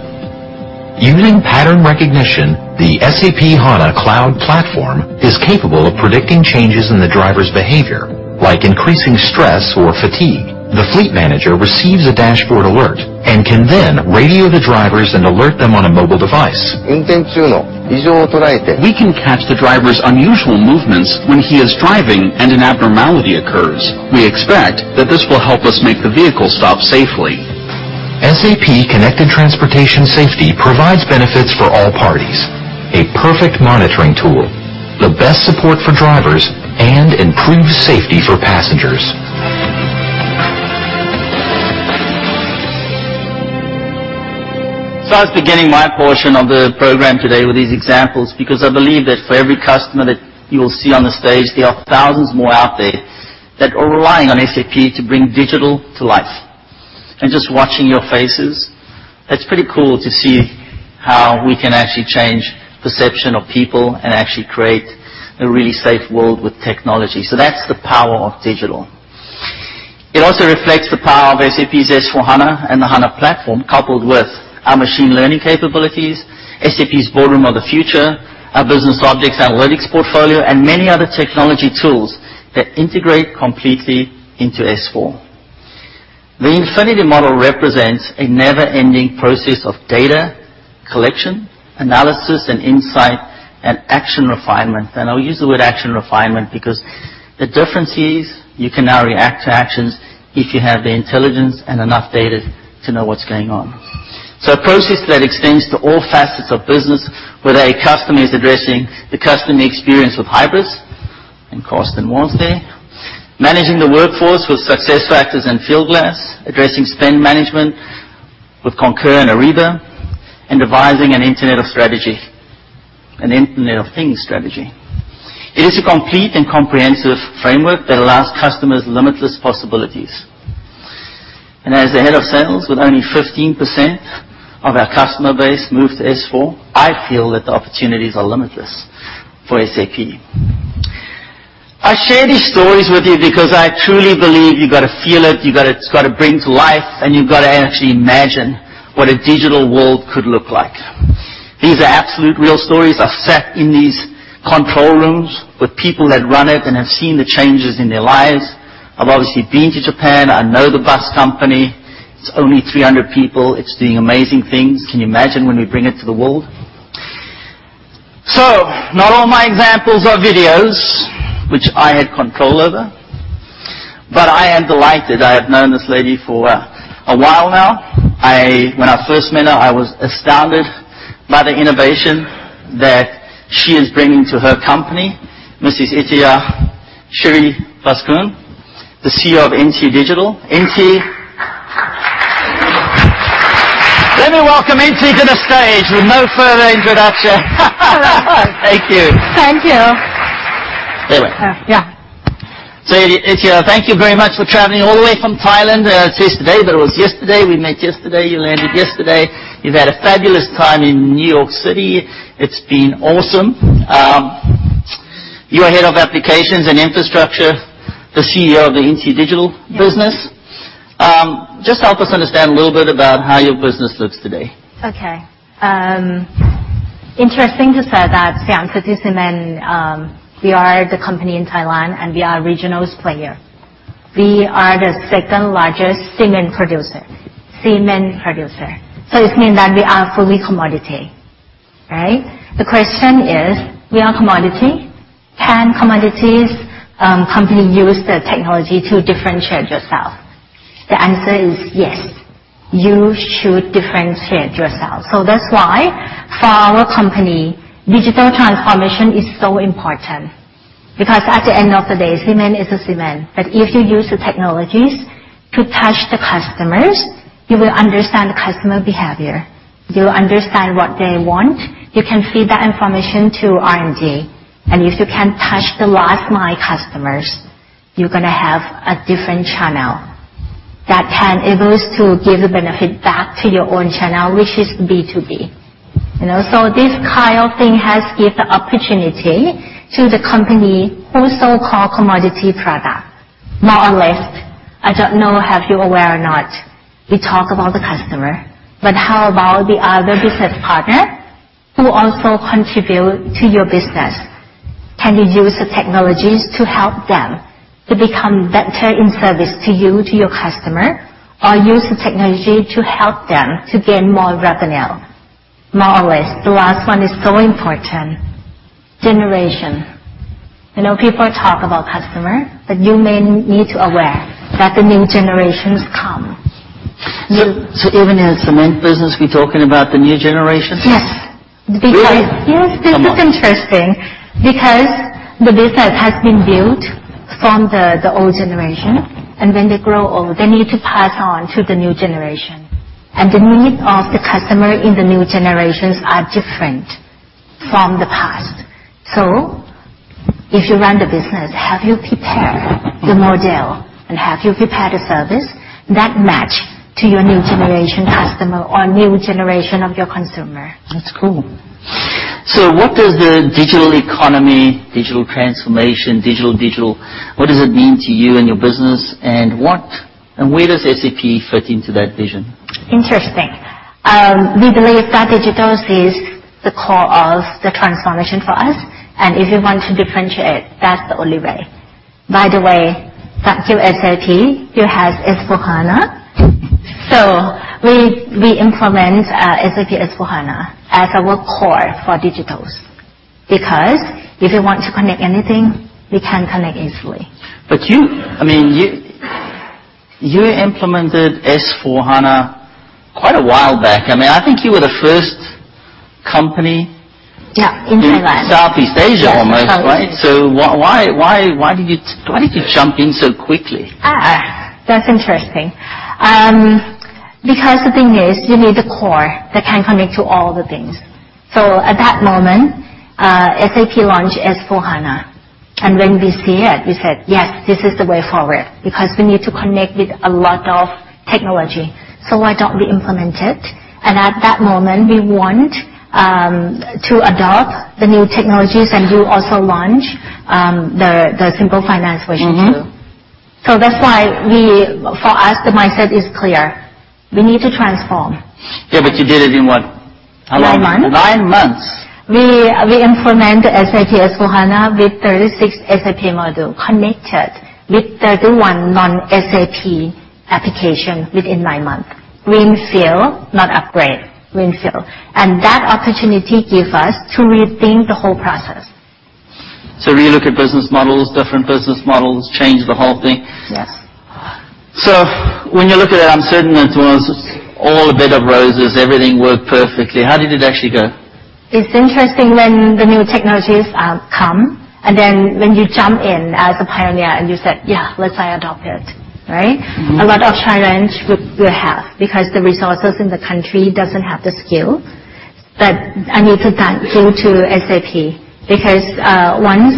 Using pattern recognition, the SAP HANA Cloud Platform is capable of predicting changes in the driver's behavior, like increasing stress or fatigue. The fleet manager receives a dashboard alert and can then radio the drivers and alert them on a mobile device. We can catch the driver's unusual movements when he is driving and an abnormality occurs. We expect that this will help us make the vehicle stop safely. SAP Connected Transportation Safety provides benefits for all parties, a perfect monitoring tool, the best support for drivers, and improved safety for passengers. I was beginning my portion of the program today with these examples, because I believe that for every customer that you will see on the stage, there are thousands more out there that are relying on SAP to bring digital to life. Just watching your faces, that's pretty cool to see how we can actually change perception of people and actually create a really safe world with technology. That's the power of digital. It also reflects the power of SAP's SAP S/4HANA and the SAP HANA platform, coupled with our machine learning capabilities, SAP's Digital Boardroom, our SAP BusinessObjects analytics portfolio, and many other technology tools that integrate completely into S/4. The infinity model represents a never-ending process of data collection, analysis and insight, and action refinement. I'll use the word action refinement because the difference is you can now react to actions if you have the intelligence and enough data to know what's going on. A process that extends to all facets of business, whether a customer is addressing the customer experience with Hybris, and Carsten Thoma was there, managing the workforce with SuccessFactors and Fieldglass, addressing spend management with Concur and Ariba, and devising an Internet of Things strategy. It is a complete and comprehensive framework that allows customers limitless possibilities. As the head of sales, with only 15% of our customer base moved to S/4, I feel that the opportunities are limitless for SAP. I share these stories with you because I truly believe you've got to feel it, you've got to bring to life, and you've got to actually imagine what a digital world could look like. These are absolute real stories. I've sat in these control rooms with people that run it and have seen the changes in their lives. I've obviously been to Japan. I know the bus company. It's only 300 people. It's doing amazing things. Can you imagine when we bring it to the world? Not all my examples are videos which I had control over, but I am delighted. I have known this lady for a while now. When I first met her, I was astounded by the innovation that she is bringing to her company. Mrs. Ittaya Sirivasukarn, the CEO of INSEE Digital. Let me welcome Ittaya to the stage with no further introduction. Thank you. Thank you. Stay there. Yeah. Ittaya, thank you very much for traveling all the way from Thailand. It's yesterday, but it was yesterday. We met yesterday. You landed yesterday. You've had a fabulous time in New York City. It's been awesome. You're head of applications and infrastructure, the CEO of the INSEE Digital business. Yes. Just help us understand a little bit about how your business looks today. Interesting to say that Siam City Cement, we are the company in Thailand, and we are regionals player. We are the second-largest cement producer. It means that we are fully commodity, right? The question is, we are commodity. Can commodities company use the technology to differentiate yourself? The answer is yes. You should differentiate yourself. That's why for our company, digital transformation is so important. Because at the end of the day, cement is a cement. But if you use the technologies to touch the customers, you will understand customer behavior. You will understand what they want. You can feed that information to R&D. If you can touch the last mile customers, you're going to have a different channel that can able us to give the benefit back to your own channel, which is B2B. This kind of thing has give the opportunity to the company who so-called commodity product. More or less, I don't know, have you aware or not, we talk about the customer, but how about the other business partner who also contribute to your business? Can we use the technologies to help them to become better in service to you, to your customer, or use the technology to help them to gain more revenue? More or less, the last one is so important. Generation. I know people talk about customer, but you may need to aware that the new generations come. Even in a cement business, we're talking about the new generation? Yes. Really? Yes. Come on. This is interesting because the business has been built from the old generation. When they grow old, they need to pass on to the new generation. The need of the customer in the new generations are different from the past. If you run the business, have you prepared the model and have you prepared a service that match to your new generation customer or new generation of your consumer? That's cool. What does the digital economy, digital transformation, digital, what does it mean to you and your business and where does SAP fit into that vision? Interesting. We believe that digitals is the core of the transformation for us, if you want to differentiate, that's the only way. By the way, thank you, SAP, you have S/4HANA. We implement SAP S/4HANA as our core for digitals. If you want to connect anything, you can connect easily. You implemented S/4HANA quite a while back. I think you were the first company Yeah. In Thailand in Southeast Asia almost, right? Yes. In Thailand. Yes. Why did you jump in so quickly? That's interesting. The thing is, you need a core that can connect to all the things. At that moment, SAP launched S/4HANA, and when we see it, we said, "Yes, this is the way forward." We need to connect with a lot of technology, so why don't we implement it? At that moment, we want to adopt the new technologies, and you also launched the Simple Finance, which you do. That's why for us, the mindset is clear. We need to transform. You did it in what? How long? Nine months. Nine months. We implement SAP S/4HANA with 36 SAP module connected with 31 non-SAP application within nine months. Greenfield, not upgrade. Greenfield. That opportunity give us to rethink the whole process. Relook at business models, different business models, change the whole thing. Yes. When you look at it, I'm certain it wasn't all a bed of roses, everything worked perfectly. How did it actually go? It's interesting when the new technologies come, and then when you jump in as a pioneer, and you say, "Yeah, let's adopt it." Right? A lot of challenge we have because the resources in the country doesn't have the skill. I need to thank you to SAP, because once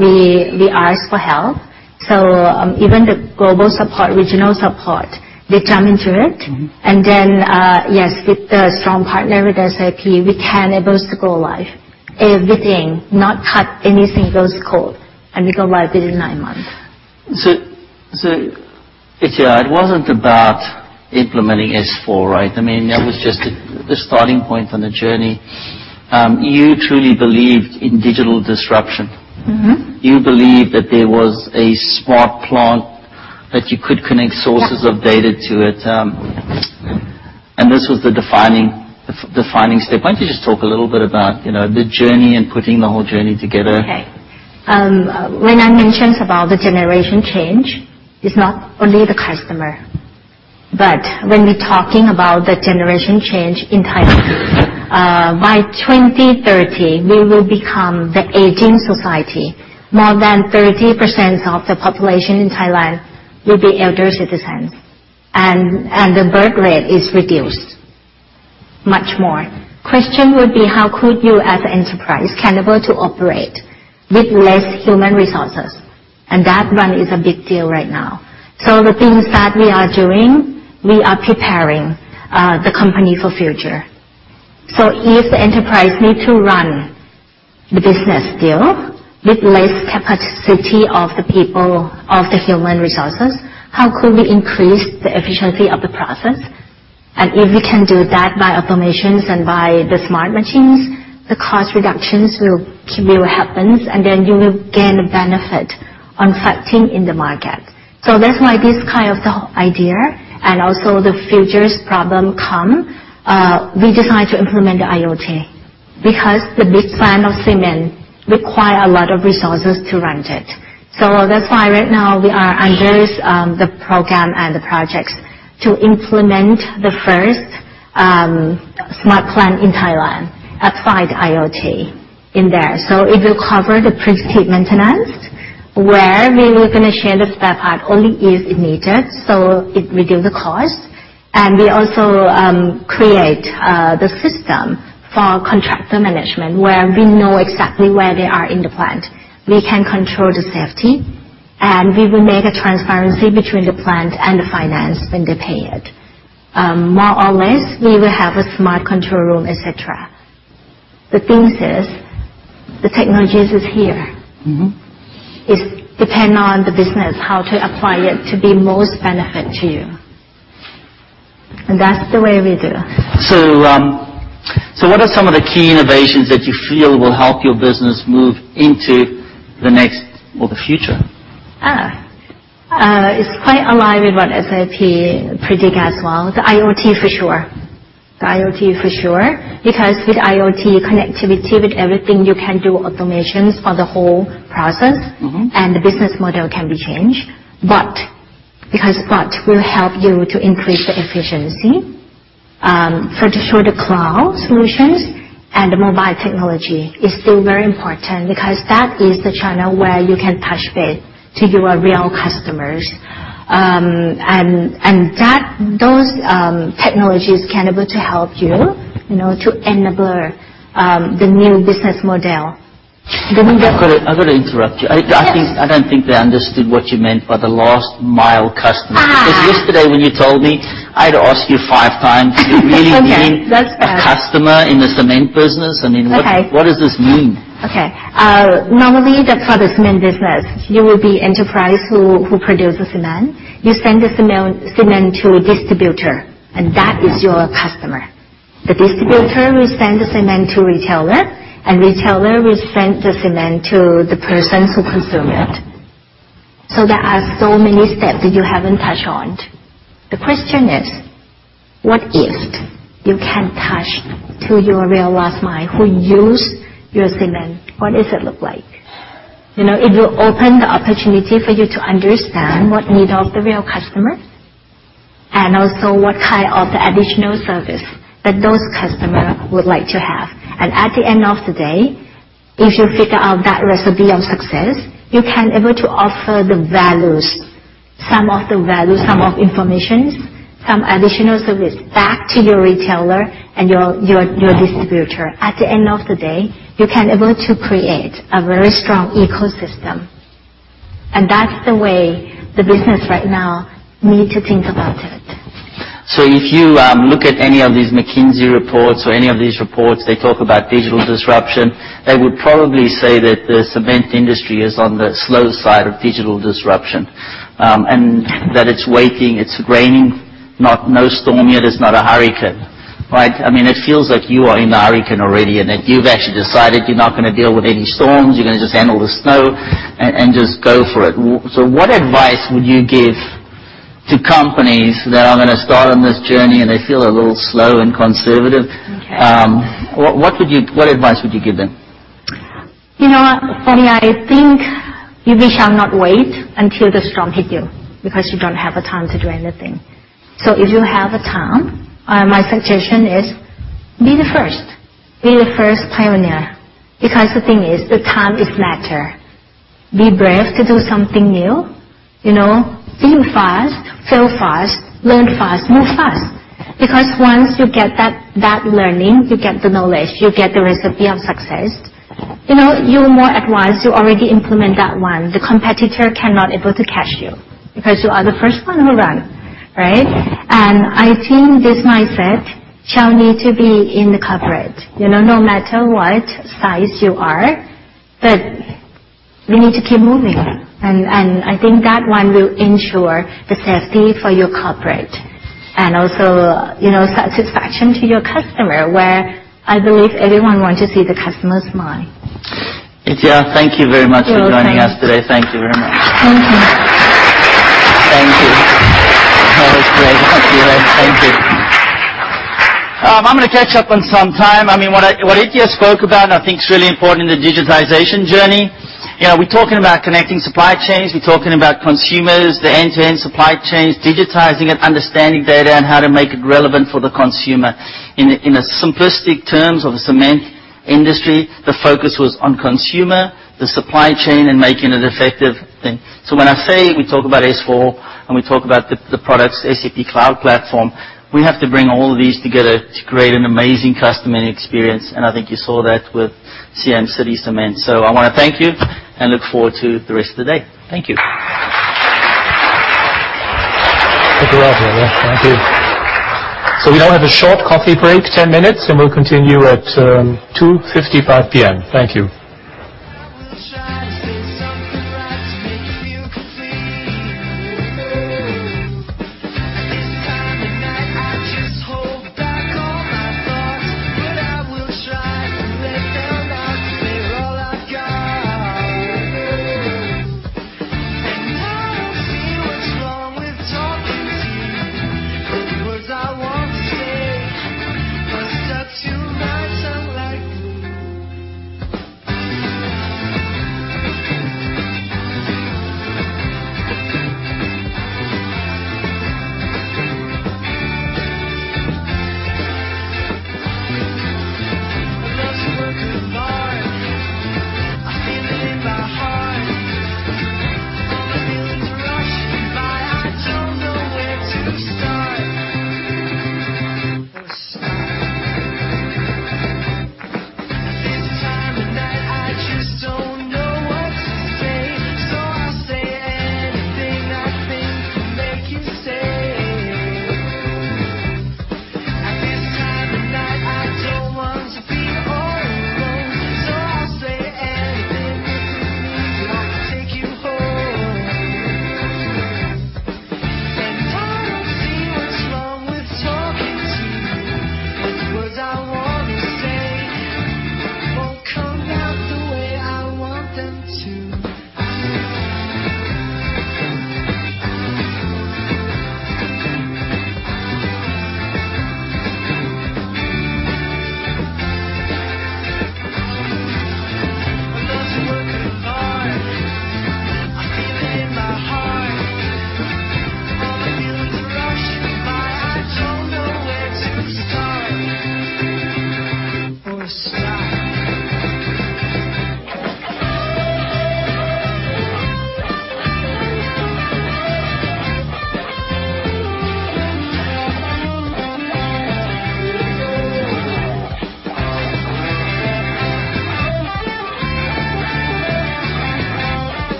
we asked for help, so even the global support, regional support, they jump into it. Yes, with a strong partner with SAP, we can able to go live. Everything, not cut anything, goes code, and we go live within nine months. Ittaya, it wasn't about implementing S/4, right? That was just the starting point on the journey. You truly believed in digital disruption. You believed that there was a smart plant, that you could connect sources Yes of data to it. This was the defining step. Why don't you just talk a little bit about the journey and putting the whole journey together? Okay. When I mention about the generation change, it's not only the customer. When we're talking about the generation change in Thailand, by 2030, we will become the aging society. More than 30% of the population in Thailand will be elder citizens, and the birth rate is reduced much more. Question would be, how could you, as an enterprise, can able to operate with less human resources? That one is a big deal right now. The things that we are doing, we are preparing the company for future. If the enterprise need to run the business still with less capacity of the people, of the human resources, how could we increase the efficiency of the process? If we can do that by automations and by the smart machines, the cost reductions will happen, and then you will gain a benefit on pricing in the market. That's why this kind of idea and also the futures problem come, we decide to implement the IoT. Because the big plant of cement require a lot of resources to run it. That's why right now we are under the program and the projects to implement the first smart plant in Thailand applied IoT in there. It will cover the predictive maintenance, where we will finish the spare part only if needed, so it reduce the cost. We also create the system for contractor management, where we know exactly where they are in the plant. We can control the safety, and we will make a transparency between the plant and the finance when they paid. More or less, we will have a smart control room, et cetera. The thing is, the technologies is here. It depend on the business, how to apply it to be most benefit to you. That's the way we do. What are some of the key innovations that you feel will help your business move into the next or the future? It's quite aligned with what SAP predict as well. The IoT for sure. The IoT for sure, because with IoT connectivity with everything, you can do automations for the whole process. The business model can be changed. Because bot will help you to increase the efficiency. For sure the cloud solutions and mobile technology is still very important because that is the channel where you can touch base to your real customers. Those technologies can able to help you to enable the new business model. I've got to interrupt you. Yes. I don't think they understood what you meant by the last mile customer. Yesterday when you told me, I had to ask you five times. Okay. That's fair. Do you really mean a customer in the cement business? I mean, Okay Does this mean? Okay. Normally, the product cement business, you will be enterprise who produce the cement. You send the cement to a distributor, and that is your customer. The distributor will send the cement to retailer, and retailer will send the cement to the person who consume it. There are so many steps that you haven't touched on. The question is, what if you can touch to your real last mile who use your cement? What does it look like? It will open the opportunity for you to understand what need of the real customers, and also what kind of the additional service that those customer would like to have. At the end of the day, if you figure out that recipe of success, you can able to offer the values, some of the value, some of informations, some additional service back to your retailer and your distributor. At the end of the day, you can able to create a very strong ecosystem. That's the way the business right now need to think about it. If you look at any of these McKinsey reports or any of these reports, they talk about digital disruption. They would probably say that the cement industry is on the slow side of digital disruption, and that it's waking, it's raining, no storm yet, it's not a hurricane. Right? It feels like you are in the hurricane already, and that you've actually decided you're not going to deal with any storms. You're going to just handle the snow and just go for it. What advice would you give to companies that are going to start on this journey and they feel a little slow and conservative? Okay. What advice would you give them? For me, I think we shall not wait until the storm hit you, because you don't have the time to do anything. If you have the time, my suggestion is be the first. Be the first pioneer. The thing is, the time is matter. Be brave to do something new. Think fast, fail fast, learn fast, move fast. Once you get that learning, you get the knowledge, you get the recipe of success. You're more advanced. You already implement that one. The competitor cannot able to catch you, because you are the first one who run, right? I think this mindset shall need to be in the corporate. No matter what size you are, we need to keep moving. Okay. I think that one will ensure the safety for your corporate and also satisfaction to your customer, where I believe everyone want to see the customer smile. Ittaya, thank you very much for joining us today. You're welcome. Thank you very much. Thank you. Thank you. That was great. Thank you. I'm going to catch up on some time. What Ittaya spoke about and I think is really important in the digitization journey. We're talking about connecting supply chains. We're talking about consumers, the end-to-end supply chains, digitizing it, understanding data, and how to make it relevant for the consumer. In simplistic terms of the cement industry, the focus was on consumer, the supply chain, and making it effective. When I say we talk about S/4 and we talk about the products, SAP Cloud Platform, we have to bring all of these together to create an amazing customer experience, and I think you saw that with Siam City Cement. I want to thank you, and look forward to the rest of the day. Thank you. Thank you, Rob. Thank you. We now have a short coffee break, 10 minutes, and we'll continue at 2:55 P.M. Thank you.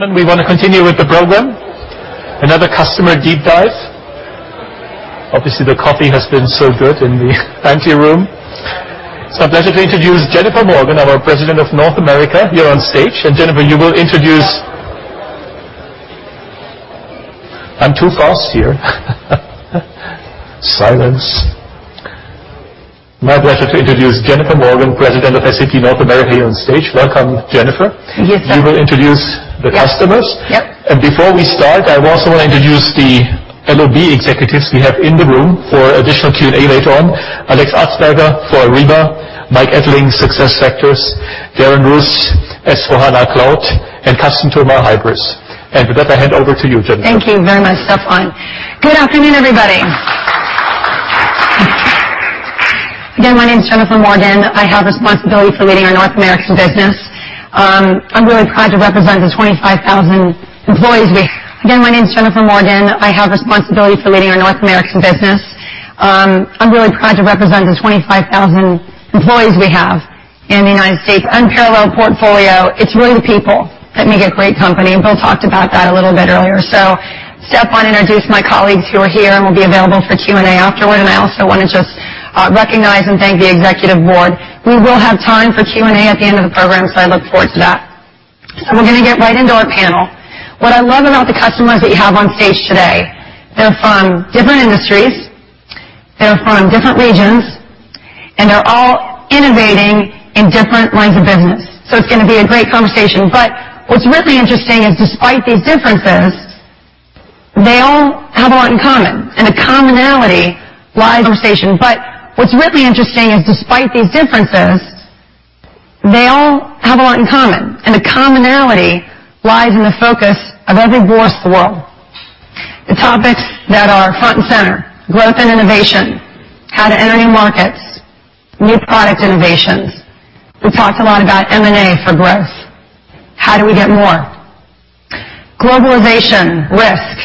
When time stands still. I'm laying it all on the line. Do or die. When time stands still. I'm laying it all on the line. Do or die. Yeah, I'm laying it all on the line. Do or die. Hold on for awhile. Ladies and gentlemen, we want to continue with the program. Another customer deep dive. Obviously, the coffee has been so good in the pantry room. It's my pleasure to introduce Jennifer Morgan, our President of North America, here on stage. Jennifer, you will introduce I'm too fast here. Silence. My pleasure to introduce Jennifer Morgan, President of SAP North America, here on stage. Welcome, Jennifer. Yes. You will introduce the customers. Yep. Before we start, I also want to introduce the LOB executives we have in the room for additional Q&A later on. Alex Atzberger for Ariba, Mike Ettling, SuccessFactors, Darren Roos, S/4HANA Cloud, and Carsten Thoma, Hybris. With that, I hand over to you, Jennifer. Thank you very much, Stefan. Good afternoon, everybody. Again, my name's Jennifer Morgan. I have responsibility for leading our North American business. I'm really proud to represent the 25,000 employees we have in the U.S. Unparalleled portfolio. It's really the people that make a great company, and Bill talked about that a little bit earlier. Steph will introduce my colleagues who are here and will be available for Q&A afterward. I also want to just recognize and thank the executive board. We will have time for Q&A at the end of the program, so I look forward to that. We're going to get right into our panel. What I love about the customers that we have on stage today, they're from different industries, they're from different regions, and they're all innovating in different lines of business. It's going to be a great conversation. What's really interesting is despite these differences, they all have a lot in common, and the commonality lies in the focus of every board's world. The topics that are front and center, growth and innovation, how to enter new markets, new product innovations. We talked a lot about M&A for growth. How do we get more? Globalization, risk,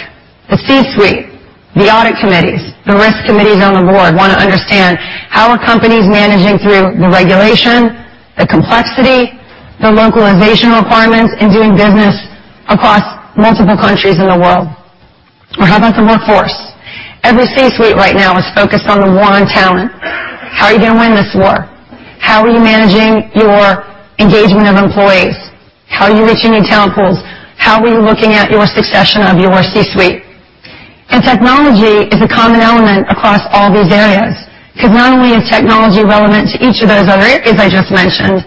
the C-suite, the audit committees, the risk committees on the board want to understand how are companies managing through the regulation, the complexity, the localization requirements, and doing business across multiple countries in the world. How about the workforce? Every C-suite right now is focused on the war on talent. How are you going to win this war? How are you managing your engagement of employees? How are you reaching new talent pools? How are you looking at your succession of your C-suite? Technology is a common element across all these areas, because not only is technology relevant to each of those other areas I just mentioned,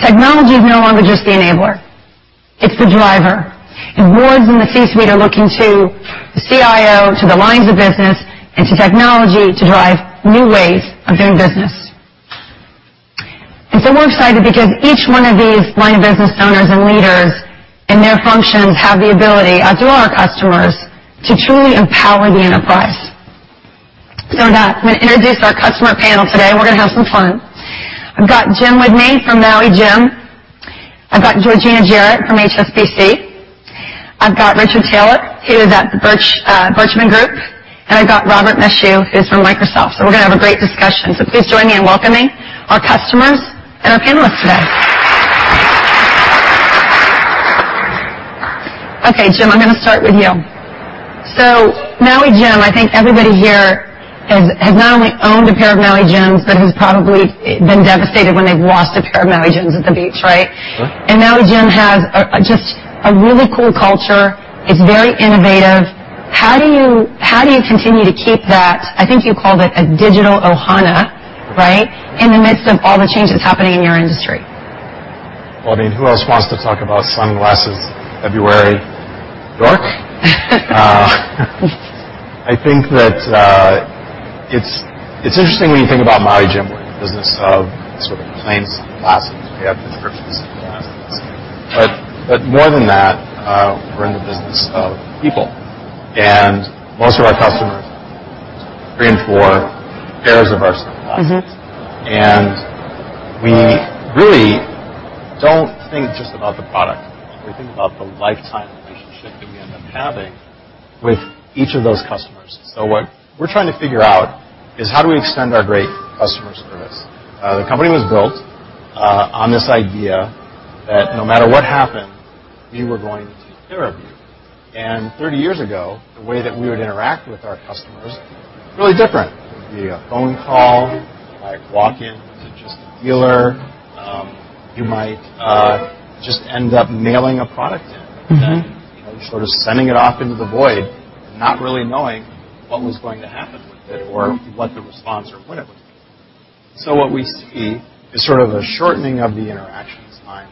technology is no longer just the enabler. It's the driver. Boards and the C-suite are looking to the CIO, to the lines of business, and to technology to drive new ways of doing business. We're excited because each one of these line of business owners and leaders in their functions have the ability, as do all our customers, to truly empower the enterprise. With that, I'm going to introduce our customer panel today. We're going to have some fun. I've got Jim with me from Maui Jim. I've got Georgina Jarratt from HSBC. I've got Richard Taylor, who is at the Birchman Group, and I've got Robert Michaud, who's from Microsoft. We're going to have a great discussion. Please join me in welcoming our customers and our panelists today. Jim, I'm going to start with you. Maui Jim, I think everybody here has not only owned a pair of Maui Jims but has probably been devastated when they've lost a pair of Maui Jims at the beach, right? Sure. Maui Jim has just a really cool culture. It's very innovative. How do you continue to keep that, I think you called it a digital ohana, right, in the midst of all the changes happening in your industry? Well, I mean, who else wants to talk about sunglasses February in New York? I think that it's interesting when you think about Maui Jim. We're in the business of sort of plain sunglasses. We have prescription sunglasses. More than that, we're in the business of people, and most of our customers range for pairs of our sunglasses. We really don't think just about the product. We think about the lifetime relationship that we end up having with each of those customers. What we're trying to figure out is how do we extend our great customer service? The company was built on this idea that no matter what happened, we were going to take care of you. 30 years ago, the way that we would interact with our customers, really different. It would be a phone call, you might walk in to just a dealer. You might just end up mailing a product in. Sending it off into the void and not really knowing what was going to happen with it or what the response or whatever. What we see is sort of a shortening of the interaction time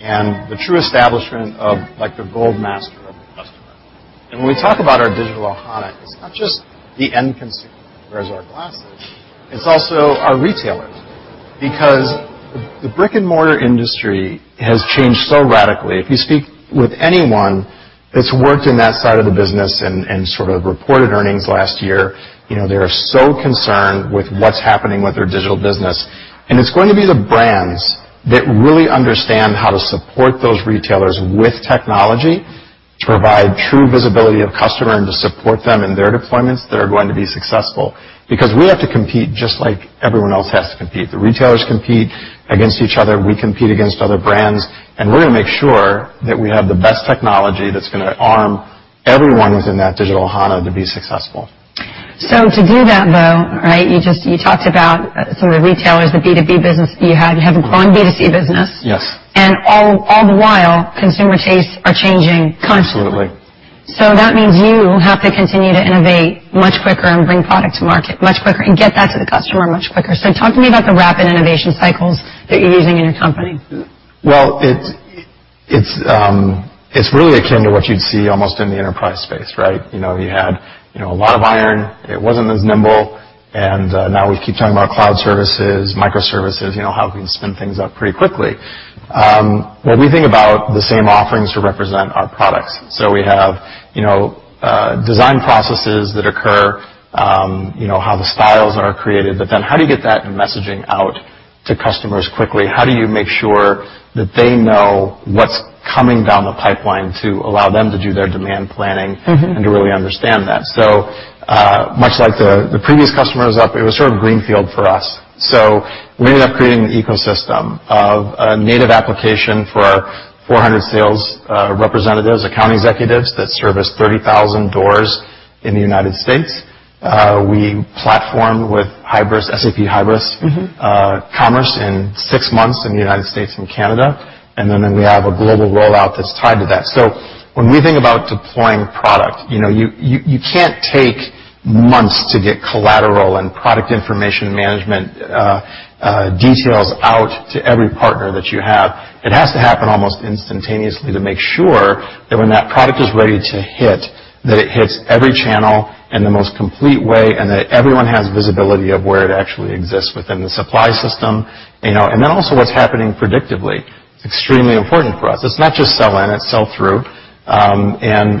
and the true establishment of the gold master of the customer. When we talk about our digital ohana, it's not just the end consumer who wears our glasses, it's also our retailers. The brick-and-mortar industry has changed so radically. If you speak with anyone that's worked in that side of the business and sort of reported earnings last year, they are so concerned with what's happening with their digital business. It's going to be the brands that really understand how to support those retailers with technology to provide true visibility of customer and to support them in their deployments that are going to be successful. We have to compete just like everyone else has to compete. The retailers compete against each other, we compete against other brands, we're going to make sure that we have the best technology that's going to arm everyone within that digital ohana to be successful. To do that, though, right, you talked about sort of retailers, the B2B business that you had. You have a growing B2C business. Yes. All the while, consumer tastes are changing constantly. Absolutely. That means you have to continue to innovate much quicker and bring product to market much quicker and get that to the customer much quicker. Talk to me about the rapid innovation cycles that you're using in your company. Well, it's really akin to what you'd see almost in the enterprise space, right? You had a lot of iron, it wasn't as nimble. Now we keep talking about cloud services, microservices, how we can spin things up pretty quickly. When we think about the same offerings to represent our products. We have design processes that occur, how the styles are created, then how do you get that messaging out to customers quickly? How do you make sure that they know what's coming down the pipeline to allow them to do their demand planning- To really understand that? Much like the previous customers up, it was sort of greenfield for us. We ended up creating an ecosystem of a native application for our 400 sales representatives, account executives that service 30,000 doors in the U.S. We platformed with SAP Hybris Commerce in six months in the U.S. and Canada. We have a global rollout that's tied to that. When we think about deploying product, you can't take months to get collateral and product information management details out to every partner that you have. It has to happen almost instantaneously to make sure that when that product is ready to hit, it hits every channel in the most complete way, that everyone has visibility of where it actually exists within the supply system. Then also what's happening predictably is extremely important for us. It's not just sell in, it's sell through.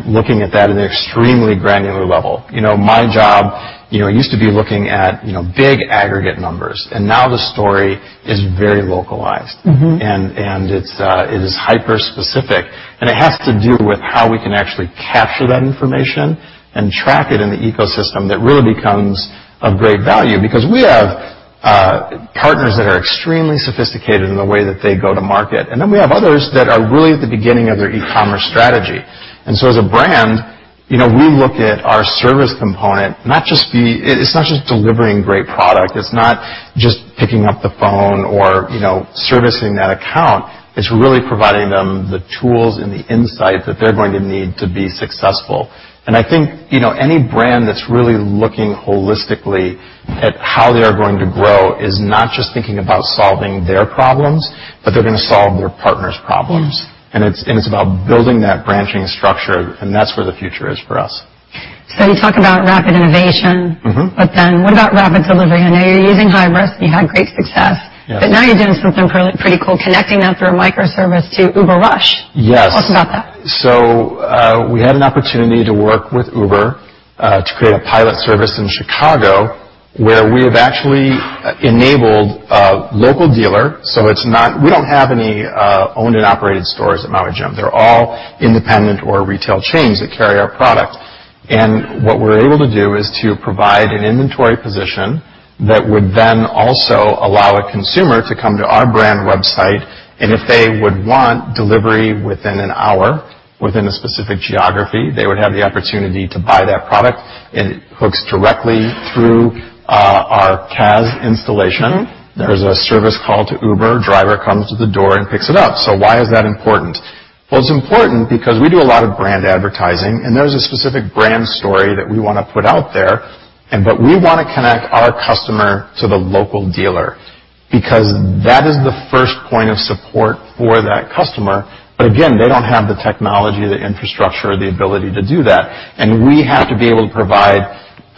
Looking at that at an extremely granular level. My job used to be looking at big aggregate numbers. Now the story is very localized. It is hyper-specific, it has to do with how we can actually capture that information and track it in the ecosystem that really becomes of great value. We have partners that are extremely sophisticated in the way that they go to market, we have others that are really at the beginning of their e-commerce strategy. As a brand, we look at our service component, it's not just delivering great product. It's not just picking up the phone or servicing that account. It's really providing them the tools and the insight that they're going to need to be successful. I think any brand that's really looking holistically at how they are going to grow is not just thinking about solving their problems, but they're going to solve their partners' problems. It's about building that branching structure, that's where the future is for us. You talk about rapid innovation. What about rapid delivery? I know you're using Hybris. You had great success. Yes. Now you're doing something pretty cool, connecting that through a microservice to UberRUSH. Yes. Tell us about that. We had an opportunity to work with Uber, to create a pilot service in Chicago, where we have actually enabled a local dealer. We don't have any owned and operated stores at Maui Jim. They're all independent or retail chains that carry our product. What we're able to do is to provide an inventory position that would then also allow a consumer to come to our brand website, and if they would want delivery within an hour, within a specific geography, they would have the opportunity to buy that product, and it hooks directly through our CaaS installation. There's a service call to Uber. Driver comes to the door and picks it up. Why is that important? It's important because we do a lot of brand advertising, and there's a specific brand story that we want to put out there. We want to connect our customer to the local dealer because that is the first point of support for that customer. Again, they don't have the technology, the infrastructure, or the ability to do that. We have to be able to provide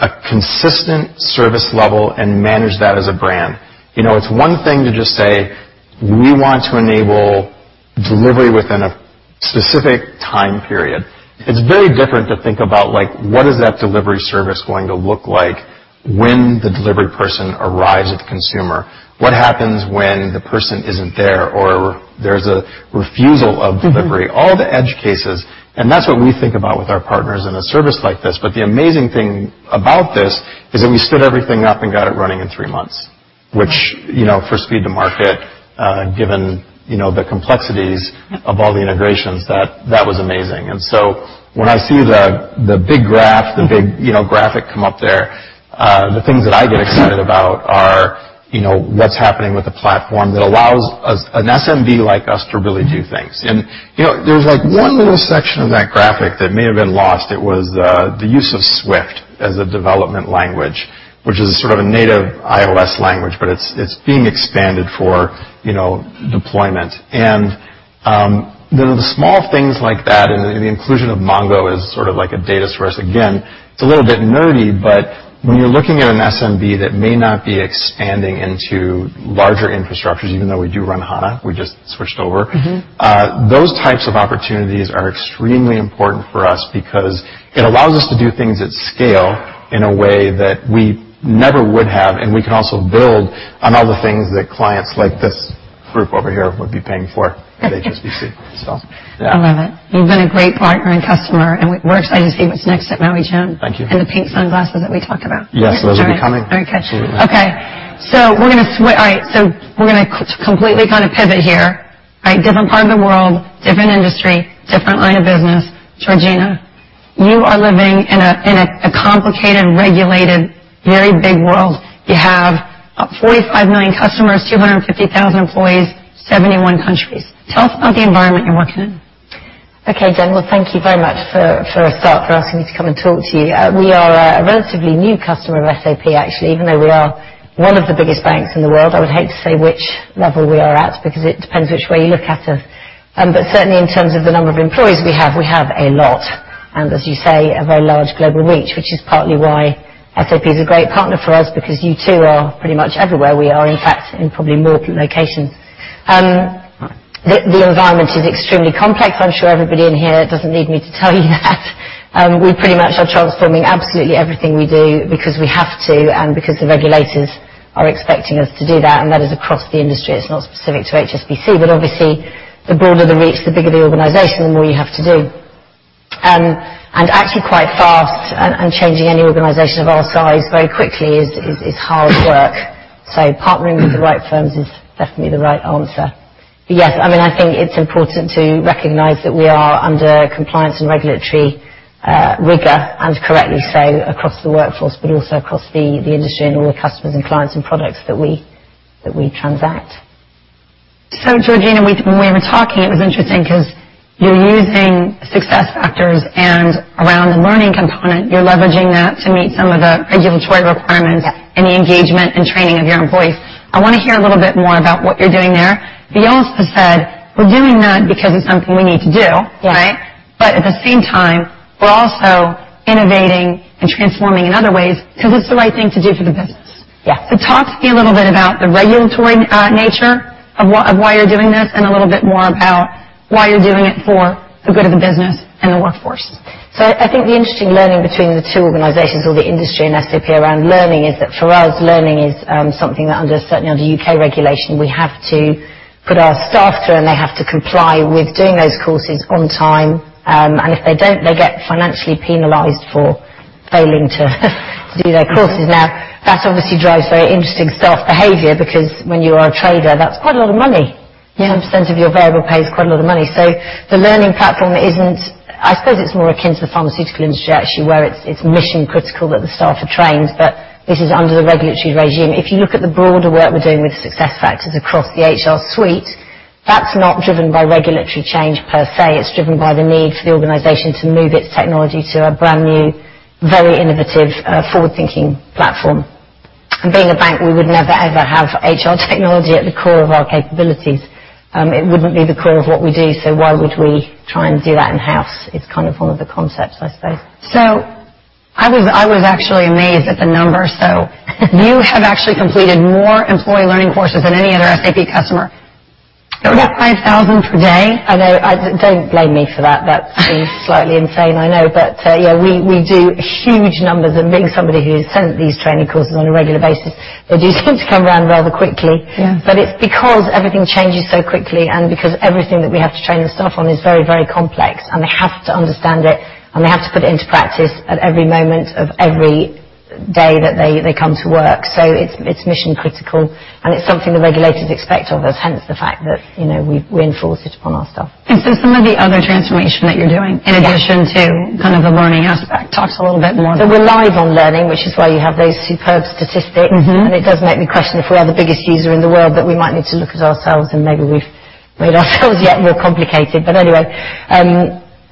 a consistent service level and manage that as a brand. It's one thing to just say, "We want to enable delivery within a specific time period." It's very different to think about what is that delivery service going to look like when the delivery person arrives at the consumer? What happens when the person isn't there, or there's a refusal of delivery? All the edge cases. That's what we think about with our partners in a service like this. The amazing thing about this is that we stood everything up and got it running in three months, which for speed to market, given the complexities of all the integrations, that was amazing. When I see the big graph, the big graphic come up there, the things that I get excited about are what's happening with the platform that allows an SMB like us to really do things. There's one little section of that graphic that may have been lost. It was the use of Swift as a development language, which is sort of a native iOS language, but it's being expanded for deployment. The small things like that, and the inclusion of MongoDB as sort of like a data source, again, it's a little bit nerdy, but when you're looking at an SMB that may not be expanding into larger infrastructures, even though we do run HANA, we just switched over. Those types of opportunities are extremely important for us because it allows us to do things at scale in a way that we never would have, and we can also build on all the things that clients like this group over here would be paying for at HSBC. I love it. You've been a great partner and customer, and we're excited to see what's next at Maui Jim. Thank you. The pink sunglasses that we talked about. Yes, those will be coming. Okay. Absolutely. Okay. We're going to completely kind of pivot here. Different part of the world, different industry, different line of business. Georgina Jarratt, you are living in a complicated and regulated, very big world. You have 45 million customers, 250,000 employees, 71 countries. Tell us about the environment you're working in. Okay, Jen, well, thank you very much for a start, for asking me to come and talk to you. We are a relatively new customer of SAP, actually, even though we are one of the biggest banks in the world. I would hate to say which level we are at because it depends which way you look at us. Certainly in terms of the number of employees we have, we have a lot, and as you say, a very large global reach, which is partly why SAP is a great partner for us because you too are pretty much everywhere we are, in fact, in probably more locations. The environment is extremely complex. I'm sure everybody in here doesn't need me to tell you that. We pretty much are transforming absolutely everything we do because we have to and because the regulators are expecting us to do that, and that is across the industry. It's not specific to HSBC, obviously, the broader the reach, the bigger the organization, the more you have to do. Actually quite fast, and changing any organization of our size very quickly is hard work. Partnering with the right firms is definitely the right answer. Yes, I think it's important to recognize that we are under compliance and regulatory rigor, and correctly so, across the workforce, but also across the industry and all the customers and clients and products that we transact. Georgina, when we were talking, it was interesting because you're using SuccessFactors, and around the learning component, you're leveraging that to meet some of the regulatory requirements- Yes The engagement and training of your employees. I want to hear a little bit more about what you're doing there. You also said, "We're doing that because it's something we need to do. Yes. Right? At the same time, we're also innovating and transforming in other ways because it's the right thing to do for the business. Yes. Talk to me a little bit about the regulatory nature of why you're doing this, and a little bit more about why you're doing it for the good of the business and the workforce. I think the interesting learning between the two organizations or the industry and SAP around learning is that for us, learning is something that certainly under U.K. regulation, we have to put our staff through, and they have to comply with doing those courses on time. If they don't, they get financially penalized for failing to do their courses. That obviously drives very interesting staff behavior because when you are a trader, that's quite a lot of money. Yeah. A % of your variable pay is quite a lot of money. The learning platform isn't. I suppose it's more akin to the pharmaceutical industry, actually, where it's mission-critical that the staff are trained, but this is under the regulatory regime. If you look at the broader work we're doing with SuccessFactors across the HR suite, that's not driven by regulatory change per se. It's driven by the need for the organization to move its technology to a brand-new, very innovative, forward-thinking platform. Being a bank, we would never, ever have HR technology at the core of our capabilities. It wouldn't be the core of what we do, so why would we try and do that in-house? It's one of the concepts, I suppose. I was actually amazed at the numbers. You have actually completed more employee learning courses than any other SAP customer. Is that 5,000 per day? I know. Don't blame me for that. That seems slightly insane, I know. Yeah, we do huge numbers, and being somebody who's sent these training courses on a regular basis, they do seem to come around rather quickly. Yeah. It's because everything changes so quickly and because everything that we have to train the staff on is very, very complex, and they have to understand it, and they have to put it into practice at every moment of every day that they come to work. It's mission-critical, and it's something the regulators expect of us, hence the fact that we enforce it upon our staff. Some of the other transformation that you're doing. Yes in addition to the learning aspect. Talk to a little bit more. we're live on learning, which is why you have those superb statistics. It does make me question if we are the biggest user in the world, that we might need to look at ourselves, and maybe we've made ourselves yet more complicated. Anyway,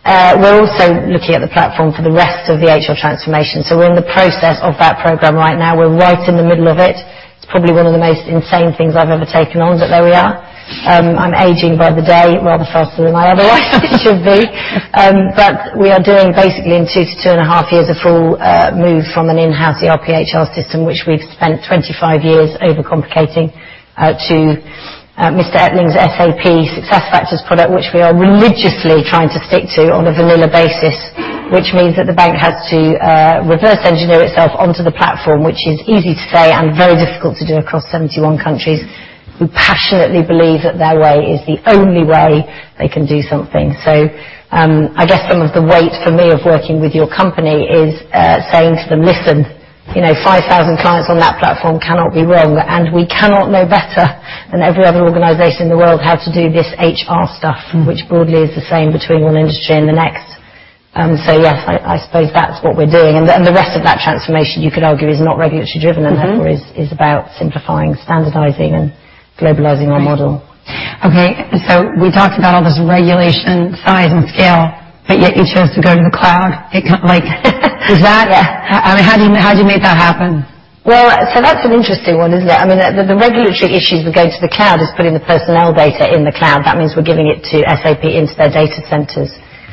we're also looking at the platform for the rest of the HR transformation. We're in the process of that program right now. We're right in the middle of it. It's probably one of the most insane things I've ever taken on, but there we are. I'm aging by the day rather faster than I otherwise should be. We are doing basically in two to two and a half years a full move from an in-house ER system, which we've spent 25 years overcomplicating, to Mr. Ettling's SAP SuccessFactors product, which we are religiously trying to stick to on a vanilla basis. Which means that the bank has to reverse engineer itself onto the platform, which is easy to say and very difficult to do across 71 countries who passionately believe that their way is the only way they can do something. I guess some of the weight for me of working with your company is saying to them, "Listen, 5,000 clients on that platform cannot be wrong, and we cannot know better than every other organization in the world how to do this HR stuff, which broadly is the same between one industry and the next." Yes, I suppose that's what we're doing, and the rest of that transformation, you could argue, is not regulatory driven. Therefore is about simplifying, standardizing, and globalizing our model. Right. Okay. We talked about all this regulation, size, and scale, but yet you chose to go to the cloud. Yeah. How do you make that happen? That's an interesting one, isn't it? The regulatory issues with going to the cloud is putting the personnel data in the cloud. That means we're giving it to SAP into their data centers.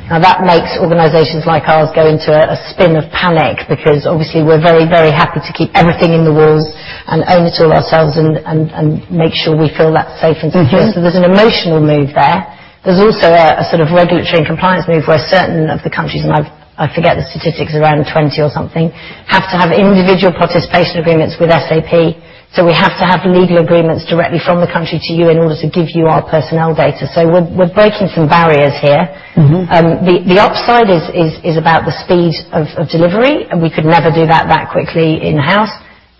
That makes organizations like ours go into a spin of panic because obviously, we're very, very happy to keep everything in the walls and own it all ourselves and make sure we feel that safe and secure. There's an emotional move there. There's also a sort of regulatory and compliance move where certain of the countries, and I forget the statistics, around 20 or something, have to have individual participation agreements with SAP. We have to have legal agreements directly from the country to you in order to give you our personnel data. We're breaking some barriers here. The upside is about the speed of delivery, and we could never do that quickly in-house,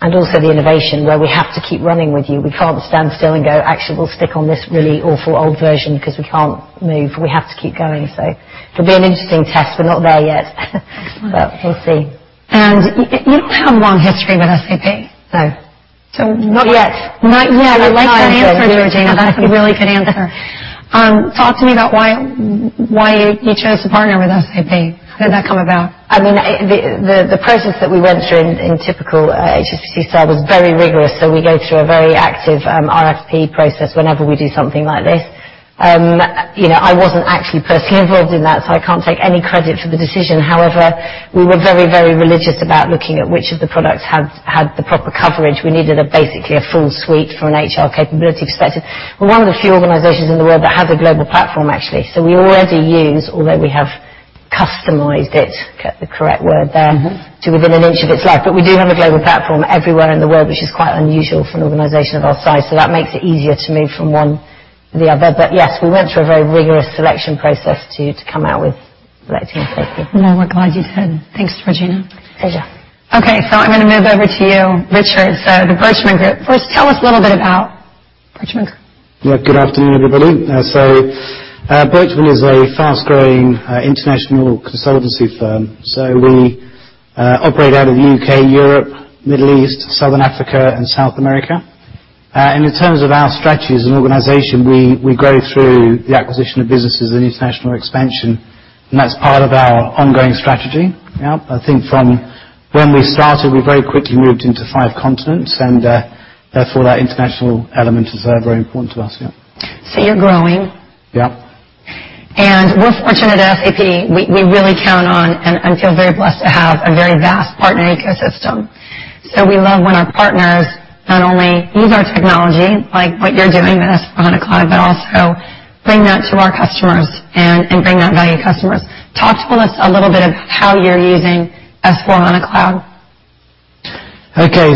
and also the innovation where we have to keep running with you. We can't stand still and go, "Actually, we'll stick on this really awful old version because we can't move." We have to keep going. It'll be an interesting test. We're not there yet, but we'll see. You don't have a long history with SAP. No. Not yet. Not yet. I like that answer, Georgina. That's a really good answer. Talk to me about why you chose to partner with SAP. How did that come about? The process that we went through in typical HSBC style was very rigorous. We go through a very active RFP process whenever we do something like this. I wasn't actually personally involved in that, so I can't take any credit for the decision. However, we were very, very religious about looking at which of the products had the proper coverage. We needed basically a full suite from an HR capability perspective. We're one of the few organizations in the world that have a global platform, actually. We already use, although we have customized it, get the correct word there- to within an inch of its life. We do have a global platform everywhere in the world, which is quite unusual for an organization of our size. That makes it easier to move from one to the other. Yes, we went through a very rigorous selection process to come out with selecting SAP. No, we're glad you did. Thanks, Georgina. Pleasure. Okay, I'm going to move over to you, Richard, the Birchman Group. First, tell us a little bit about Birchman Group. Yeah. Good afternoon, everybody. Birchman is a fast-growing international consultancy firm. We operate out of the U.K., Europe, Middle East, Southern Africa, and South America. In terms of our strategy as an organization, we grow through the acquisition of businesses and international expansion, and that's part of our ongoing strategy. Yep. I think from when we started, we very quickly moved into five continents, and therefore that international element is very important to us, yeah. You're growing. Yep. We're fortunate at SAP, we really count on and feel very blessed to have a very vast partner ecosystem. We love when our partners not only use our technology, like what you're doing with SAP S/4HANA Cloud, but also bring that to our customers and bring that value to customers. Talk to us a little bit of how you're using SAP S/4HANA Cloud. Okay.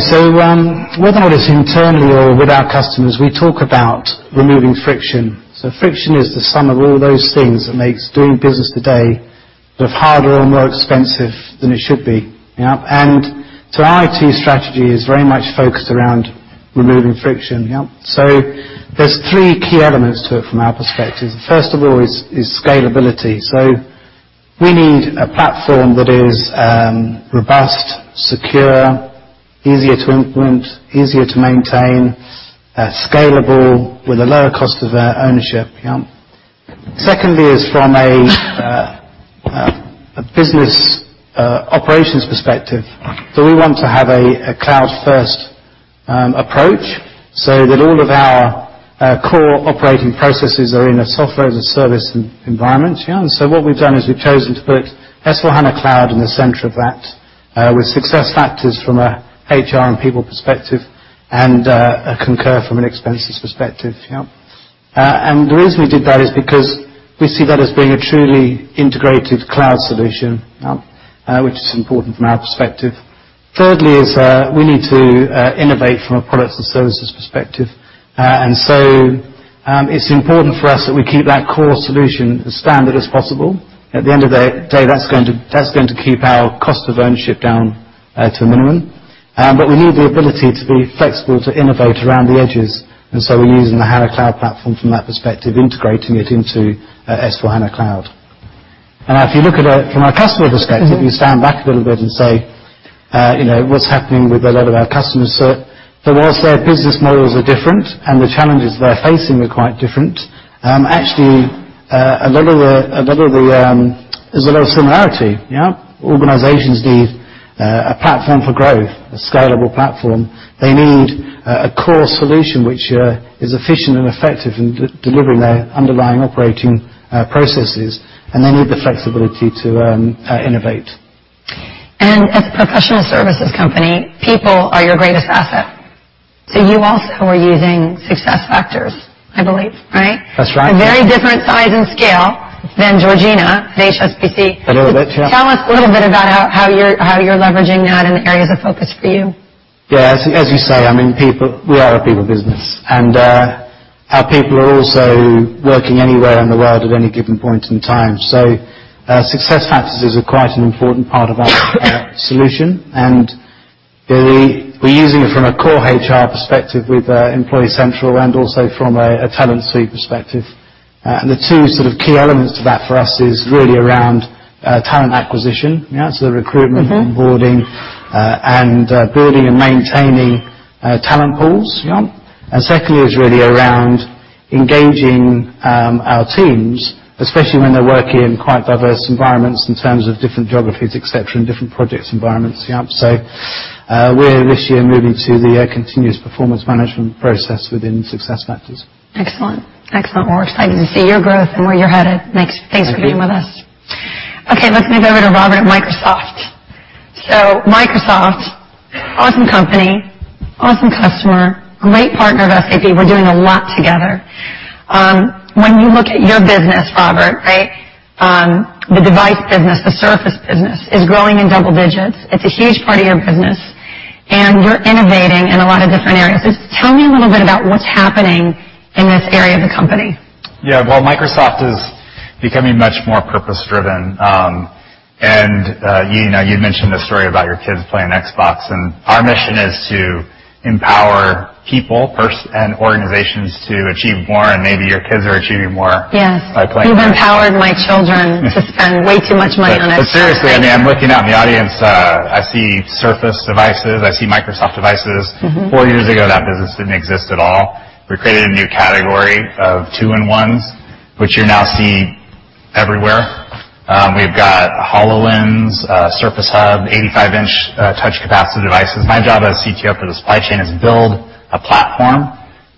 Whether it's internally or with our customers, we talk about removing friction. Friction is the sum of all those things that makes doing business today a bit harder or more expensive than it should be. Yep. Our IT strategy is very much focused around removing friction. Yep. There's three key elements to it from our perspective. First of all is scalability. We need a platform that is robust, secure, easier to implement, easier to maintain, scalable with a lower cost of ownership. Yep. Secondly is from a business operations perspective, we want to have a cloud-first approach so that all of our core operating processes are in a software as a service environment. Yeah. What we've done is we've chosen to put SAP S/4HANA Cloud in the center of that, with SAP SuccessFactors from a HR and people perspective, and SAP Concur from an expenses perspective. Yep. The reason we did that is because we see that as being a truly integrated cloud solution, which is important from our perspective. Thirdly is, we need to innovate from a products and services perspective. It's important for us that we keep that core solution as standard as possible. At the end of the day, that's going to keep our cost of ownership down to a minimum. We need the ability to be flexible to innovate around the edges. We're using the HANA Cloud Platform from that perspective, integrating it into SAP S/4HANA Cloud. If you look at it from a customer perspective- if you stand back a little bit and say, what's happening with a lot of our customers, whilst their business models are different and the challenges they're facing are quite different, actually, there's a lot of similarity. Yep. Organizations need a platform for growth, a scalable platform. They need a core solution which is efficient and effective in delivering their underlying operating processes, and they need the flexibility to innovate. As a professional services company, people are your greatest asset. You also are using SuccessFactors, I believe, right? That's right. A very different size and scale than Georgina at HSBC. A little bit, yeah. Tell us a little bit about how you're leveraging that and the areas of focus for you. Yeah. As you say, we are a people business. Our people are also working anywhere in the world at any given point in time. SuccessFactors is quite an important part of our solution, and we're using it from a core HR perspective with Employee Central and also from a talent suite perspective. The two sort of key elements to that for us is really around talent acquisition, yeah, so the recruitment- onboarding, and building and maintaining talent pools. Yep. Secondly is really around engaging our teams, especially when they're working in quite diverse environments in terms of different geographies, et cetera, and different projects environments. Yep. We're this year moving to the continuous performance management process within SuccessFactors. Excellent. We're excited to see your growth and where you're headed. Thanks for being with us. Thank you. Let's move over to Robert at Microsoft. Microsoft, awesome company, awesome customer, great partner of SAP. We're doing a lot together. When you look at your business, Robert, right, the device business, the Surface business is growing in double digits. It's a huge part of your business, and you're innovating in a lot of different areas. Tell me a little bit about what's happening in this area of the company. Well, Microsoft is becoming much more purpose-driven. You mentioned the story about your kids playing Xbox, our mission is to empower people first and organizations to achieve more, maybe your kids are achieving more. Yes by playing Xbox. You've empowered my children to spend way too much money on Xbox. Seriously, I mean, I'm looking out in the audience. I see Surface devices. I see Microsoft devices. Four years ago, that business didn't exist at all. We created a new category of two-in-ones, which you're now seeing everywhere. We've got HoloLens, Surface Hub, 85-inch touch capacitive devices. My job as CTO for the supply chain is build a platform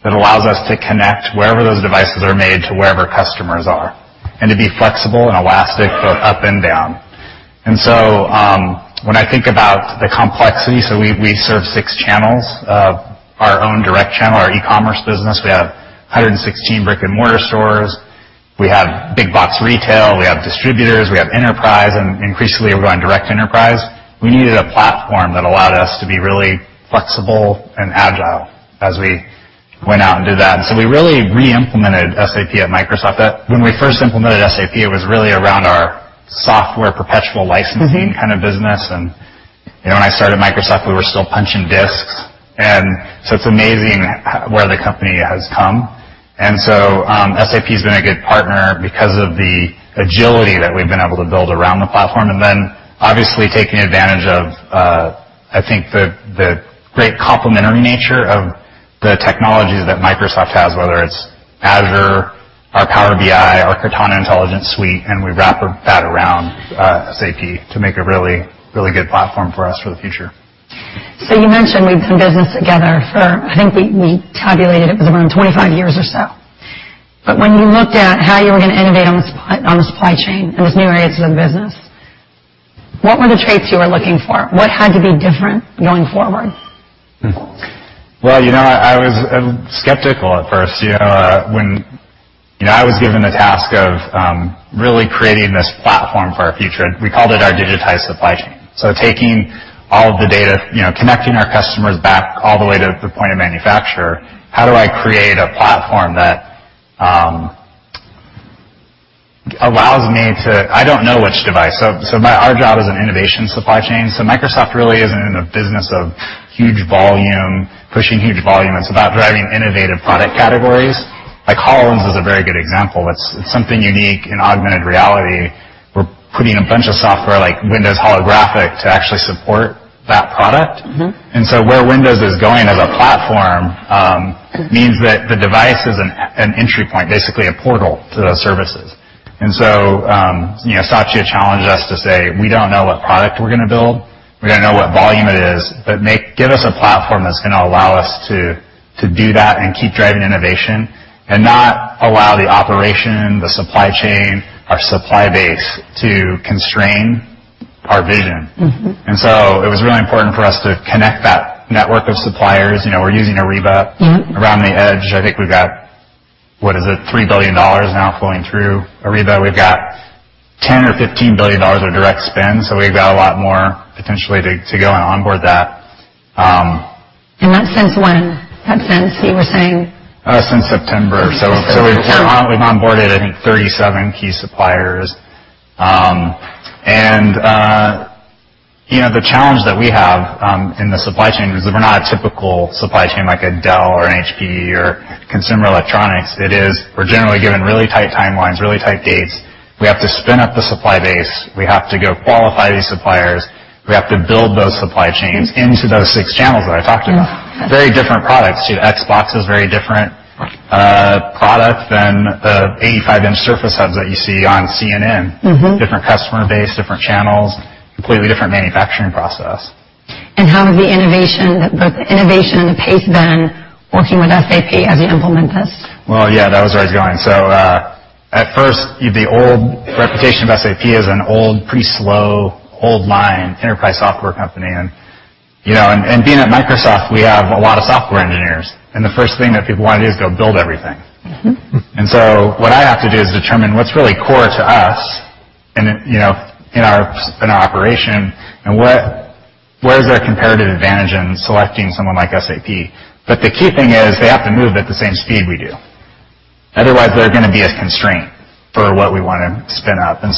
that allows us to connect wherever those devices are made to wherever customers are, and to be flexible and elastic both up and down. When I think about the complexity, we serve six channels. Our own direct channel, our e-commerce business. We have 116 brick-and-mortar stores. We have big box retail. We have distributors. We have enterprise, and increasingly, we're going direct to enterprise. We needed a platform that allowed us to be really flexible and agile as we went out and did that. We really re-implemented SAP at Microsoft. When we first implemented SAP, it was really around our software perpetual licensing kind of business, and when I started Microsoft, we were still punching disks. It's amazing where the company has come. SAP's been a good partner because of the agility that we've been able to build around the platform. Then obviously taking advantage of, I think the great complementary nature of the technologies that Microsoft has, whether it's Azure, our Power BI, our Cortana Intelligence Suite, and we wrap that around SAP to make a really good platform for us for the future. You mentioned we've done business together for, I think we tabulated it, was around 25 years or so. When you looked at how you were going to innovate on the supply chain and those new areas of the business, what were the traits you were looking for? What had to be different going forward? Well, I was skeptical at first. When I was given the task of really creating this platform for our future, we called it our digitized supply chain. Taking all the data, connecting our customers back all the way to the point of manufacturer, how do I create a platform that allows me to I don't know which device. Our job as an innovation supply chain, Microsoft really isn't in the business of huge volume, pushing huge volume. It's about driving innovative product categories. Like HoloLens is a very good example. It's something unique in augmented reality. We're putting a bunch of software like Windows Holographic to actually support that product. Where Windows is going as a platform means that the device is an entry point, basically a portal to those services. Satya challenged us to say, "We don't know what product we're going to build. We don't know what volume it is, but give us a platform that's going to allow us to do that and keep driving innovation, and not allow the operation, the supply chain, our supply base to constrain our vision. It was really important for us to connect that network of suppliers. We're using Ariba around the edge. I think we've got, what is it? EUR 3 billion now flowing through Ariba. We've got 10 billion or EUR 15 billion of direct spend, so we've got a lot more potentially to go and onboard that. That's since when? That's since, you were saying Since September. We've onboarded, I think, 37 key suppliers. The challenge that we have in the supply chain is that we're not a typical supply chain like a Dell or an HP or consumer electronics. We're generally given really tight timelines, really tight dates. We have to spin up the supply base. We have to go qualify these suppliers. We have to build those supply chains into those six channels that I talked about. Yeah. Very different products too. Xbox is very different product than the 85-inch Surface Hubs that you see on CNN. Different customer base, different channels, completely different manufacturing process. How have the innovation and the pace been working with SAP as you implement this? At first, the old reputation of SAP as an old, pretty slow, old line enterprise software company. Being at Microsoft, we have a lot of software engineers. The first thing that people want to do is go build everything. What I have to do is determine what's really core to us in our operation and where is our comparative advantage in selecting someone like SAP? The key thing is they have to move at the same speed we do. Otherwise, they're going to be a constraint for what we want to spin up. That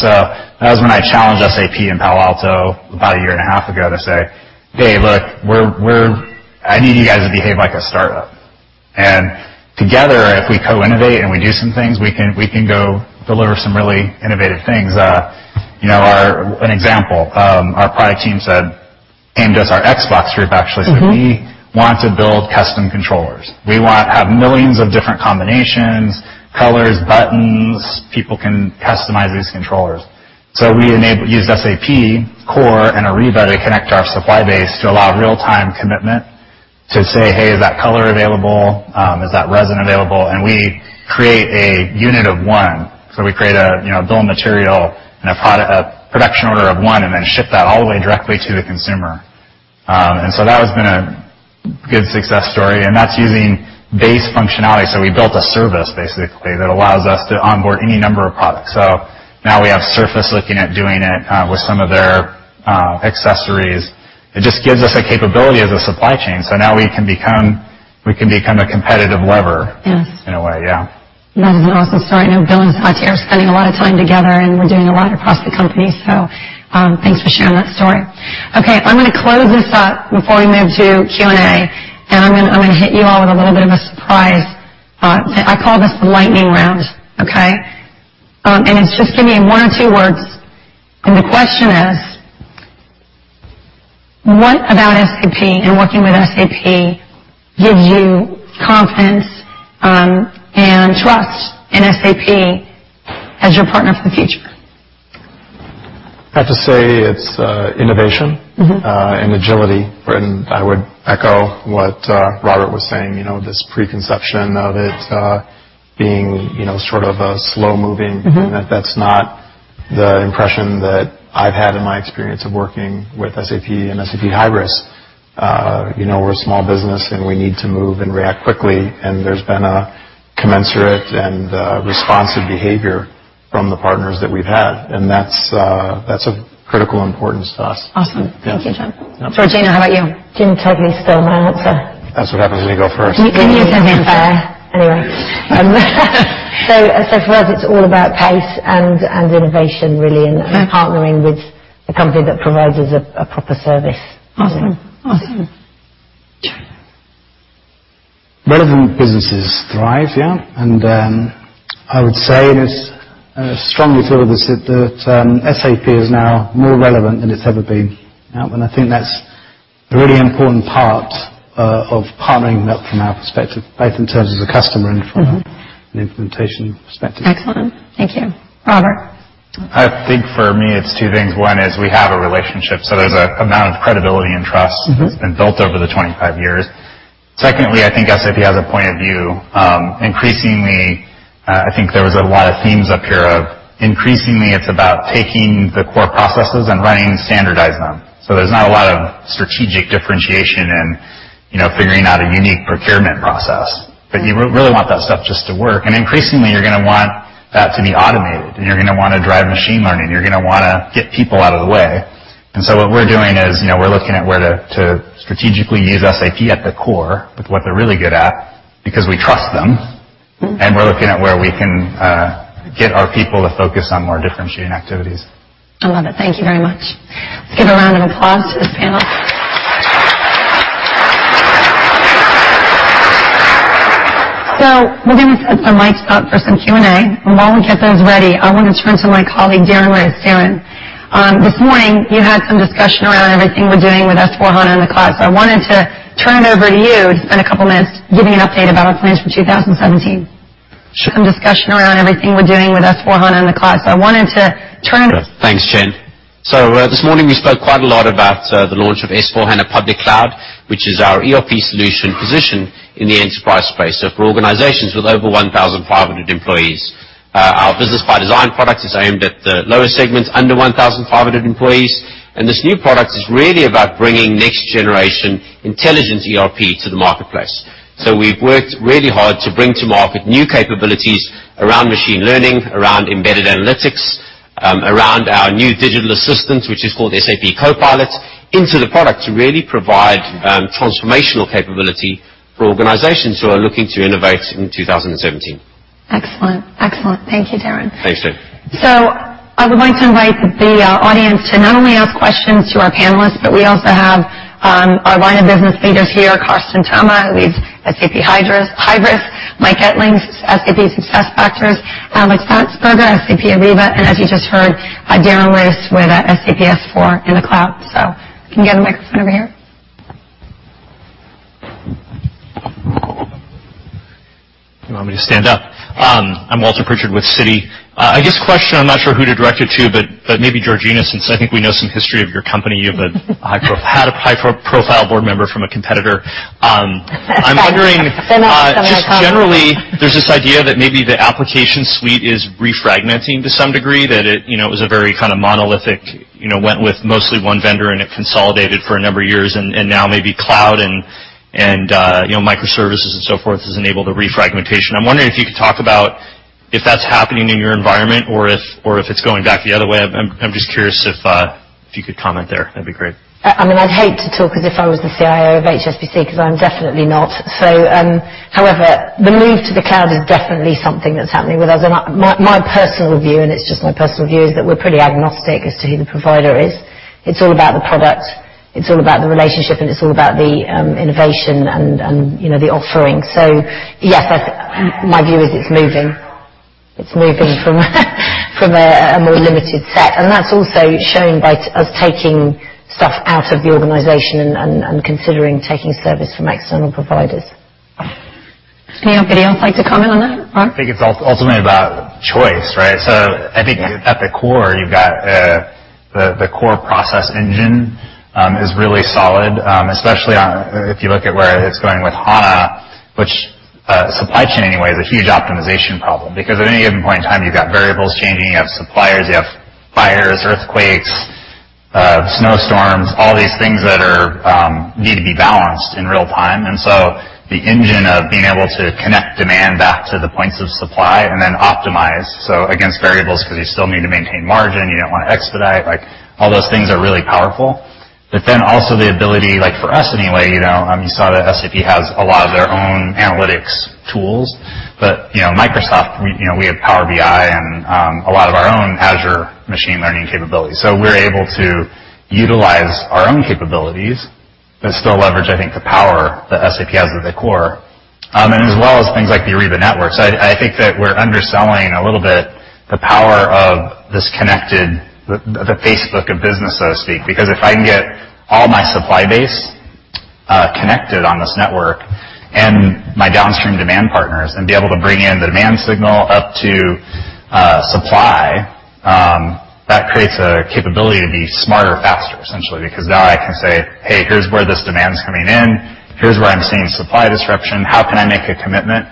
was when I challenged SAP in Palo Alto about a year and a half ago to say, "Hey, look, I need you guys to behave like a startup. Together, if we co-innovate and we do some things, we can go deliver some really innovative things." An example, our product team said, and just our Xbox group actually said. We want to build custom controllers. We want to have millions of different combinations, colors, buttons. People can customize these controllers." We used SAP Core and Ariba to connect our supply base to allow real-time commitment to say, "Hey, is that color available? Is that resin available?" We create a unit of one. We create a bill of material and a production order of one and then ship that all the way directly to the consumer. That has been a good success story, and that's using base functionality. We built a service, basically, that allows us to onboard any number of products. Now we have Surface looking at doing it with some of their accessories. It just gives us a capability as a supply chain, now we can become a competitive lever. Yes in a way, yeah. That is an awesome story. I know Bill and Satya are spending a lot of time together, so thanks for sharing that story. Okay, I'm going to close this up before we move to Q&A, and I'm going to hit you all with a little bit of a surprise. I call this the lightning round. Okay? It's just give me one or two words, and the question is What about SAP and working with SAP gives you confidence and trust in SAP as your partner for the future? I have to say it's innovation. Agility. I would echo what Robert was saying, this preconception of it being sort of a slow-moving. That's not the impression that I've had in my experience of working with SAP and SAP Hybris. We're a small business, and we need to move and react quickly, and there's been a commensurate and responsive behavior from the partners that we've had. That's of critical importance to us. Awesome. Thank you, John. Georgina, how about you? Jim totally stole my answer. That's what happens when you go first. You can use it again. For us, it's all about pace and innovation, really. Okay Partnering with a company that provides us a proper service. Awesome. Yeah. John. Relevant businesses thrive, yeah? I would say, I strongly feel this, that SAP is now more relevant than it's ever been. I think that's a really important part of partnering up from our perspective, both in terms of the customer and from. an implementation perspective. Excellent. Thank you. Robert? I think for me, it's two things. One is we have a relationship, so there's an amount of credibility and trust that's been built over the 25 years. Secondly, I think SAP has a point of view. Increasingly, I think there was a lot of themes up here of increasingly it's about taking the core processes and running and standardizing them. There's not a lot of strategic differentiation and figuring out a unique procurement process You really want that stuff just to work. Increasingly, you're going to want that to be automated, and you're going to want to drive machine learning. You're going to want to get people out of the way. What we're doing is we're looking at where to strategically use SAP at the core with what they're really good at because we trust them. We're looking at where we can get our people to focus on more differentiating activities. I love it. Thank you very much. Let's give a round of applause to this panel. We're going to set some mics up for some Q&A. While we get those ready, I want to turn to my colleague, Darren Roos. Darren, this morning you had some discussion around everything we're doing with S/4HANA in the cloud. I wanted to turn it over to you to spend a couple of minutes giving an update about our plans for 2017. Sure. Some discussion around everything we're doing with S/4HANA in the cloud. I wanted to turn it- Thanks, Jen. This morning we spoke quite a lot about the launch of S/4HANA Public Cloud, which is our ERP solution positioned in the enterprise space, for organizations with over 1,500 employees. Our Business ByDesign product is aimed at the lower segments under 1,500 employees. This new product is really about bringing next-generation intelligent ERP to the marketplace. We've worked really hard to bring to market new capabilities around machine learning, around embedded analytics, around our new digital assistant, which is called SAP CoPilot, into the product to really provide transformational capability for organizations who are looking to innovate in 2017. Excellent. Thank you, Darren. Thanks, Jen. I would like to invite the audience to not only ask questions to our panelists, but we also have our line of business leaders here, Carsten Thoma, who leads SAP Hybris, Mike Ettling, SAP SuccessFactors, Alex Atzberger, SAP Ariba, and as you just heard, Darren Roos with SAP S/4HANA Cloud. Can you get a microphone over here? You want me to stand up? I'm Walter Pritchard with Citi. I guess question I'm not sure who to direct it to, but maybe Georgina, since I think we know some history of your company. You've had a high-profile board member from a competitor. Thanks. I'm wondering. If anyone wants to come in and comment Just generally, there's this idea that maybe the application suite is re-fragmenting to some degree, that it was a very kind of monolithic, went with mostly one vendor, and it consolidated for a number of years, and now maybe cloud and microservices and so forth has enabled a re-fragmentation. I'm wondering if you could talk about if that's happening in your environment or if it's going back the other way. I'm just curious if you could comment there, that'd be great. I'd hate to talk as if I was the CIO of HSBC because I'm definitely not. The move to the cloud is definitely something that's happening with us. My personal view, and it's just my personal view, is that we're pretty agnostic as to who the provider is. It's all about the product, it's all about the relationship, and it's all about the innovation and the offering. Yes, my view is it's moving. It's moving from a more limited set, and that's also shown by us taking stuff out of the organization and considering taking service from external providers. Anyone else like to comment on that? Rob? I think it's ultimately about choice, right? Yeah At the core, you've got the core process engine is really solid, especially if you look at where it's going with SAP HANA, which supply chain anyway is a huge optimization problem because at any given point in time, you've got variables changing, you have suppliers, you have fires, earthquakes, snowstorms, all these things that need to be balanced in real time. The engine of being able to connect demand back to the points of supply and then optimize, so against variables because you still need to maintain margin, you don't want to expedite. All those things are really powerful. Also the ability, for us anyway, you saw that SAP has a lot of their own analytics tools. Microsoft, we have Power BI and a lot of our own Azure machine learning capabilities. We're able to utilize our own capabilities. Still leverage, I think, the power that SAP has at the core. As well as things like the Ariba Network. I think that we're underselling a little bit the power of this connected, the Facebook of business, so to speak. Because if I can get all my supply base connected on this network and my downstream demand partners and be able to bring in the demand signal up to supply, that creates a capability to be smarter, faster, essentially. Because now I can say, "Hey, here's where this demand's coming in. Here's where I'm seeing supply disruption. How can I make a commitment?"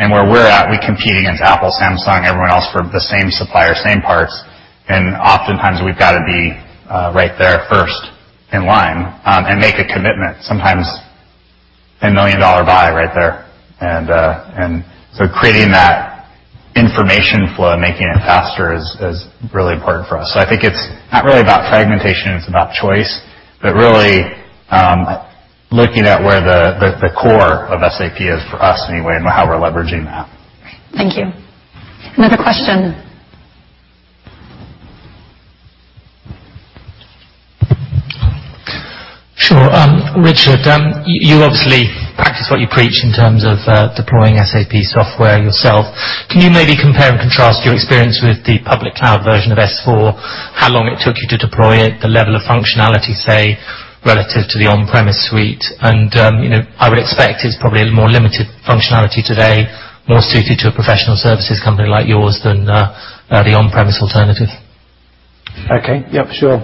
And where we're at, we compete against Apple, Samsung, everyone else for the same supplier, same parts. Oftentimes we've got to be right there first in line, and make a commitment, sometimes a EUR 1 million buy right there. Creating that information flow and making it faster is really important for us. I think it's not really about fragmentation, it's about choice. Really, looking at where the core of SAP is for us anyway, and how we're leveraging that. Thank you. Another question. Sure. Richard, you obviously practice what you preach in terms of deploying SAP software yourself. Can you maybe compare and contrast your experience with the public cloud version of S/4, how long it took you to deploy it, the level of functionality, say, relative to the on-premise suite? I would expect it's probably a more limited functionality today, more suited to a professional services company like yours than the on-premise alternative. Okay. Yeah, for sure.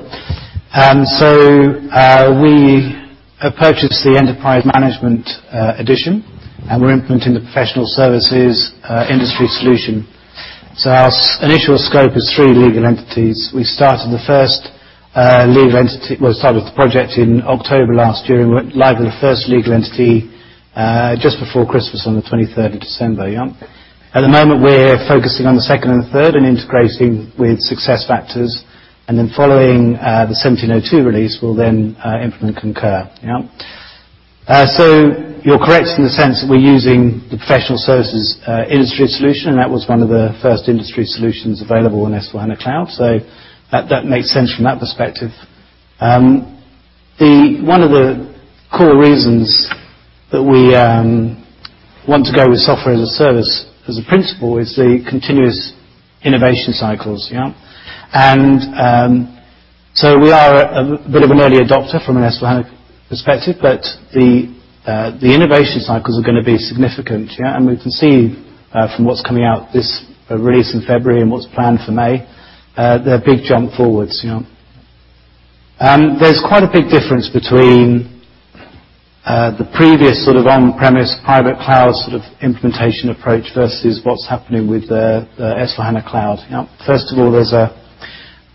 We purchased the Enterprise Management Edition, and we're implementing the professional services industry solution. Our initial scope is three legal entities. Started the project in October last year and went live with the first legal entity, just before Christmas on the 23rd of December, yeah. At the moment, we're focusing on the second and third and integrating with SAP SuccessFactors, and then following the 1702 release, we'll then implement SAP Concur. Yeah. You're correct in the sense that we're using the professional services industry solution, and that was one of the first industry solutions available on SAP S/4HANA Cloud. That makes sense from that perspective. One of the core reasons that we want to go with software as a service, as a principle is the continuous innovation cycles, yeah. We are a bit of an early adopter from an SAP S/4HANA perspective, but the innovation cycles are going to be significant, yeah. We can see from what's coming out this release in February and what's planned for May, they're big jump forwards, yeah. There's quite a big difference between the previous sort of on-premise private cloud sort of implementation approach versus what's happening with the SAP S/4HANA Cloud. First of all, there's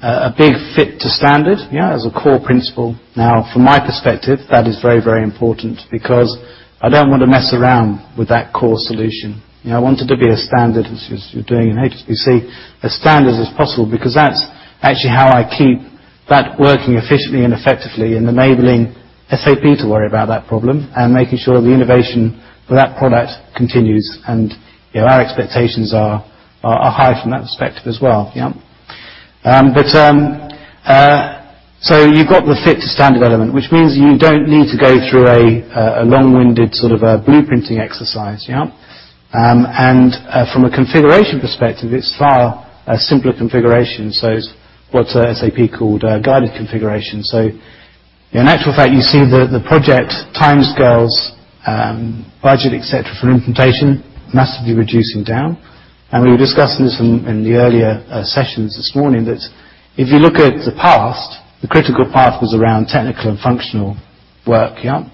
a big fit to standard as a core principle. From my perspective, that is very important because I don't want to mess around with that core solution. I want it to be a standard, as you're doing in HSBC, as standard as possible because that's actually how I keep that working efficiently and effectively and enabling SAP to worry about that problem and making sure the innovation for that product continues. Our expectations are high from that perspective as well, yeah. You've got the fit to standard element, which means you don't need to go through a long-winded sort of a blueprinting exercise, yeah. From a configuration perspective, it's far a simpler configuration. What SAP called a guided configuration. In actual fact, you see the project timescales, budget, et cetera, for implementation massively reducing down. We were discussing this in the earlier sessions this morning, that if you look at the past, the critical path was around technical and functional work, yeah.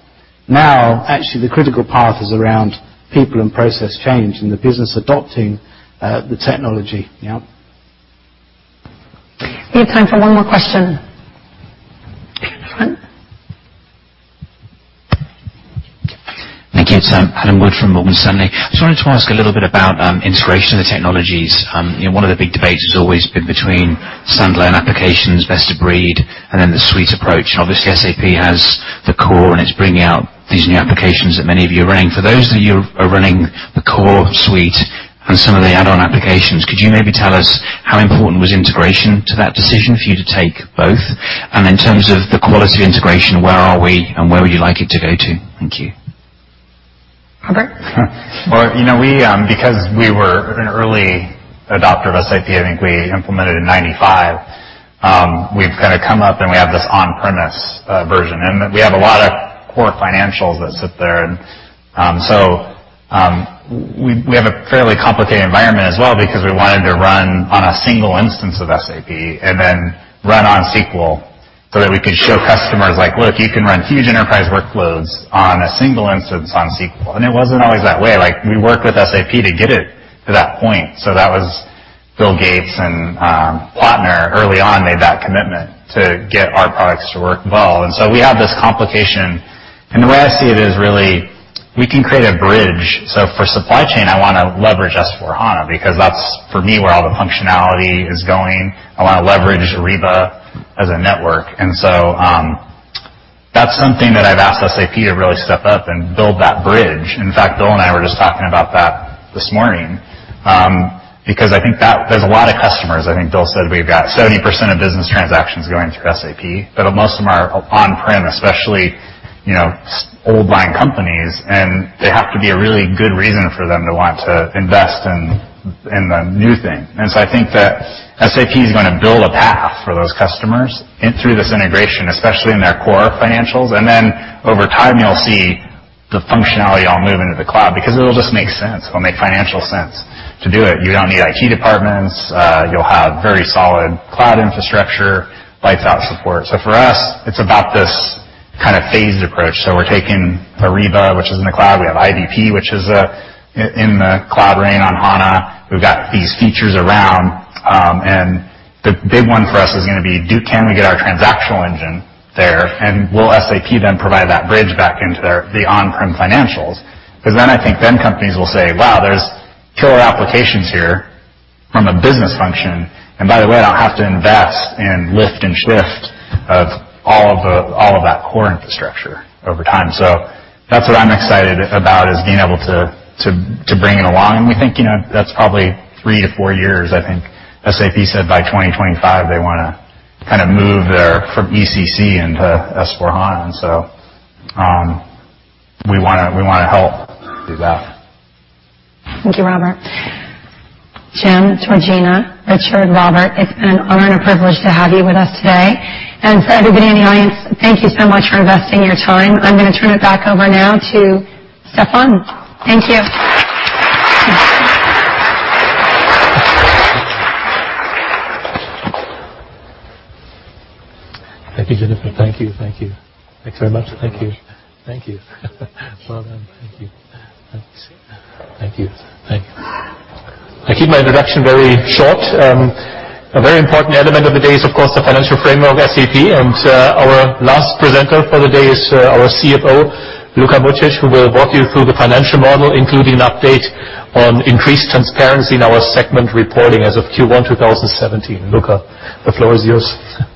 Actually, the critical path is around people and process change and the business adopting the technology, yeah. We have time for one more question. In the front. Thank you. Adam Wood from Morgan Stanley. Just wanted to ask a little bit about integration of the technologies. One of the big debates has always been between standalone applications, best of breed, and then the suite approach. Obviously, SAP has the core, and it's bringing out these new applications that many of you are running. For those of you who are running the core suite and some of the add-on applications, could you maybe tell us how important was integration to that decision for you to take both? In terms of the quality of integration, where are we and where would you like it to go to? Thank you. Okay. Because we were an early adopter of SAP, I think we implemented in 1995, we've kind of come up, and we have this on-premise version. We have a lot of core financials that sit there. We have a fairly complicated environment as well because we wanted to run on a single instance of SAP and then run on SQL so that we could show customers, like, "Look, you can run huge enterprise workloads on a single instance on SQL." It wasn't always that way. We worked with SAP to get it to that point. That was Bill Gates and partner early on made that commitment to get our products to work well. We have this complication. The way I see it is really we can create a bridge. For supply chain, I want to leverage S/4HANA because that's, for me, where all the functionality is going. I want to leverage Ariba as a network. That's something that I've asked SAP to really step up and build that bridge. In fact, Bill and I were just talking about that this morning, because I think there's a lot of customers, I think Bill said we've got 70% of business transactions going through SAP, but most of them are on-prem, especially, old line companies, and they have to be a really good reason for them to want to invest in the new thing. I think that SAP is going to build a path for those customers in through this integration, especially in their core financials. Over time, you'll see the functionality all move into the cloud because it'll just make sense. It'll make financial sense to do it. You don't need IT departments, you'll have very solid cloud infrastructure, lights out support. For us, it's about this kind of phased approach. We're taking Ariba, which is in the cloud. We have IBP, which is in the cloud running on HANA. We've got these features around. The big one for us is going to be can we get our transactional engine there? Will SAP then provide that bridge back into the on-prem financials? I think companies will say, "Wow, there's killer applications here from a business function. By the way, I'll have to invest in lift and shift of all of that core infrastructure over time." That's what I'm excited about, is being able to bring it along. We think that's probably three to four years, I think. SAP said by 2025 they want to kind of move their from ECC into S/4HANA. We want to help do that. Thank you, Robert. Jim, Georgina, Richard, Robert, it's been an honor and a privilege to have you with us today. For everybody in the audience, thank you so much for investing your time. I'm going to turn it back over now to Stefan. Thank you. Thank you, Jennifer. Thank you. Thanks very much. Thank you. Well done. Thank you. Thanks. Thank you. Thanks. I keep my introduction very short. A very important element of the day is, of course, the financial framework of SAP, our last presenter for the day is our CFO, Luka Mucic, who will walk you through the financial model, including an update on increased transparency in our segment reporting as of Q1 2017. Luka, the floor is yours.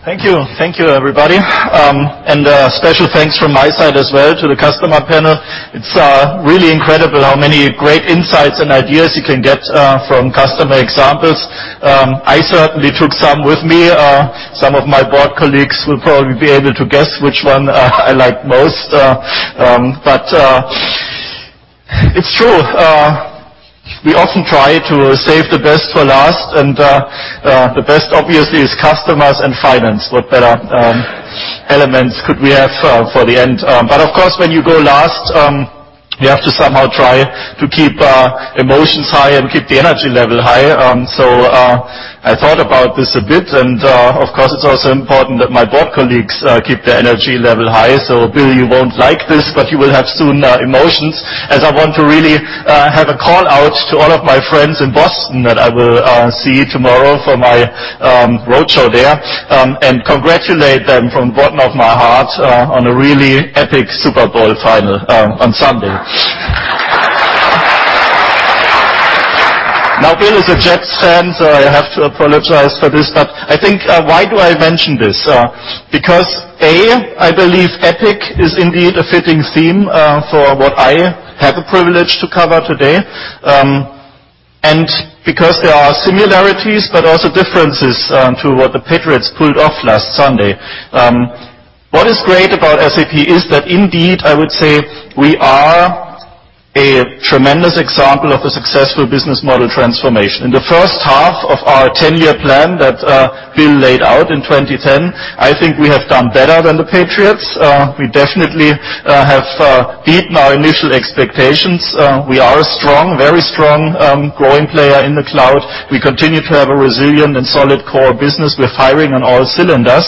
Thank you. Thank you, everybody. A special thanks from my side as well to the customer panel. It's really incredible how many great insights and ideas you can get from customer examples. I certainly took some with me. Some of my board colleagues will probably be able to guess which one I like most. It's true, we often try to save the best for last, and the best obviously is customers and finance. What better elements could we have for the end? Of course, when you go last, you have to somehow try to keep emotions high and keep the energy level high. I thought about this a bit, of course, it's also important that my board colleagues keep their energy level high. Bill, you won't like this, but you will have soon emotions, as I want to really have a call out to all of my friends in Boston that I will see tomorrow for my roadshow there. Congratulate them from the bottom of my heart on a really epic Super Bowl final on Sunday. Bill is a New York Jets fan, I have to apologize for this, I think, why do I mention this? A, I believe epic is indeed a fitting theme for what I have a privilege to cover today. Because there are similarities, but also differences to what the New England Patriots pulled off last Sunday. What is great about SAP is that indeed, I would say we are a tremendous example of a successful business model transformation. In the first half of our 10-year plan that Bill laid out in 2010, I think we have done better than the New England Patriots. We definitely have beaten our initial expectations. We are a strong, very strong, growing player in the cloud. We continue to have a resilient and solid core business. We're firing on all cylinders.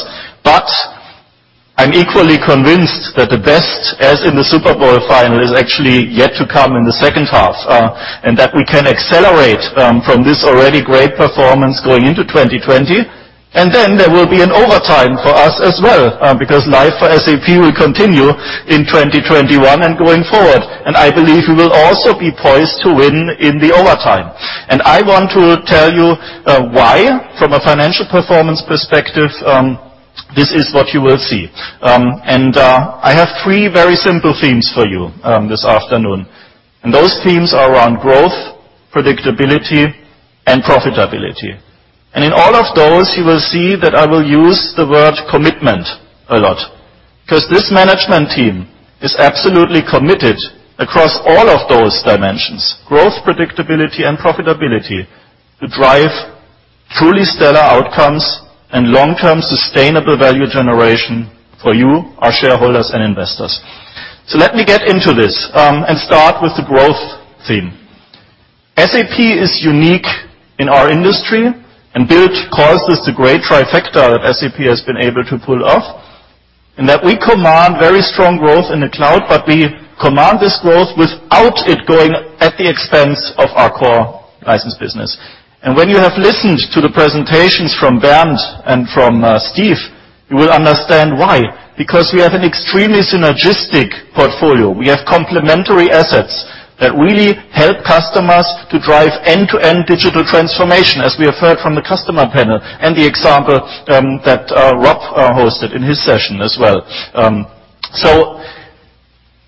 I'm equally convinced that the best, as in the Super Bowl final, is actually yet to come in the second half, and that we can accelerate from this already great performance going into 2020. There will be an overtime for us as well, because life for SAP will continue in 2021 and going forward. I believe we will also be poised to win in the overtime. I want to tell you why, from a financial performance perspective, this is what you will see. I have three very simple themes for you this afternoon. Those themes are around growth, predictability, and profitability. In all of those, you will see that I will use the word commitment a lot, because this management team is absolutely committed across all of those dimensions, growth, predictability, and profitability, to drive truly stellar outcomes and long-term sustainable value generation for you, our shareholders and investors. Let me get into this, start with the growth theme. SAP is unique in our industry, Bill calls this the great trifecta that SAP has been able to pull off, in that we command very strong growth in the cloud, we command this growth without it going at the expense of our core license business. When you have listened to the presentations from Bernd and from Steve, you will understand why. We have an extremely synergistic portfolio. We have complementary assets that really help customers to drive end-to-end digital transformation, as we have heard from the customer panel, and the example that Rob hosted in his session as well.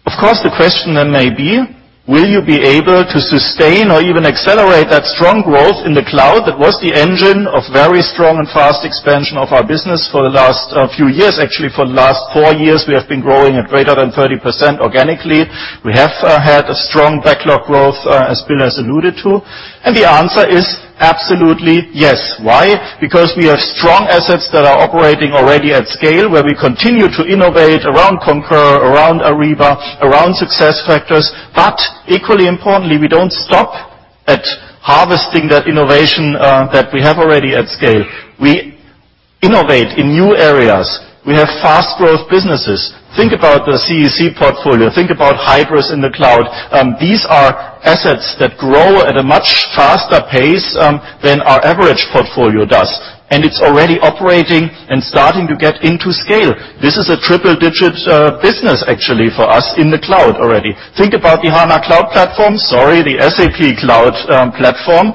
The question then may be, will you be able to sustain or even accelerate that strong growth in the cloud that was the engine of very strong and fast expansion of our business for the last few years? Actually, for the last four years, we have been growing at greater than 30% organically. We have had a strong backlog growth, as Bill has alluded to. The answer is absolutely yes. Why? We have strong assets that are operating already at scale, where we continue to innovate around SAP Concur, around SAP Ariba, around SAP SuccessFactors. Equally importantly, we don't stop at harvesting that innovation that we have already at scale. We innovate in new areas. We have fast growth businesses. Think about the CEC portfolio, think about Hybris in the cloud. These are assets that grow at a much faster pace than our average portfolio does, and it's already operating and starting to get into scale. This is a triple-digit business actually for us in the cloud already. Think about the HANA Cloud Platform, sorry, the SAP Cloud Platform,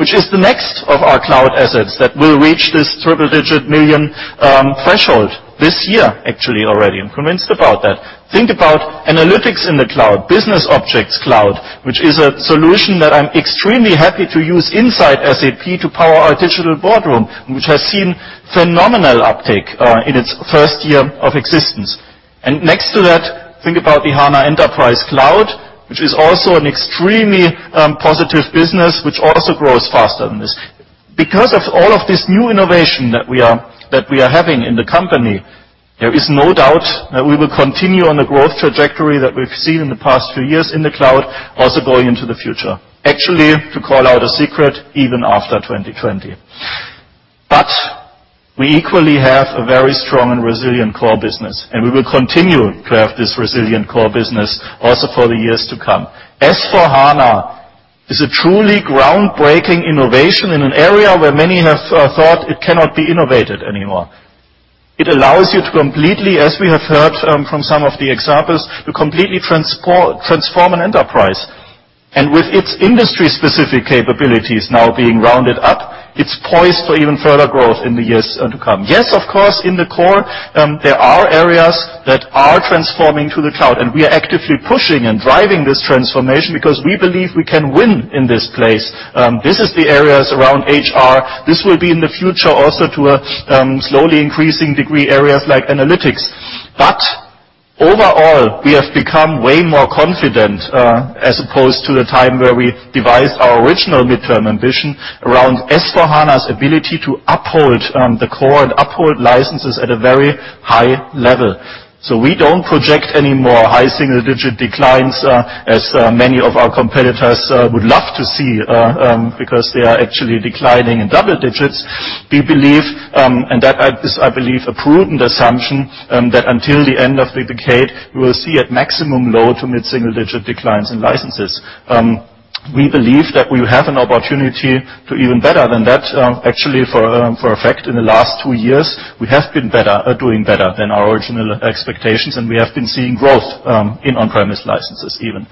which is the next of our cloud assets that will reach this triple-digit million threshold this year, actually already. I'm convinced about that. Think about analytics in the cloud, SAP BusinessObjects Cloud, which is a solution that I'm extremely happy to use inside SAP to power our SAP Digital Boardroom, and which has seen phenomenal uptake in its first year of existence. Next to that, think about the SAP HANA Enterprise Cloud, which is also an extremely positive business, which also grows faster than this. Because of all of this new innovation that we are having in the company, there is no doubt that we will continue on the growth trajectory that we've seen in the past few years in the cloud, also going into the future. Actually, to call out a secret, even after 2020. We equally have a very strong and resilient core business, and we will continue to have this resilient core business also for the years to come. SAP S/4HANA is a truly groundbreaking innovation in an area where many have thought it cannot be innovated anymore. It allows you to completely, as we have heard from some of the examples, to completely transform an enterprise. With its industry-specific capabilities now being rounded up, it's poised for even further growth in the years to come. Yes, of course, in the core, there are areas that are transforming to the cloud, and we are actively pushing and driving this transformation because we believe we can win in this place. This is the areas around HR. This will be in the future also to a slowly increasing degree, areas like analytics. Overall, we have become way more confident, as opposed to the time where we devised our original midterm ambition around SAP S/4HANA's ability to uphold the core and uphold licenses at a very high level. We don't project any more high single-digit declines, as many of our competitors would love to see, because they are actually declining in double digits. We believe, and that is, I believe, a prudent assumption, that until the end of the decade, we will see at maximum low to mid single-digit declines in licenses. We believe that we have an opportunity to even better than that. Actually, for a fact, in the last two years, we have been doing better than our original expectations, and we have been seeing growth in on-premise licenses even.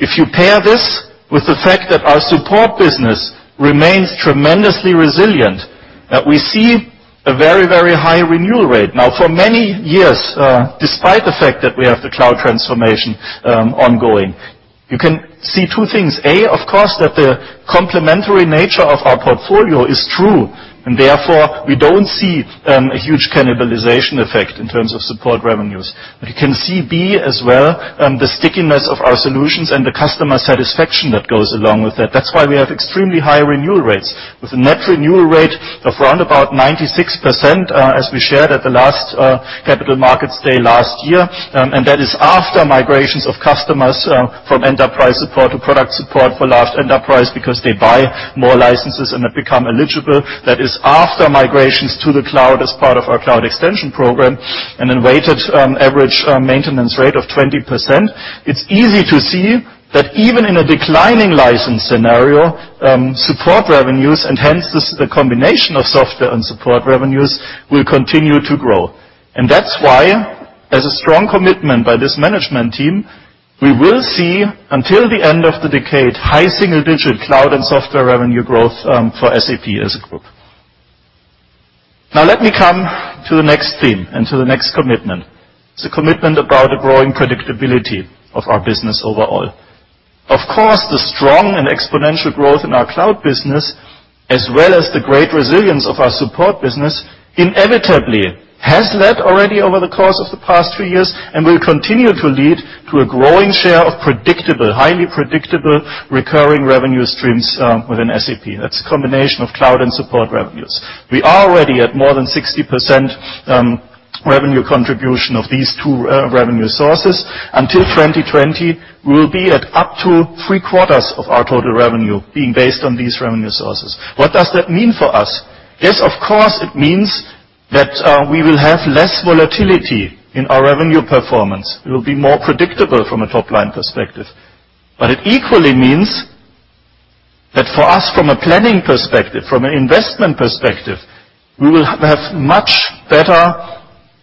If you pair this with the fact that our support business remains tremendously resilient, that we see a very, very high renewal rate. Now, for many years, despite the fact that we have the cloud transformation ongoing, you can see two things. A, of course, that the complementary nature of our portfolio is true, and therefore, we don't see a huge cannibalization effect in terms of support revenues. You can see, as well, the stickiness of our solutions and the customer satisfaction that goes along with that. That's why we have extremely high renewal rates. With a net renewal rate of around about 96%, as we shared at the last Capital Markets Day last year, and that is after migrations of customers from enterprise support to product support for large enterprise because they buy more licenses and have become eligible. That is after migrations to the cloud as part of our Cloud Extension Program, and a weighted average maintenance rate of 20%. It's easy to see that even in a declining license scenario, support revenues, and hence the combination of software and support revenues, will continue to grow. That's why, as a strong commitment by this management team, we will see, until the end of the decade, high single-digit cloud and software revenue growth for SAP as a group. Let me come to the next theme and to the next commitment. It's a commitment about a growing predictability of our business overall. Of course, the strong and exponential growth in our cloud business, as well as the great resilience of our support business, inevitably has led already over the course of the past few years, and will continue to lead to a growing share of predictable, highly predictable, recurring revenue streams within SAP. That's a combination of cloud and support revenues. We are already at more than 60% revenue contribution of these two revenue sources. Until 2020, we will be at up to three quarters of our total revenue being based on these revenue sources. What does that mean for us? Yes, of course, it means that we will have less volatility in our revenue performance. It will be more predictable from a top-line perspective. It equally means that for us from a planning perspective, from an investment perspective, we will have much better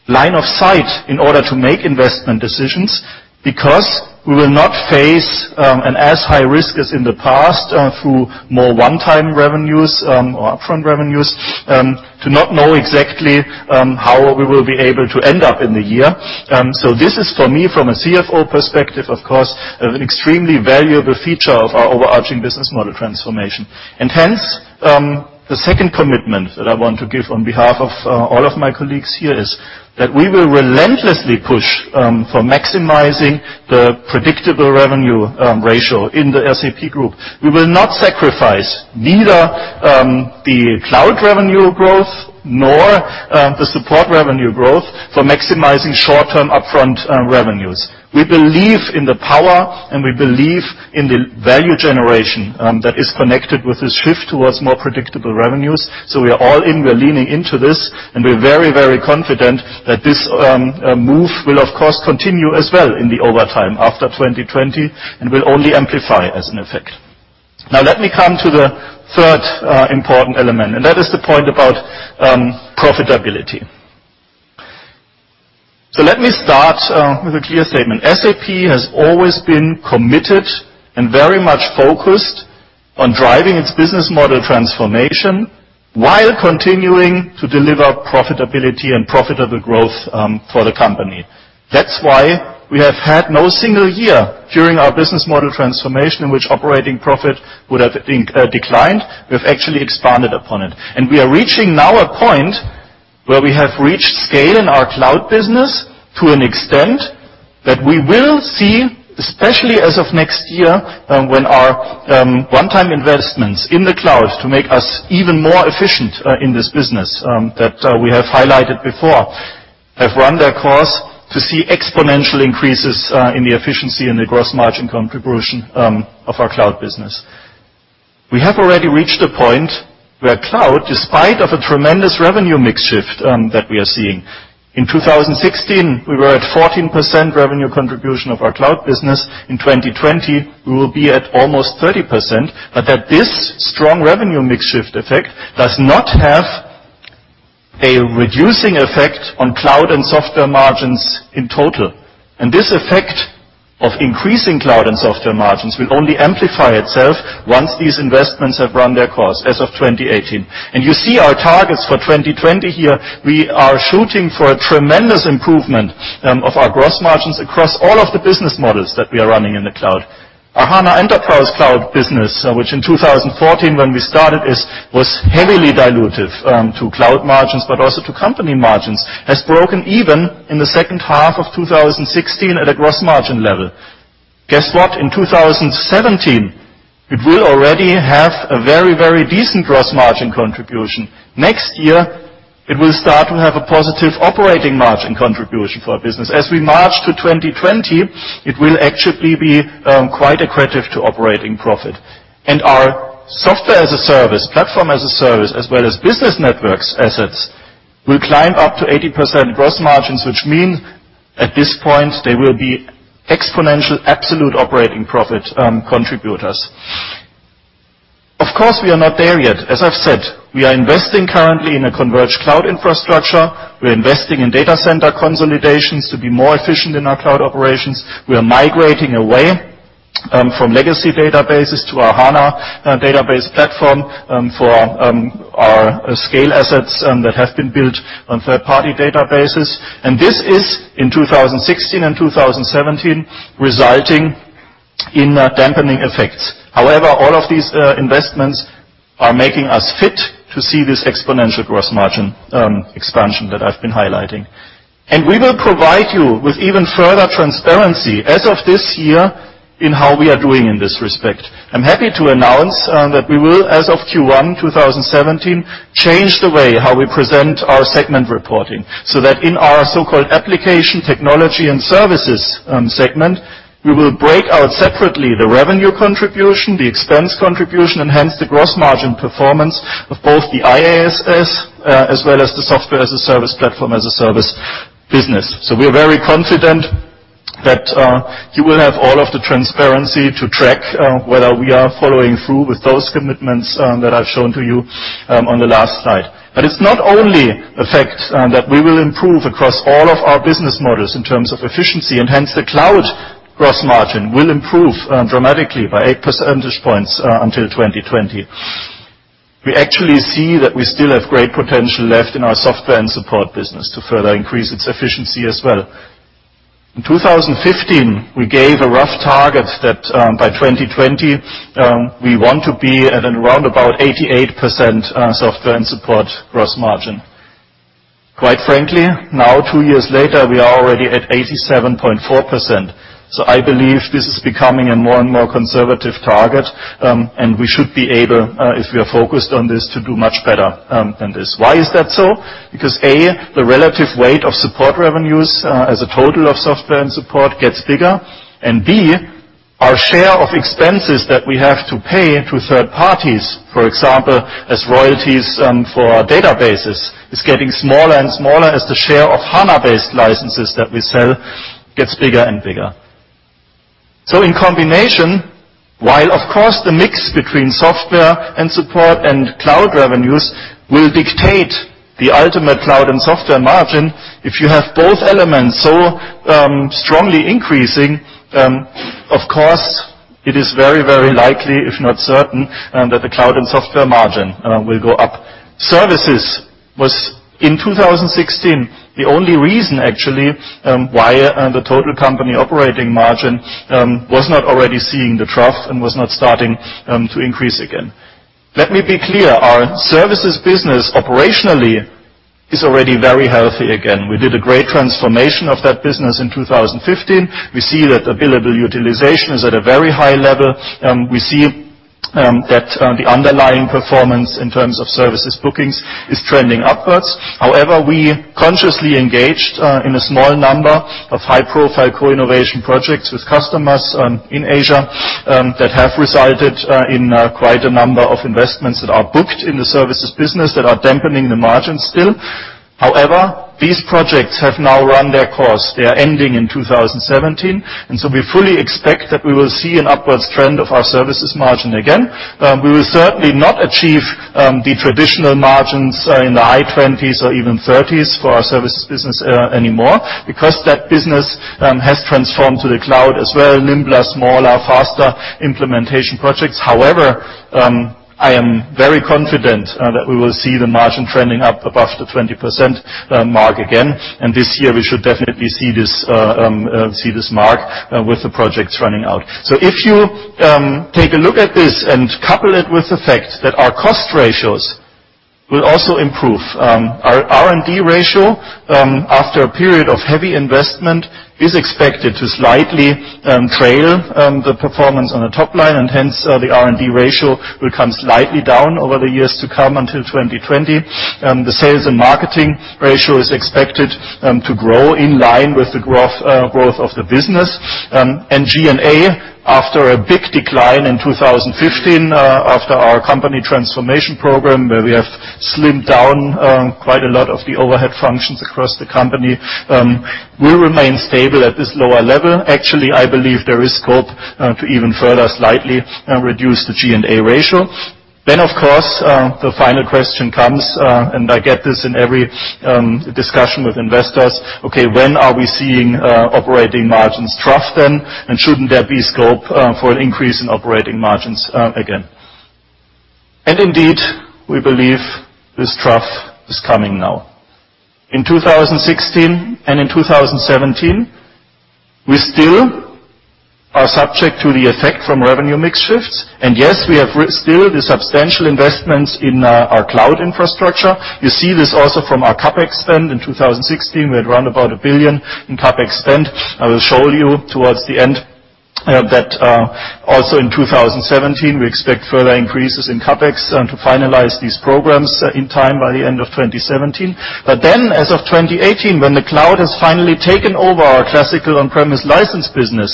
Line of sight in order to make investment decisions, because we will not face an as high risk as in the past through more one-time revenues or upfront revenues, to not know exactly how we will be able to end up in the year. This is for me, from a CFO perspective, of course, an extremely valuable feature of our overarching business model transformation. Hence, the second commitment that I want to give on behalf of all of my colleagues here is, that we will relentlessly push for maximizing the predictable revenue ratio in the SAP group. We will not sacrifice neither the cloud revenue growth, nor the support revenue growth, for maximizing short-term upfront revenues. We believe in the power and we believe in the value generation that is connected with this shift towards more predictable revenues. We are all in, we are leaning into this, and we are very confident that this move will, of course, continue as well in the overtime after 2020, and will only amplify as an effect. Let me come to the third important element, and that is the point about profitability. Let me start with a clear statement. SAP has always been committed and very much focused on driving its business model transformation while continuing to deliver profitability and profitable growth for the company. That's why we have had no single year during our business model transformation in which operating profit would have declined. We've actually expanded upon it. We are reaching now a point where we have reached scale in our cloud business to an extent that we will see, especially as of next year, when our one-time investments in the cloud to make us even more efficient in this business that we have highlighted before, have run their course to see exponential increases in the efficiency and the gross margin contribution of our cloud business. We have already reached a point where cloud, despite of a tremendous revenue mix shift that we are seeing, in 2016, we were at 14% revenue contribution of our cloud business. In 2020, we will be at almost 30%. That this strong revenue mix shift effect does not have a reducing effect on cloud and software margins in total. This effect of increasing cloud and software margins will only amplify itself once these investments have run their course as of 2018. You see our targets for 2020 here. We are shooting for a tremendous improvement of our gross margins across all of the business models that we are running in the cloud. Our SAP HANA Enterprise Cloud business, which in 2014 when we started, was heavily dilutive to cloud margins, but also to company margins, has broken even in the second half of 2016 at a gross margin level. Guess what? In 2017, it will already have a very decent gross margin contribution. Next year, it will start to have a positive operating margin contribution for our business. As we march to 2020, it will actually be quite accretive to operating profit. Our software-as-a-service, platform-as-a-service, as well as business networks assets, will climb up to 80% gross margins, which mean at this point they will be exponential absolute operating profit contributors. Of course, we are not there yet. As I've said, we are investing currently in a converged cloud infrastructure. We're investing in data center consolidations to be more efficient in our cloud operations. We are migrating away from legacy databases to our SAP HANA database platform for our scale assets that have been built on third-party databases. This is, in 2016 and 2017, resulting in dampening effects. However, all of these investments are making us fit to see this exponential gross margin expansion that I've been highlighting. We will provide you with even further transparency as of this year in how we are doing in this respect. I'm happy to announce that we will, as of Q1 2017, change the way how we present our segment reporting, so that in our so-called application technology and services segment, we will break out separately the revenue contribution, the expense contribution, and hence the gross margin performance of both the IaaS, as well as the software-as-a-service, platform-as-a-service business. We are very confident that you will have all of the transparency to track whether we are following through with those commitments that I've shown to you on the last slide. It's not only a fact that we will improve across all of our business models in terms of efficiency, and hence the cloud gross margin will improve dramatically by eight percentage points until 2020. We actually see that we still have great potential left in our software and support business to further increase its efficiency as well. In 2015, we gave a rough target that by 2020, we want to be at around about 88% software and support gross margin. Quite frankly, now, two years later, we are already at 87.4%. I believe this is becoming a more and more conservative target, and we should be able, if we are focused on this, to do much better than this. Why is that so? Because, A, the relative weight of support revenues as a total of software and support gets bigger. B, our share of expenses that we have to pay to third parties, for example, as royalties for our databases, is getting smaller and smaller as the share of HANA-based licenses that we sell gets bigger and bigger. In combination, while of course, the mix between software and support and cloud revenues will dictate the ultimate cloud and software margin, if you have both elements so strongly increasing, of course, it is very, very likely, if not certain, that the cloud and software margin will go up. Services was, in 2016, the only reason actually, why the total company operating margin was not already seeing the trough and was not starting to increase again. Let me be clear. Our services business operationally is already very healthy again. We did a great transformation of that business in 2015. We see that billable utilization is at a very high level. We see that the underlying performance in terms of services bookings is trending upwards. However, we consciously engaged in a small number of high-profile co-innovation projects with customers in Asia, that have resulted in quite a number of investments that are booked in the services business that are dampening the margins still. However, these projects have now run their course. They are ending in 2017, we fully expect that we will see an upwards trend of our services margin again. We will certainly not achieve the traditional margins in the high 20s or even 30s for our services business anymore because that business has transformed to the cloud as well, nimbler, smaller, faster implementation projects. However, I am very confident that we will see the margin trending up above the 20% mark again. This year, we should definitely see this mark with the projects running out. If you take a look at this and couple it with the fact that our cost ratios will also improve. Our R&D ratio, after a period of heavy investment, is expected to slightly trail the performance on the top line, and hence, the R&D ratio will come slightly down over the years to come until 2020. The sales and marketing ratio is expected to grow in line with the growth of the business. G&A, after a big decline in 2015, after our company transformation program, where we have slimmed down quite a lot of the overhead functions across the company, will remain stable at this lower level. Actually, I believe there is scope to even further slightly reduce the G&A ratio. Of course, the final question comes, and I get this in every discussion with investors. Okay, when are we seeing operating margins trough then? Shouldn't there be scope for an increase in operating margins again? Indeed, we believe this trough is coming now. In 2016 and in 2017, we still are subject to the effect from revenue mix shifts. Yes, we have still the substantial investments in our cloud infrastructure. You see this also from our CapEx spend in 2016. We had around about 1 billion in CapEx spend. I will show you towards the end that also in 2017, we expect further increases in CapEx and to finalize these programs in time by the end of 2017. As of 2018, when the cloud has finally taken over our classical on-premise license business,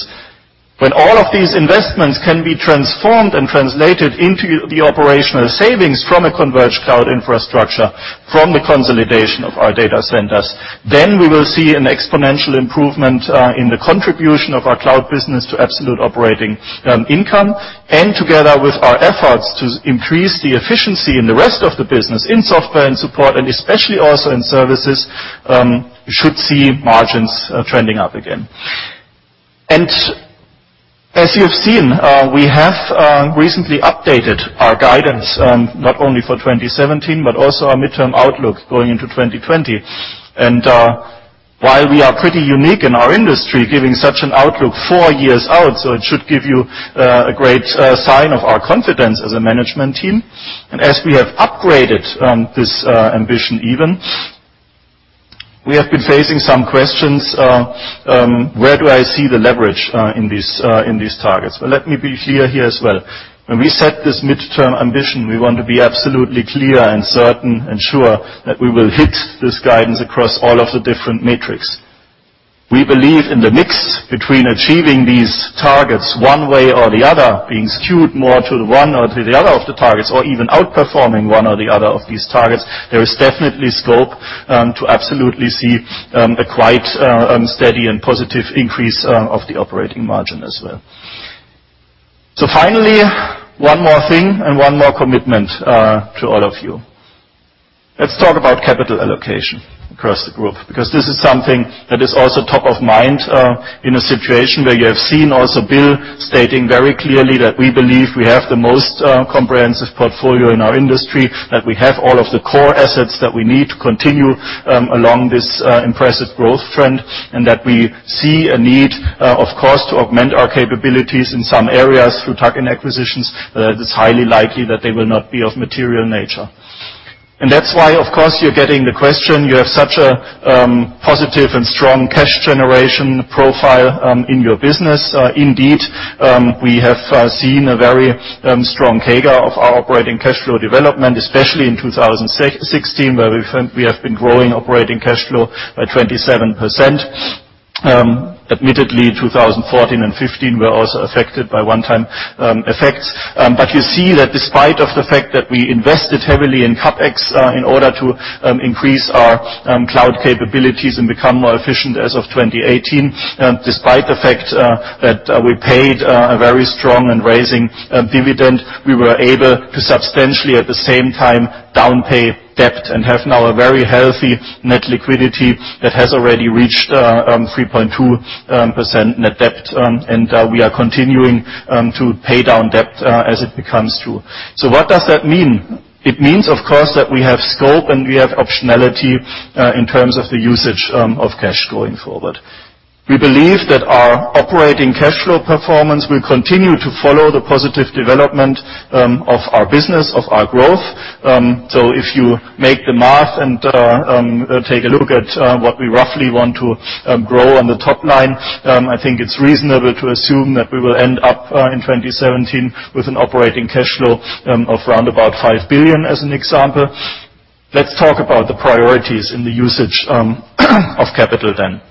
when all of these investments can be transformed and translated into the operational savings from a converged cloud infrastructure from the consolidation of our data centers, we will see an exponential improvement in the contribution of our cloud business to absolute operating income. Together with our efforts to increase the efficiency in the rest of the business, in software and support, and especially also in services, we should see margins trending up again. As you have seen, we have recently updated our guidance, not only for 2017, but also our midterm outlook going into 2020. While we are pretty unique in our industry, giving such an outlook four years out, it should give you a great sign of our confidence as a management team. As we have upgraded this ambition even, we have been facing some questions, where do I see the leverage in these targets? Well, let me be clear here as well. When we set this midterm ambition, we want to be absolutely clear and certain and sure that we will hit this guidance across all of the different metrics. We believe in the mix between achieving these targets one way or the other, being skewed more to the one or to the other of the targets, or even outperforming one or the other of these targets. There is definitely scope to absolutely see a quite steady and positive increase of the operating margin as well. Finally, one more thing and one more commitment to all of you. Let's talk about capital allocation across the group, because this is something that is also top of mind in a situation where you have seen also Bill stating very clearly that we believe we have the most comprehensive portfolio in our industry, that we have all of the core assets that we need to continue along this impressive growth trend, and that we see a need, of course, to augment our capabilities in some areas through tuck-in acquisitions, that it's highly likely that they will not be of material nature. That's why, of course, you're getting the question. You have such a positive and strong cash generation profile in your business. Indeed, we have seen a very strong CAGR of our operating cash flow development, especially in 2016, where we have been growing operating cash flow by 27%. Admittedly, 2014 and 2015 were also affected by one-time effects. You see that despite of the fact that we invested heavily in CapEx in order to increase our cloud capabilities and become more efficient as of 2018, despite the fact that we paid a very strong and raising dividend, we were able to substantially, at the same time, down pay debt and have now a very healthy net liquidity that has already reached 3.2% net debt, and we are continuing to pay down debt as it becomes due. What does that mean? It means, of course, that we have scope, and we have optionality in terms of the usage of cash going forward. We believe that our operating cash flow performance will continue to follow the positive development of our business, of our growth. If you make the math and take a look at what we roughly want to grow on the top line, I think it's reasonable to assume that we will end up in 2017 with an operating cash flow of round about $5 billion as an example. Let's talk about the priorities in the usage of capital then.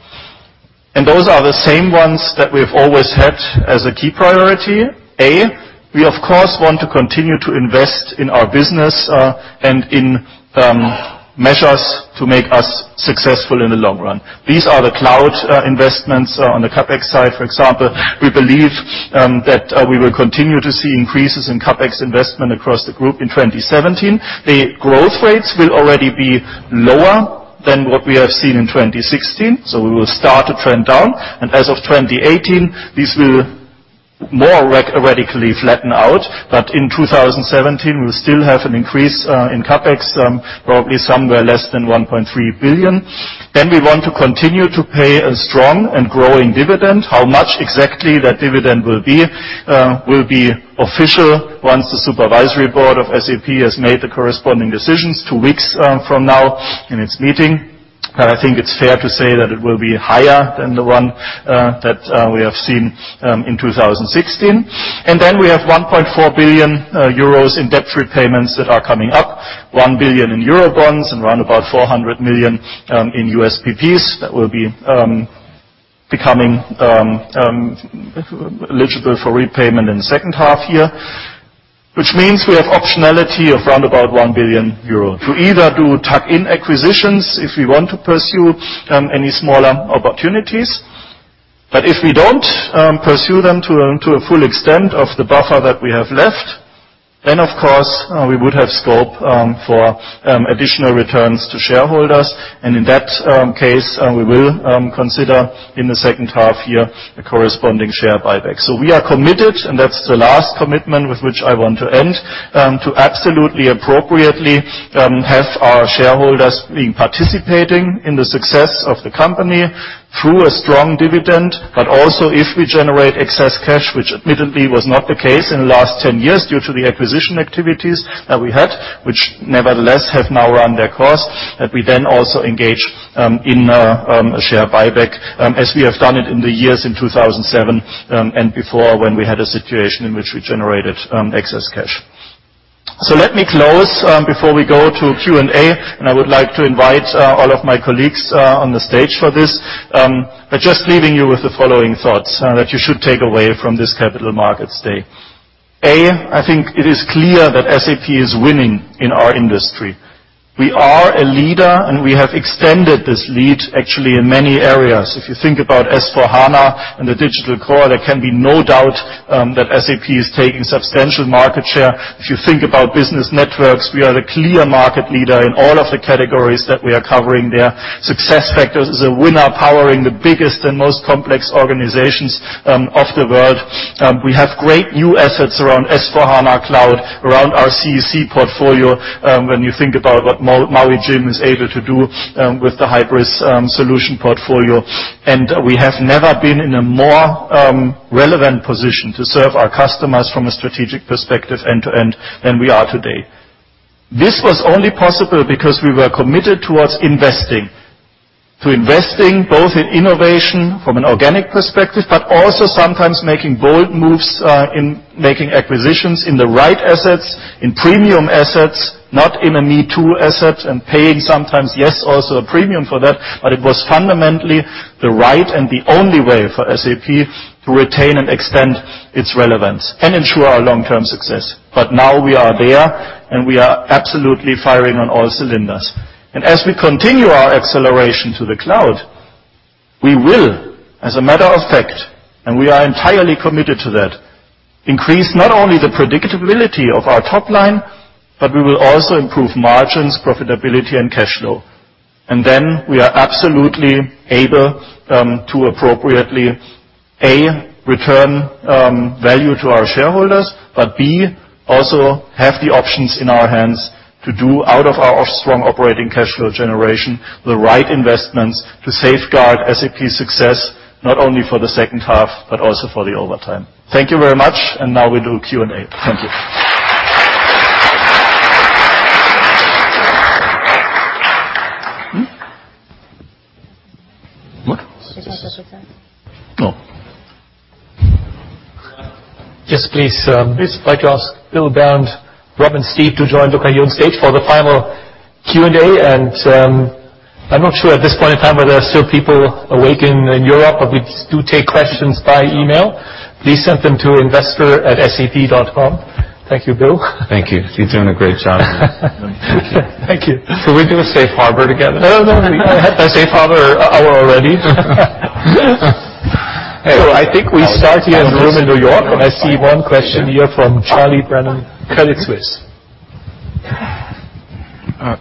Those are the same ones that we've always had as a key priority. A, we, of course, want to continue to invest in our business, and in measures to make us successful in the long run. These are the cloud investments on the CapEx side, for example. We believe that we will continue to see increases in CapEx investment across the group in 2017. The growth rates will already be lower than what we have seen in 2016, we will start to trend down. As of 2018, this will more radically flatten out. In 2017, we'll still have an increase in CapEx, probably somewhere less than $1.3 billion. We want to continue to pay a strong and growing dividend. How much exactly that dividend will be, will be official once the supervisory board of SAP has made the corresponding decisions two weeks from now in its meeting. I think it's fair to say that it will be higher than the one that we have seen in 2016. We have 1.4 billion euros in debt repayments that are coming up, 1 billion in EUR bonds and round about 400 million in USPPs that will be becoming eligible for repayment in the second half year. Which means we have optionality of round about 1 billion euro to either do tuck-in acquisitions if we want to pursue any smaller opportunities. If we don't pursue them to a full extent of the buffer that we have left, of course we would have scope for additional returns to shareholders. In that case, we will consider in the second half year a corresponding share buyback. We are committed, and that's the last commitment with which I want to end, to absolutely appropriately have our shareholders participating in the success of the company through a strong dividend. Also, if we generate excess cash, which admittedly was not the case in the last ten years due to the acquisition activities that we had, which nevertheless have now run their course, that we then also engage in a share buyback as we have done it in the years in 2007 and before when we had a situation in which we generated excess cash. Let me close before we go to Q&A, and I would like to invite all of my colleagues on the stage for this. By just leaving you with the following thoughts that you should take away from this capital markets day. A, I think it is clear that SAP is winning in our industry. We are a leader, and we have extended this lead actually in many areas. If you think about SAP S/4HANA and the digital core, there can be no doubt that SAP is taking substantial market share. If you think about business networks, we are the clear market leader in all of the categories that we are covering there. SuccessFactors is a winner powering the biggest and most complex organizations of the world. We have great new assets around SAP S/4HANA Cloud, around our CEC portfolio, when you think about what Maui Jim is able to do with the Hybris solution portfolio. We have never been in a more relevant position to serve our customers from a strategic perspective end to end than we are today. This was only possible because we were committed towards investing. To investing both in innovation from an organic perspective, but also sometimes making bold moves in making acquisitions in the right assets, in premium assets, not in a me-too asset, and paying sometimes, yes, also a premium for that. It was fundamentally the right and the only way for SAP to retain and extend its relevance and ensure our long-term success. Now we are there, and we are absolutely firing on all cylinders. As we continue our acceleration to the cloud, we will, as a matter of fact, and we are entirely committed to that, increase not only the predictability of our top line, but we will also improve margins, profitability, and cash flow. We are absolutely able to appropriately, A, return value to our shareholders. B, also have the options in our hands to do out of our strong operating cash flow generation the right investments to safeguard SAP's success, not only for the second half, but also for the overtime. Thank you very much, and now we do Q&A. Thank you. Hmm? What? She wants to present. Oh. Yes, please. Just like to ask Bill, Bernd, Rob, and Steve to join Luka on stage for the final Q&A. I'm not sure at this point in time whether there are still people awake in Europe, but we do take questions by email. Please send them to investor@sap.com. Thank you, Bill. Thank you. You're doing a great job. Thank you. Can we do a safe harbor together? No, we had the safe harbor hour already. I think we start here in the room in New York, and I see one question here from Charlie Brennan, Credit Suisse.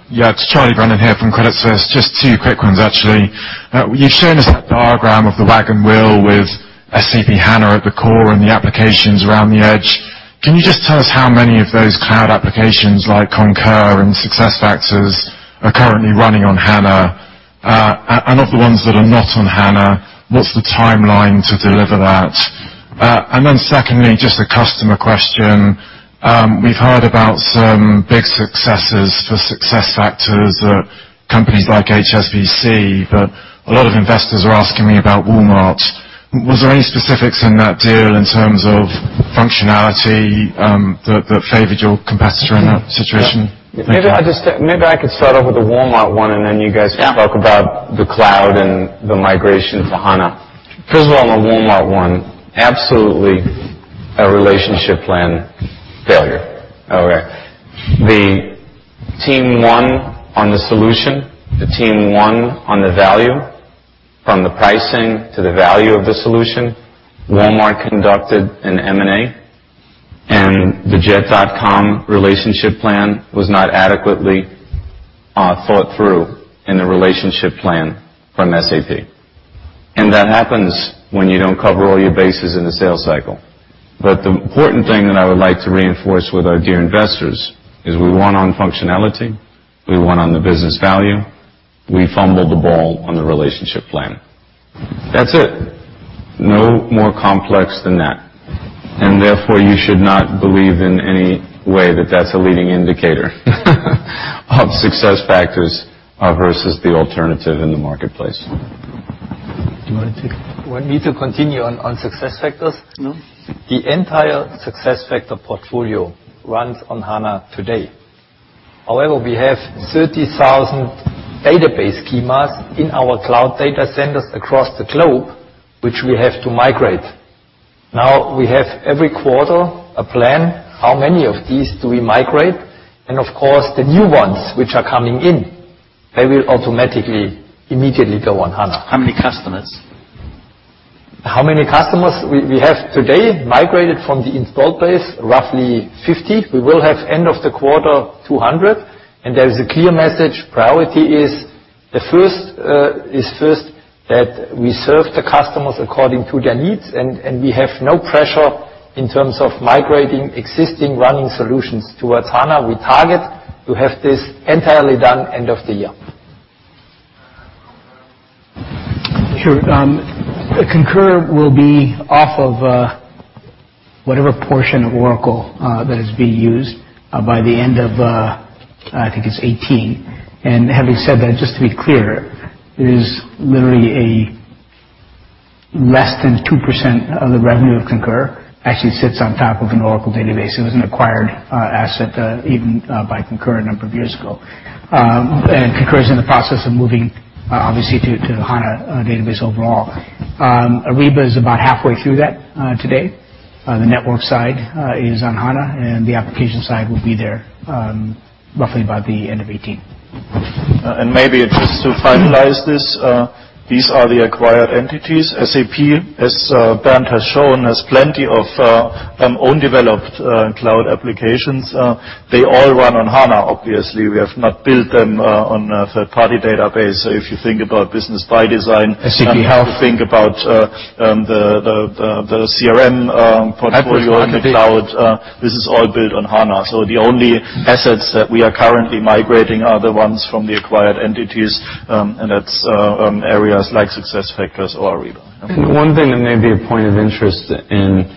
Yeah. It's Charlie Brennan here from Credit Suisse. Just two quick ones actually. You've shown us that diagram of the wagon wheel with SAP HANA at the core and the applications around the edge. Can you just tell us how many of those cloud applications like Concur and SuccessFactors are currently running on HANA? Of the ones that are not on HANA, what's the timeline to deliver that? Secondly, just a customer question. We've heard about some big successes for SuccessFactors at companies like HSBC, but a lot of investors are asking me about Walmart. Was there any specifics in that deal in terms of functionality that favored your competitor in that situation? Maybe I could start off with the Walmart one, then you guys can talk about the cloud and the migration to HANA. First of all, on the Walmart one, absolutely a relationship plan failure. Okay. The team won on the solution, the team won on the value, from the pricing to the value of the solution. Walmart conducted an M&A, the Jet.com relationship plan was not adequately thought through in the relationship plan from SAP. That happens when you don't cover all your bases in the sales cycle. The important thing that I would like to reinforce with our dear investors is we won on functionality, we won on the business value. We fumbled the ball on the relationship plan. That's it. No more complex than that. Therefore, you should not believe in any way that that's a leading indicator of SuccessFactors versus the alternative in the marketplace. Do you want to? Want me to continue on SuccessFactors? No. The entire SuccessFactors portfolio runs on HANA today. However, we have 30,000 database schemas in our cloud data centers across the globe, which we have to migrate. Now, we have every quarter a plan, how many of these do we migrate? Of course, the new ones which are coming in, they will automatically, immediately go on HANA. How many customers? How many customers we have today migrated from the installed base, roughly 50. We will have end of the quarter, 200. There is a clear message. Priority is first, that we serve the customers according to their needs, and we have no pressure in terms of migrating existing running solutions towards SAP HANA. We target to have this entirely done end of the year. Sure. SAP Concur will be off of whatever portion of Oracle that is being used by the end of, I think it's 2018. Having said that, just to be clear, it is literally less than 2% of the revenue of SAP Concur actually sits on top of an Oracle database. It was an acquired asset, even by SAP Concur a number of years ago. SAP Concur is in the process of moving, obviously, to the SAP HANA database overall. SAP Ariba is about halfway through that today. The network side is on SAP HANA, and the application side will be there roughly by the end of 2018. Maybe just to finalize this, these are the acquired entities. SAP, as Bernd has shown, has plenty of own developed cloud applications. They all run on SAP HANA. Obviously, we have not built them on a third-party database. If you think about SAP Business ByDesign- SAP HANA you think about the CRM portfolio on the cloud. At the- This is all built on HANA. The only assets that we are currently migrating are the ones from the acquired entities, that's areas like SuccessFactors or Ariba. One thing that may be a point of interest in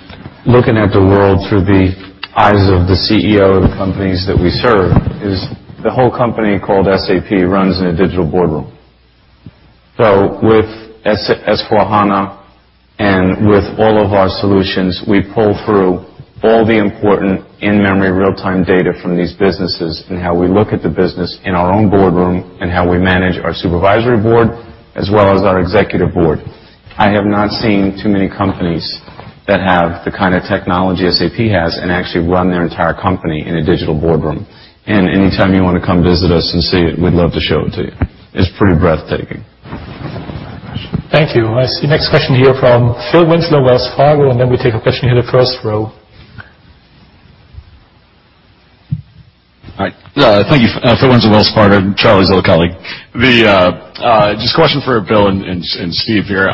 looking at the world through the eyes of the CEO of the companies that we serve is the whole company called SAP runs in a digital boardroom. With S/4HANA and with all of our solutions, we pull through all the important in-memory real-time data from these businesses and how we look at the business in our own boardroom, and how we manage our supervisory board as well as our executive board. I have not seen too many companies that have the kind of technology SAP has and actually run their entire company in a digital boardroom. Anytime you want to come visit us and see it, we'd love to show it to you. It's pretty breathtaking. Thank you. I see next question here from Phil Winslow, Wells Fargo. Then we take a question here the first row. Hi. Thank you. Phil Winslow, Wells Fargo, Charlie's old colleague. Just a question for Bill and Steve here.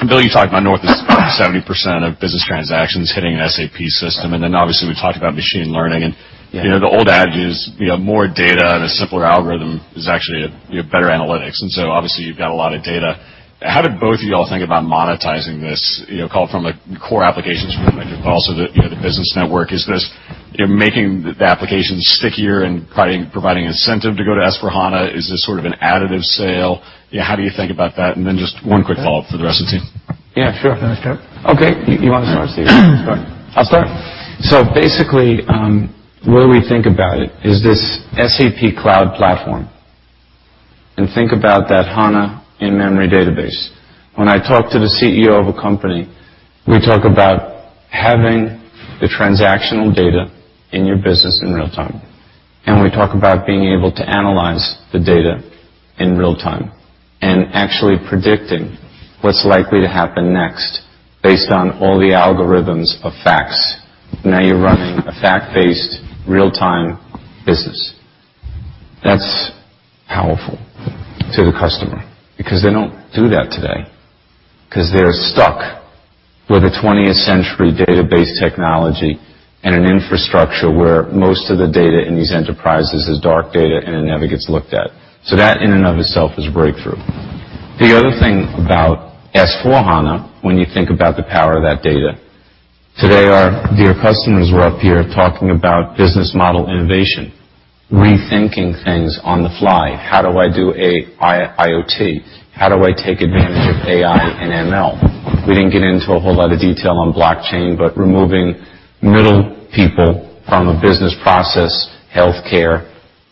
Bill, you talked about north of 70% of business transactions hitting an SAP system. Then obviously, we talked about machine learning. Yeah The old adage is more data and a simpler algorithm is actually better analytics. Obviously, you've got a lot of data. How do both of you all think about monetizing this, call it from a core applications perspective, also the business network? Is this making the applications stickier and providing incentive to go to SAP S/4HANA? Is this sort of an additive sale? Yeah, how do you think about that? Just one quick follow-up for the rest of the team. Yeah, sure. You want to start? Okay. You want to start, Steve? I'll start. I'll start. Basically, where we think about it is this SAP Cloud Platform. Think about that HANA in-memory database. When I talk to the CEO of a company, we talk about having the transactional data in your business in real time. We talk about being able to analyze the data in real time, and actually predicting what's likely to happen next based on all the algorithms of facts. Now you're running a fact-based real-time business. That's powerful to the customer because they don't do that today, because they're stuck with a 20th-century database technology and an infrastructure where most of the data in these enterprises is dark data, and it never gets looked at. That in and of itself is a breakthrough. The other thing about S/4HANA, when you think about the power of that data, today our dear customers were up here talking about business model innovation, rethinking things on the fly. How do I do a IoT? How do I take advantage of AI and ML? We didn't get into a whole lot of detail on blockchain, but removing middle people from a business process, healthcare,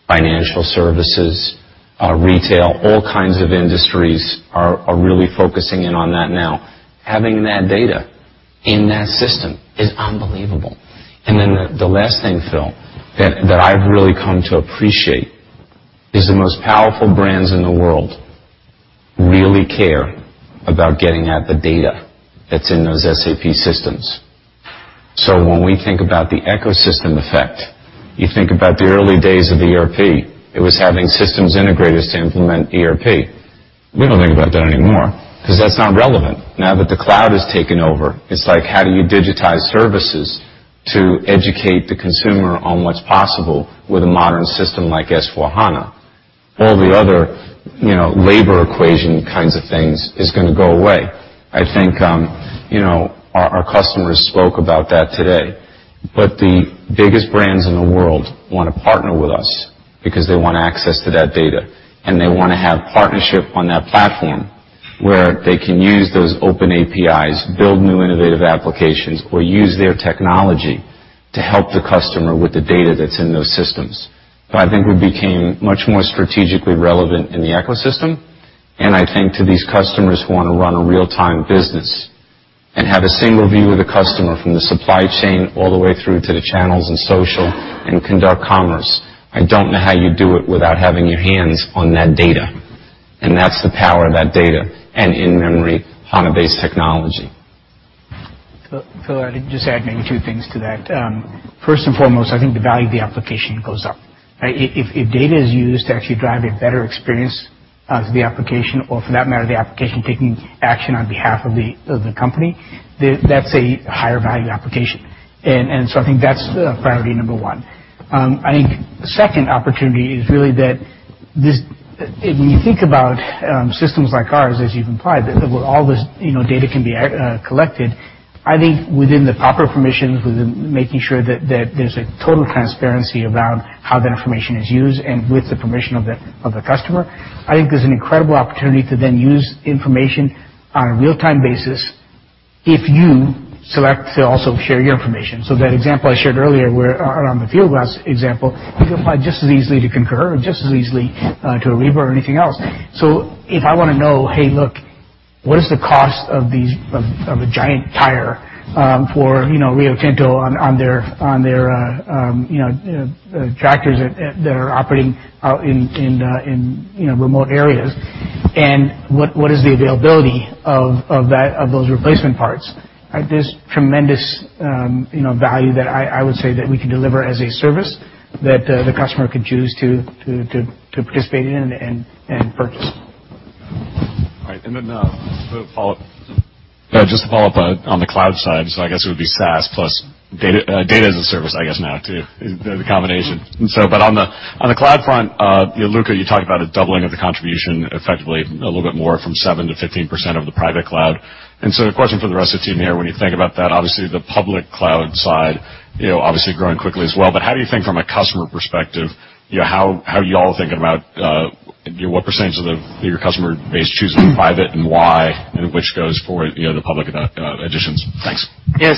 financial services, retail, all kinds of industries are really focusing in on that now. Having that data in that system is unbelievable. The last thing, Phil, that I've really come to appreciate is the most powerful brands in the world really care about getting at the data that's in those SAP systems. When we think about the ecosystem effect, you think about the early days of ERP, it was having systems integrators to implement ERP. We don't think about that anymore because that's not relevant. Now that the cloud has taken over, it's like, how do you digitize services to educate the consumer on what is possible with a modern system like S/4HANA? All the other labor equation kinds of things is going to go away. I think our customers spoke about that today. The biggest brands in the world want to partner with us because they want access to that data, and they want to have partnership on that platform where they can use those open APIs, build new innovative applications, or use their technology to help the customer with the data that's in those systems. I think we became much more strategically relevant in the ecosystem, and I think to these customers who want to run a real-time business and have a single view of the customer from the supply chain all the way through to the channels and social and conduct commerce. I don't know how you do it without having your hands on that data. That's the power of that data and in-memory HANA-based technology. Phil, I'll just add maybe two things to that. First and foremost, I think the value of the application goes up, right? If data is used to actually drive a better experience of the application or for that matter, the application taking action on behalf of the company, that's a higher value application. I think that's priority number 1. I think the second opportunity is really that when you think about systems like ours, as you've implied, where all this data can be collected, I think within the proper permissions, within making sure that there's a total transparency around how that information is used and with the permission of the customer, I think there's an incredible opportunity to then use information on a real-time basis if you select to also share your information. That example I shared earlier around the SAP Fieldglass example, it could apply just as easily to SAP Concur and just as easily to SAP Ariba or anything else. If I want to know, hey, look, what is the cost of a giant tire for Rio Tinto on their tractors that are operating out in remote areas? What is the availability of those replacement parts, right? There's tremendous value that I would say that we can deliver as a service that the customer could choose to participate in and purchase. All right. The follow-up. Just to follow up on the cloud side, so I guess it would be SaaS plus data as a service, I guess now, too, the combination. On the cloud front, Luka, you talked about a doubling of the contribution effectively a little bit more from 7% to 15% of the private cloud. The question for the rest of the team here, when you think about that, obviously the public cloud side, obviously growing quickly as well. How do you think from a customer perspective, how are you all thinking about what % of your customer base choosing private and why, and which goes for the public additions? Thanks. Yeah.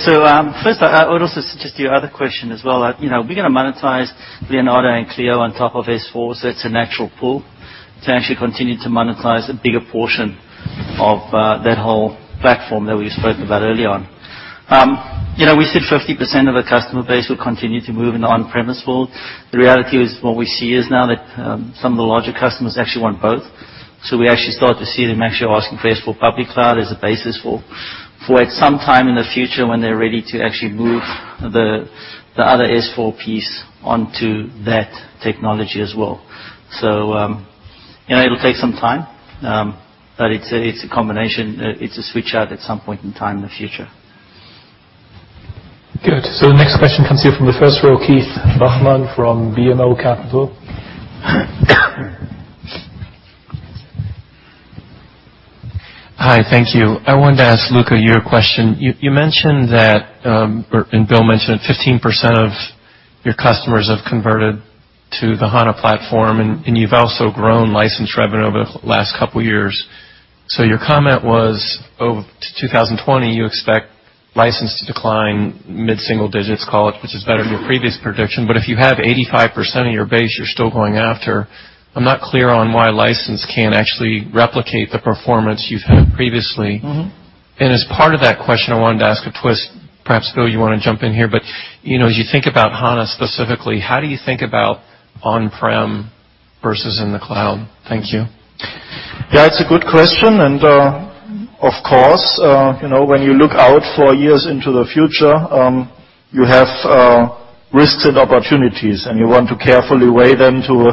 First, I would also suggest your other question as well. We're going to monetize SAP Leonardo and SAP Clea on top of SAP S/4HANA, so it's a natural pull to actually continue to monetize a bigger portion of that whole platform that we spoke about early on. We said 50% of the customer base will continue to move in on-premise world. The reality is what we see is now that some of the larger customers actually want both. We actually started to see them actually asking for SAP S/4HANA Cloud as a basis for at some time in the future when they're ready to actually move the other SAP S/4HANA piece onto that technology as well. It'll take some time, but it's a combination. it's a switch out at some point in time in the future. Good. The next question comes here from the first row, Keith Bachman from BMO Capital. Hi, thank you. I wanted to ask Luka your question. You mentioned that, or Bill mentioned 15% of your customers have converted to the HANA platform, and you've also grown license revenue over the last couple of years. Your comment was, to 2020, you expect license to decline mid-single digits call, which is better than your previous prediction, but if you have 85% of your base you're still going after, I'm not clear on why license can't actually replicate the performance you've had previously. As part of that question, I wanted to ask a twist. Perhaps, Bill, you want to jump in here. As you think about HANA specifically, how do you think about on-prem versus in the cloud? Thank you. It's a good question. Of course, when you look out four years into the future, you have risks and opportunities, and you want to carefully weigh them to,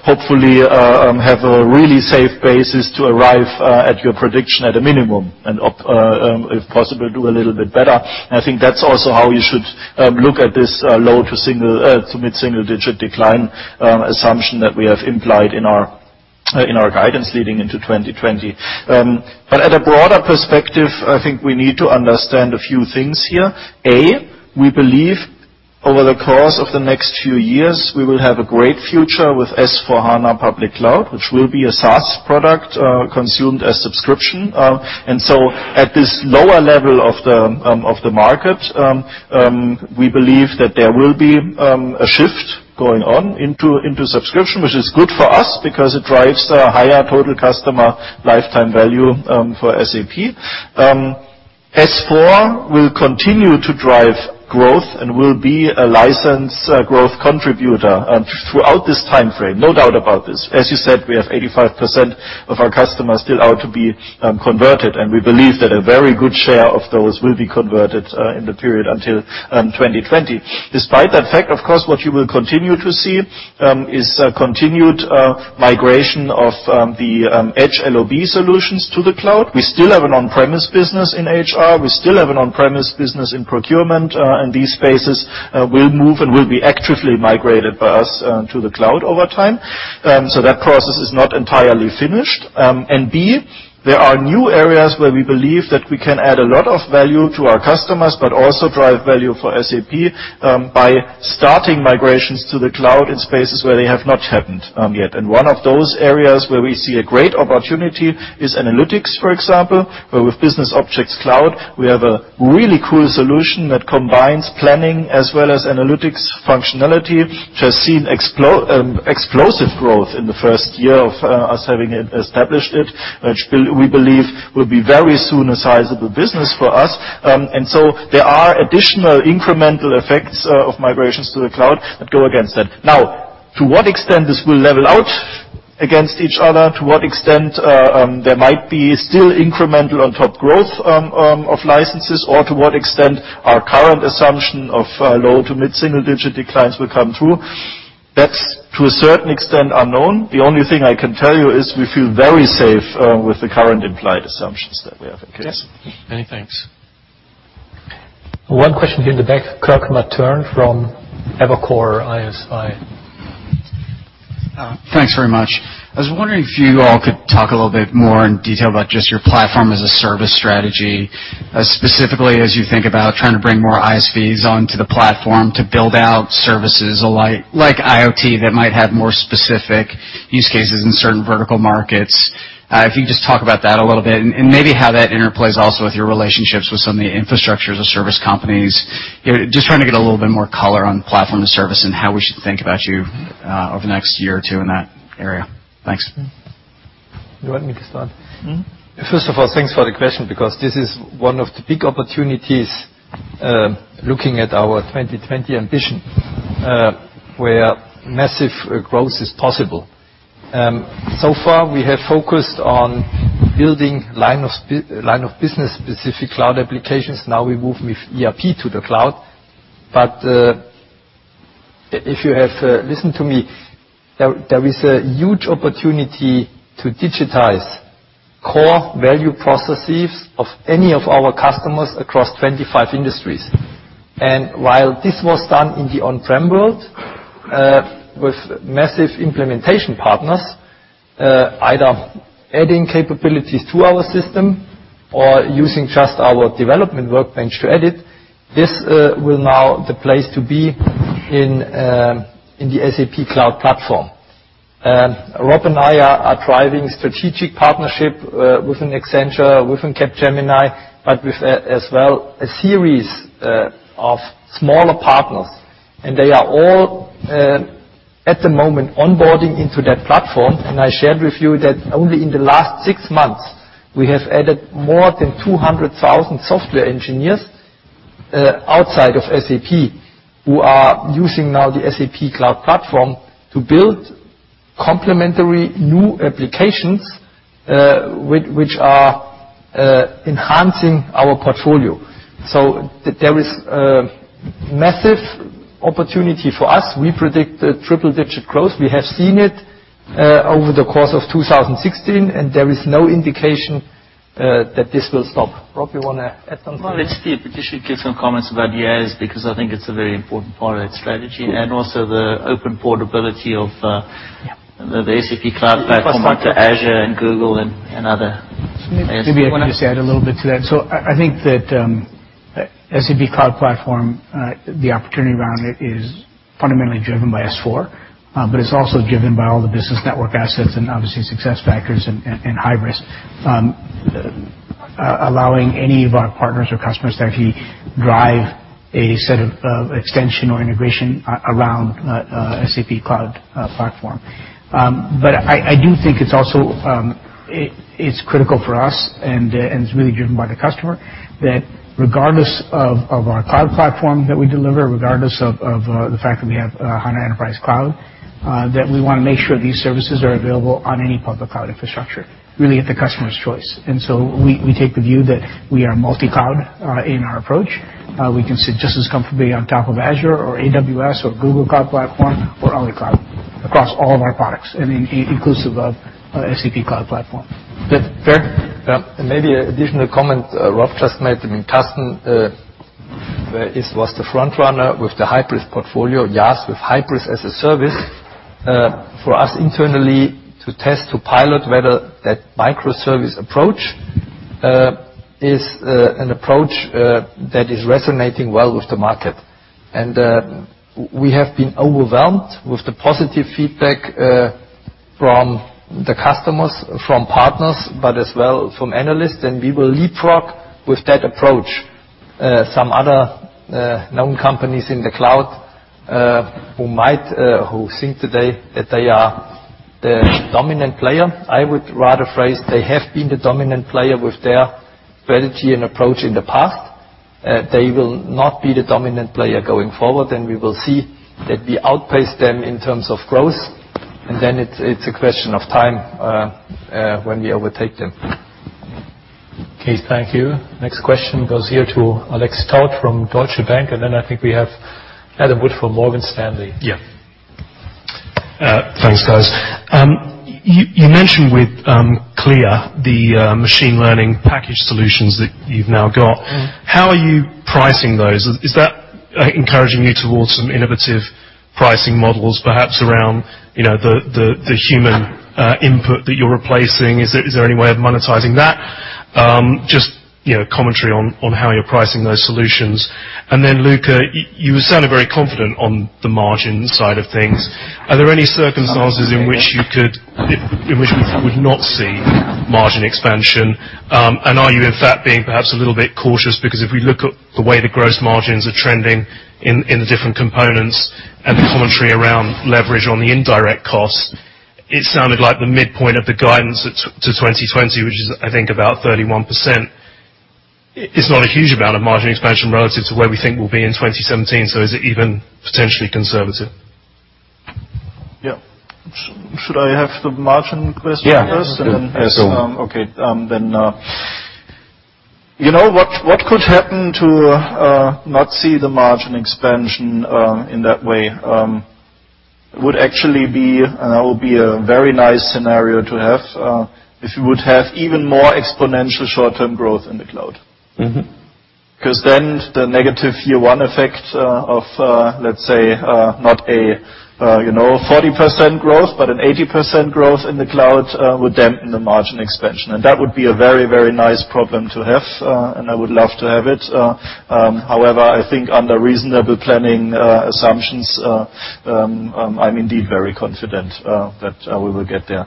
hopefully, have a really safe basis to arrive at your prediction at a minimum, and if possible, do a little bit better. I think that's also how you should look at this low to mid-single digit decline assumption that we have implied in our guidance leading into 2020. At a broader perspective, I think we need to understand a few things here. A, we believe over the course of the next few years, we will have a great future with S/4HANA Public Cloud, which will be a SaaS product, consumed as subscription. At this lower level of the market, we believe that there will be a shift going on into subscription, which is good for us because it drives a higher total customer lifetime value, for SAP. S/4 will continue to drive growth and will be a license growth contributor throughout this timeframe. No doubt about this. As you said, we have 85% of our customers still out to be converted, and we believe that a very good share of those will be converted in the period until 2020. Despite that fact, of course, what you will continue to see is a continued migration of the HR LOB solutions to the cloud. We still have an on-premise business in HR. We still have an on-premise business in procurement. These spaces will move and will be actively migrated by us to the cloud over time. That process is not entirely finished. B, there are new areas where we believe that we can add a lot of value to our customers, but also drive value for SAP, by starting migrations to the cloud in spaces where they have not happened yet. One of those areas where we see a great opportunity is analytics, for example, where with SAP BusinessObjects Cloud, we have a really cool solution that combines planning as well as analytics functionality, which has seen explosive growth in the first year of us having established it, which we believe will be very soon a sizable business for us. There are additional incremental effects of migrations to the cloud that go against that. To what extent this will level out against each other, to what extent there might be still incremental on top growth of licenses, or to what extent our current assumption of low to mid-single digit declines will come through, that's to a certain extent unknown. The only thing I can tell you is we feel very safe with the current implied assumptions that we have in case. Yes. Many thanks. One question here in the back, Kirk Materne from Evercore ISI. Thanks very much. I was wondering if you all could talk a little bit more in detail about just your Platform-as-a-Service strategy, specifically as you think about trying to bring more ISVs onto the platform to build out services like IoT that might have more specific use cases in certain vertical markets. If you could just talk about that a little bit and maybe how that interplays also with your relationships with some of the infrastructures of service companies. Just trying to get a little bit more color on platform to service and how we should think about you over the next year or two in that area. Thanks. You want me to start? First of all, thanks for the question because this is one of the big opportunities, looking at our 2020 ambition, where massive growth is possible. Far we have focused on building line of business specific cloud applications. Now we move with ERP to the cloud. If you have listened to me, there is a huge opportunity to digitize core value processes of any of our customers across 25 industries. While this was done in the on-prem world, with massive implementation partners, either adding capabilities to our system or using just our development workbench to edit, this will now the place to be in the SAP Cloud Platform. Rob and I are driving strategic partnership within Accenture, within Capgemini, but with, as well, a series of smaller partners. They are all, at the moment, onboarding into that platform. I shared with you that only in the last six months, we have added more than 200,000 software engineers outside of SAP who are using now the SAP Cloud Platform to build complementary new applications, which are enhancing our portfolio. There is a massive opportunity for us. We predict triple digit growth. We have seen it over the course of 2016, and there is no indication that this will stop. Rob, you want to add something? Well, let Steve particularly give some comments about the ISVs, because I think it's a very important part of that strategy, and also the open portability of the SAP Cloud Platform- Yeah. -to Azure and Google and other ISVs. Maybe I can just add a little bit to that. I think that- SAP Cloud Platform, the opportunity around it is fundamentally driven by S/4, it's also driven by all the business network assets and obviously SuccessFactors and Hybris, allowing any of our partners or customers to actually drive a set of extension or integration around SAP Cloud Platform. I do think it's critical for us, and it's really driven by the customer, that regardless of our cloud platform that we deliver, regardless of the fact that we have HANA Enterprise Cloud, that we want to make sure these services are available on any public cloud infrastructure, really at the customer's choice. We take the view that we are multi-cloud in our approach. We can sit just as comfortably on top of Azure or AWS or Google Cloud Platform or other cloud, across all of our products and inclusive of SAP Cloud Platform. Good. Bernd? Maybe an additional comment Rob just made. I mean, Carsten, this was the front runner with the Hybris portfolio, YaaS with Hybris as a service, for us internally to test, to pilot whether that microservice approach is an approach that is resonating well with the market. We have been overwhelmed with the positive feedback from the customers, from partners, but as well from analysts, and we will leapfrog with that approach. Some other known companies in the cloud who think today that they are the dominant player, I would rather phrase they have been the dominant player with their strategy and approach in the past. They will not be the dominant player going forward, we will see that we outpace them in terms of growth. It's a question of time when we overtake them. Okay, thank you. Next question goes here to Alexandre Stott from Deutsche Bank, I think we have Adam Wood from Morgan Stanley. Yeah. Thanks, guys. You mentioned with Clea, the machine learning package solutions that you've now got. How are you pricing those? Is that encouraging you towards some innovative pricing models, perhaps around the human input that you're replacing? Is there any way of monetizing that? Just commentary on how you're pricing those solutions. Luka, you sounded very confident on the margin side of things. Are there any circumstances in which we would not see margin expansion? Are you, in fact, being perhaps a little bit cautious because if we look at the way the gross margins are trending in the different components and the commentary around leverage on the indirect costs, it sounded like the midpoint of the guidance to 2020, which is, I think, about 31%, is not a huge amount of margin expansion relative to where we think we'll be in 2017. Is it even potentially conservative? Yeah. Should I have the margin question first? Yeah. Okay. What could happen to not see the margin expansion in that way would actually be, and that would be a very nice scenario to have, if we would have even more exponential short-term growth in the cloud. The negative year one effect of, let's say, not a 40% growth, but an 80% growth in the cloud would dampen the margin expansion. That would be a very, very nice problem to have, and I would love to have it. I think under reasonable planning assumptions, I'm indeed very confident that we will get there.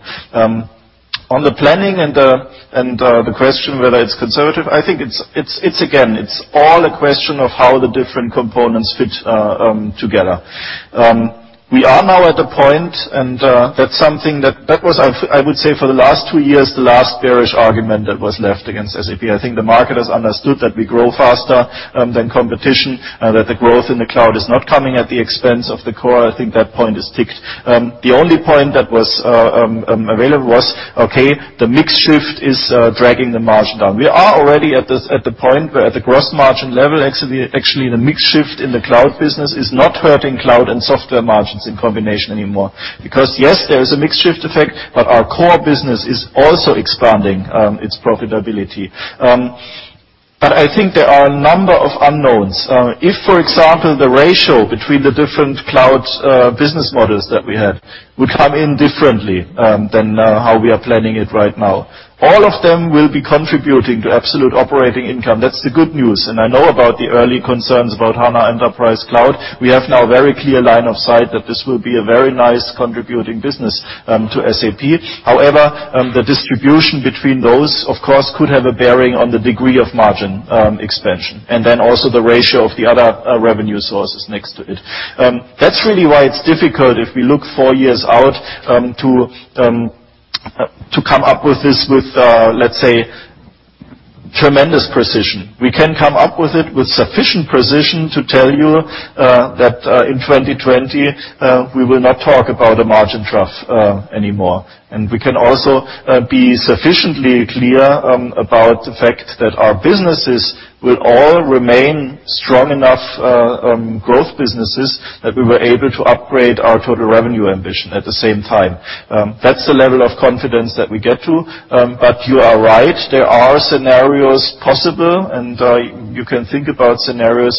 The planning and the question whether it's conservative, I think it's all a question of how the different components fit together. We are now at the point, and that's something that was, I would say, for the last two years, the last bearish argument that was left against SAP. I think the market has understood that we grow faster than competition, that the growth in the cloud is not coming at the expense of the core. I think that point is ticked. The only point that was available was, okay, the mix shift is dragging the margin down. We are already at the point where at the gross margin level, actually, the mix shift in the cloud business is not hurting cloud and software margins in combination anymore. Yes, there is a mix shift effect, but our core business is also expanding its profitability. I think there are a number of unknowns. If, for example, the ratio between the different cloud business models that we have would come in differently than how we are planning it right now, all of them will be contributing to absolute operating income. That's the good news. I know about the early concerns about HANA Enterprise Cloud. We have now a very clear line of sight that this will be a very nice contributing business to SAP. The distribution between those, of course, could have a bearing on the degree of margin expansion, also the ratio of the other revenue sources next to it. That's really why it's difficult if we look four years out to come up with this with, let's say, tremendous precision. We can come up with it with sufficient precision to tell you that in 2020, we will not talk about a margin trough anymore. We can also be sufficiently clear about the fact that our businesses will all remain strong enough growth businesses that we were able to upgrade our total revenue ambition at the same time. That's the level of confidence that we get to. You are right, there are scenarios possible, you can think about scenarios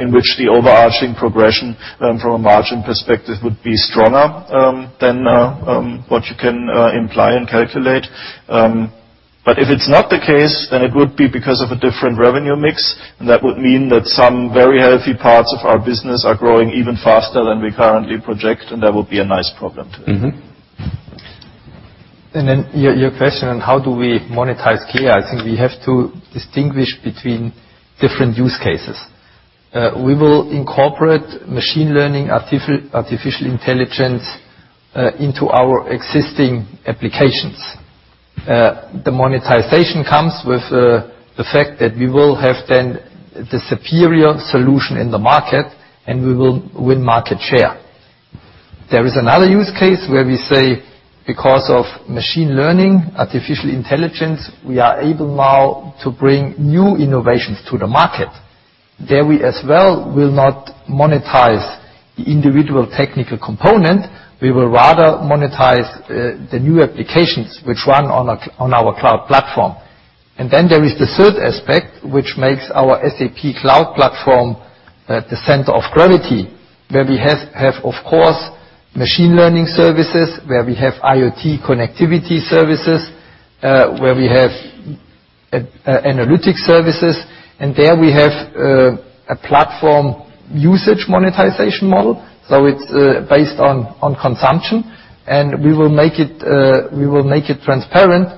in which the overarching progression from a margin perspective would be stronger than what you can imply and calculate. If it's not the case, then it would be because of a different revenue mix, that would mean that some very healthy parts of our business are growing even faster than we currently project, that would be a nice problem too. Your question on how do we monetize AI, I think we have to distinguish between different use cases. We will incorporate machine learning, artificial intelligence, into our existing applications. The monetization comes with the fact that we will have then the superior solution in the market, and we will win market share. There is another use case where we say, because of machine learning, artificial intelligence, we are able now to bring new innovations to the market. There, we as well will not monetize individual technical component, we will rather monetize the new applications which run on our cloud platform. There is the third aspect, which makes our SAP Cloud Platform the center of gravity, where we have, of course, machine learning services, where we have IoT connectivity services, where we have analytics services. There we have a platform usage monetization model, so it's based on consumption. We will make it transparent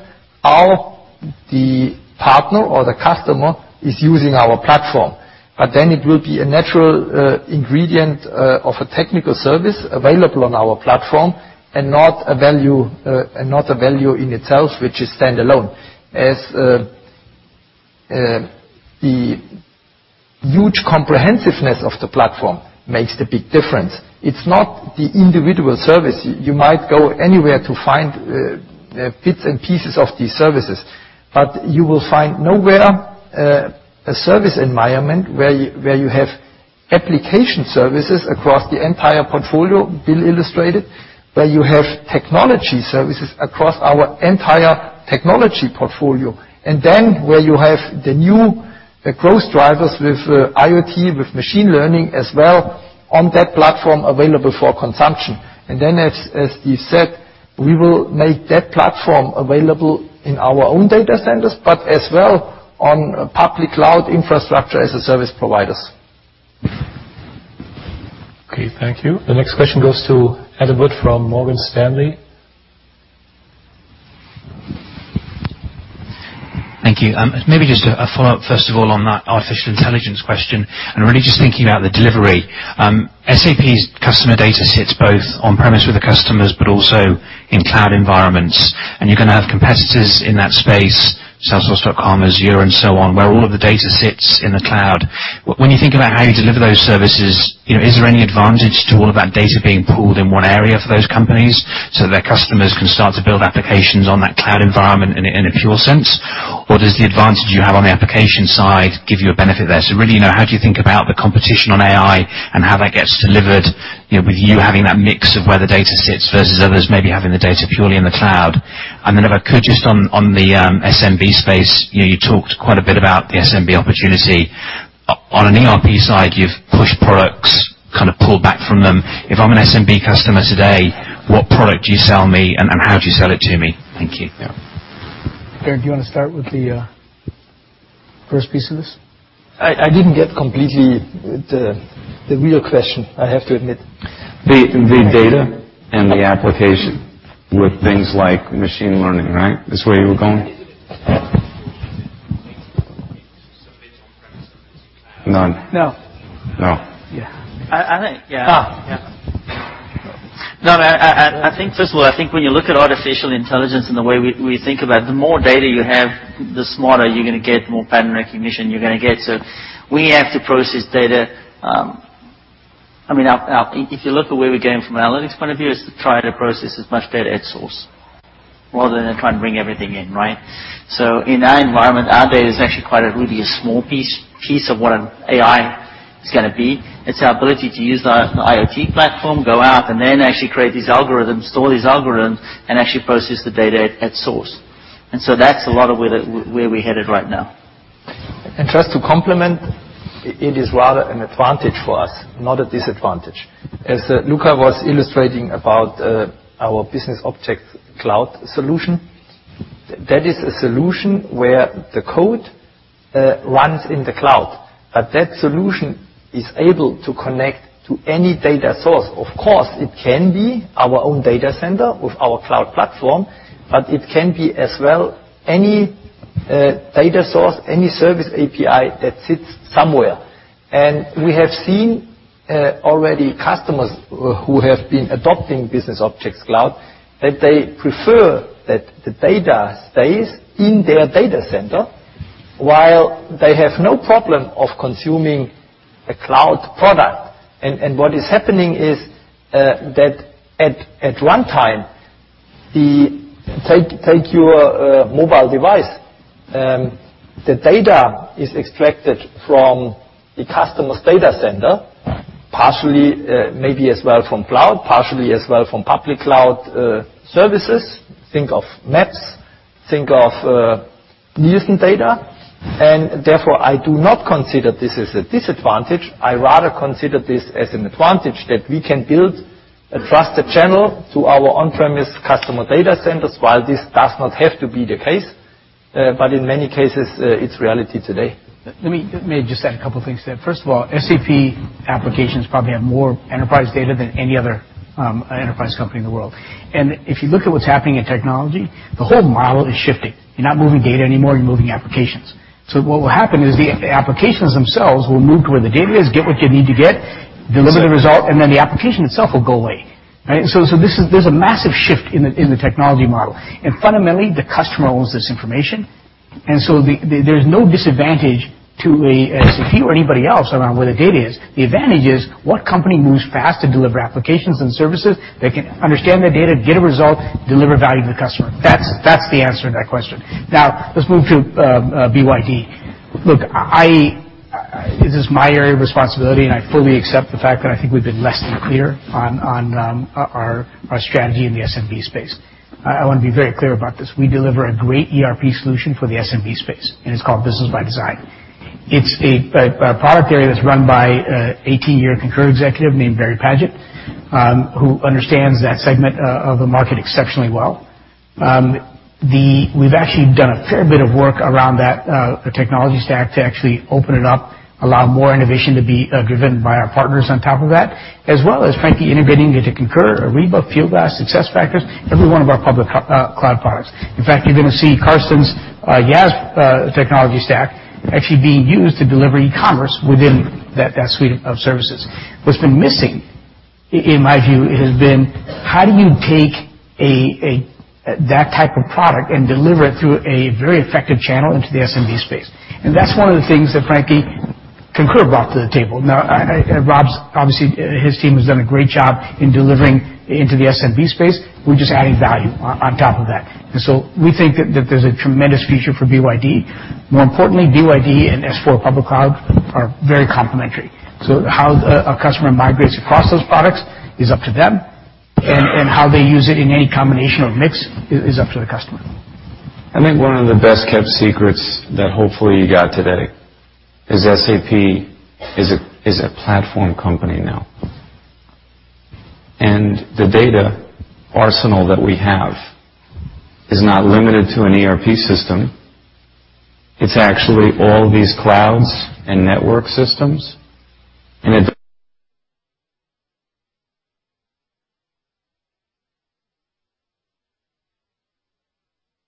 how the partner or the customer is using our platform. It will be a natural ingredient of a technical service available on our platform and not a value in itself, which is standalone. As the huge comprehensiveness of the platform makes the big difference. It's not the individual service. You might go anywhere to find bits and pieces of these services, but you will find nowhere a service environment where you have application services across the entire portfolio Bill illustrated, where you have technology services across our entire technology portfolio. Where you have the new growth drivers with IoT, with machine learning as well on that platform available for consumption. As Steve said, we will make that platform available in our own data centers, but as well on public cloud infrastructure as a service providers. Okay, thank you. The next question goes to Adam Wood from Morgan Stanley. Thank you. Maybe just a follow-up, first of all, on that artificial intelligence question, and really just thinking about the delivery. SAP's customer data sits both on-premise with the customers, but also in cloud environments. You're going to have competitors in that space, Salesforce.com, Azure, and so on, where all of the data sits in the cloud. When you think about how you deliver those services, is there any advantage to all of that data being pooled in one area for those companies so their customers can start to build applications on that cloud environment in a pure sense? Does the advantage you have on the application side give you a benefit there? Really, how do you think about the competition on AI and how that gets delivered with you having that mix of where the data sits versus others maybe having the data purely in the cloud? If I could, just on the SMB space, you talked quite a bit about the SMB opportunity. On an ERP side, you've pushed products, kind of pulled back from them. If I'm an SMB customer today, what product do you sell me and how do you sell it to me? Thank you. Darren, do you want to start with the first piece of this? I didn't get completely the real question, I have to admit. The data and the application with things like machine learning, right? That's where you were going? None. No. No. Yeah. I think, yeah. Yeah. No, first of all, I think when you look at artificial intelligence and the way we think about it, the more data you have, the smarter you're going to get, the more pattern recognition you're going to get. We have to process data. If you look at where we're going from an analytics point of view is to try to process as much data at source rather than trying to bring everything in, right? In our environment, our data is actually quite a really a small piece of what an AI is going to be. It's our ability to use the IoT platform, go out, and then actually create these algorithms, store these algorithms, and actually process the data at source. That's a lot of where we're headed right now. Just to complement, it is rather an advantage for us, not a disadvantage. As Luka was illustrating about our SAP BusinessObjects Cloud solution, that is a solution where the code runs in the cloud. That solution is able to connect to any data source. Of course, it can be our own data center with our cloud platform, but it can be as well any data source, any service API that sits somewhere. We have seen already customers who have been adopting SAP BusinessObjects Cloud, that they prefer that the data stays in their data center while they have no problem of consuming a cloud product. What is happening is that at one time, take your mobile device. The data is extracted from the customer's data center, partially maybe as well from cloud, partially as well from public cloud services. Think of maps. Using data. Therefore, I do not consider this as a disadvantage. I rather consider this as an advantage that we can build a trusted channel to our on-premise customer data centers, while this does not have to be the case. In many cases, it's reality today. Let me just add a couple of things there. First of all, SAP applications probably have more enterprise data than any other enterprise company in the world. If you look at what's happening in technology, the whole model is shifting. You're not moving data anymore, you're moving applications. What will happen is the applications themselves will move to where the data is, get what you need to get, deliver the result, and then the application itself will go away, right? There's a massive shift in the technology model. Fundamentally, the customer owns this information. There's no disadvantage to a SAP or anybody else around where the data is. The advantage is, what company moves fast to deliver applications and services that can understand the data, get a result, deliver value to the customer? That's the answer to that question. Now, let's move to BYD. Look, this is my area of responsibility, and I fully accept the fact that I think we've been less than clear on our strategy in the SMB space. I want to be very clear about this. We deliver a great ERP solution for the SMB space, and it's called Business ByDesign. It's a product area that's run by an 18-year Concur executive named Barry Padgett, who understands that segment of the market exceptionally well. We've actually done a fair bit of work around that, the technology stack, to actually open it up, allow more innovation to be driven by our partners on top of that. As well as, frankly, integrating it to Concur, Ariba, Fieldglass, SuccessFactors, every one of our public cloud products. In fact, you're going to see Carsten's YaaS technology stack actually being used to deliver e-commerce within that suite of services. What's been missing, in my view, has been how do you take that type of product and deliver it through a very effective channel into the SMB space? That's one of the things that, frankly, Concur brought to the table. Now, obviously, Rob's team has done a great job in delivering into the SMB space. We're just adding value on top of that. We think that there's a tremendous future for BYD. More importantly, BYD and S4 public cloud are very complementary. How a customer migrates across those products is up to them, and how they use it in any combination or mix is up to the customer. I think one of the best-kept secrets that hopefully you got today is SAP is a platform company now. The data arsenal that we have is not limited to an ERP system. It's actually all these clouds and network systems, and it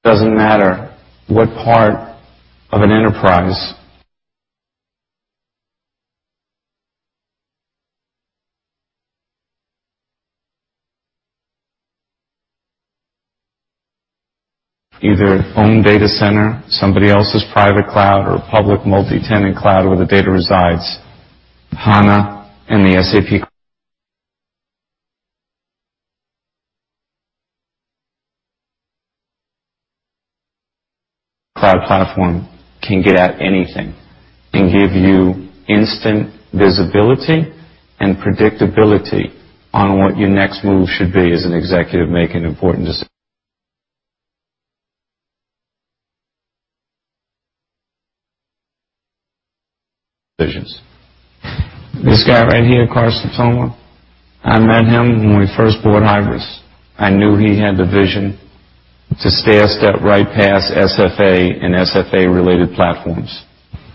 doesn't matter what part of an enterprise, either owned data center, somebody else's private cloud, or public multi-tenant cloud where the data resides. SAP HANA and the SAP Cloud Platform can get at anything and give you instant visibility and predictability on what your next move should be as an executive making important decisions. This guy right here, Carsten Thoma, I met him when we first bought Hybris. I knew he had the vision to stay a step right past SFA and SFA-related platforms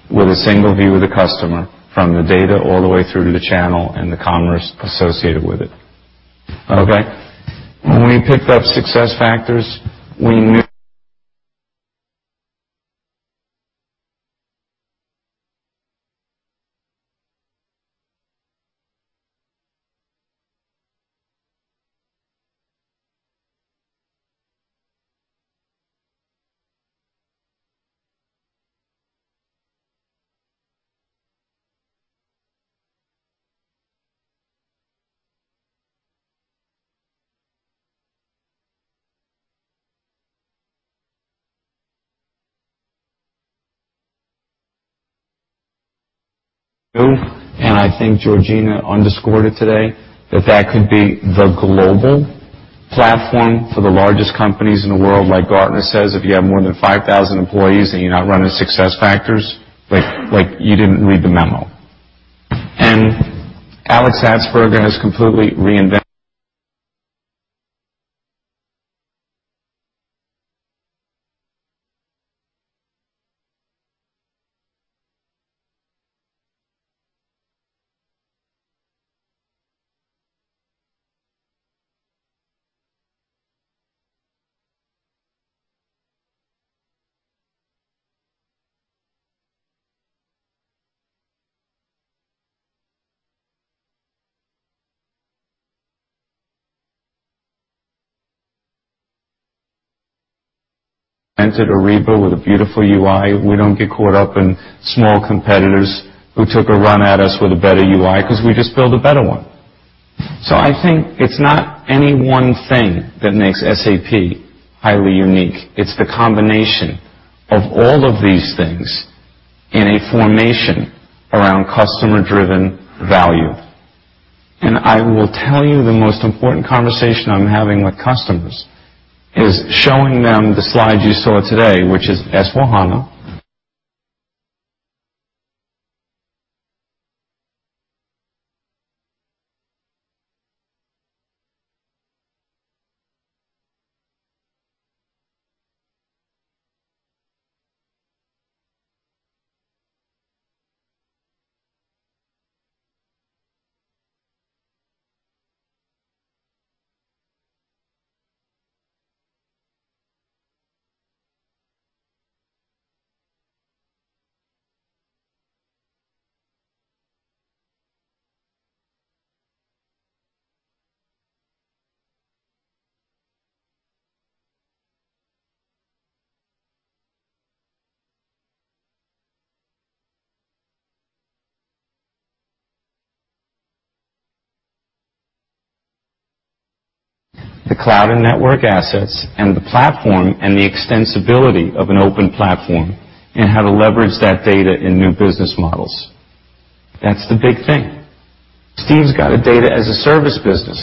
with a single view of the customer from the data all the way through to the channel and the commerce associated with it. Okay? When we picked up SAP SuccessFactors, we knew, and I think Georgina underscored it today, that that could be the global platform for the largest companies in the world. Like Gartner says, if you have more than 5,000 employees and you're not running SAP SuccessFactors, you didn't read the memo. Alex Atzberger has completely reinvented SAP Ariba with a beautiful UI. We don't get caught up in small competitors who took a run at us with a better UI because we just build a better one. I think it's not any one thing that makes SAP highly unique. It's the combination of all of these things in a formation around customer-driven value. I will tell you the most important conversation I'm having with customers is showing them the slide you saw today, which is SAP S/4HANA. The cloud and network assets and the platform and the extensibility of an open platform, and how to leverage that data in new business models. That's the big thing. Steve's got a data-as-a-service business.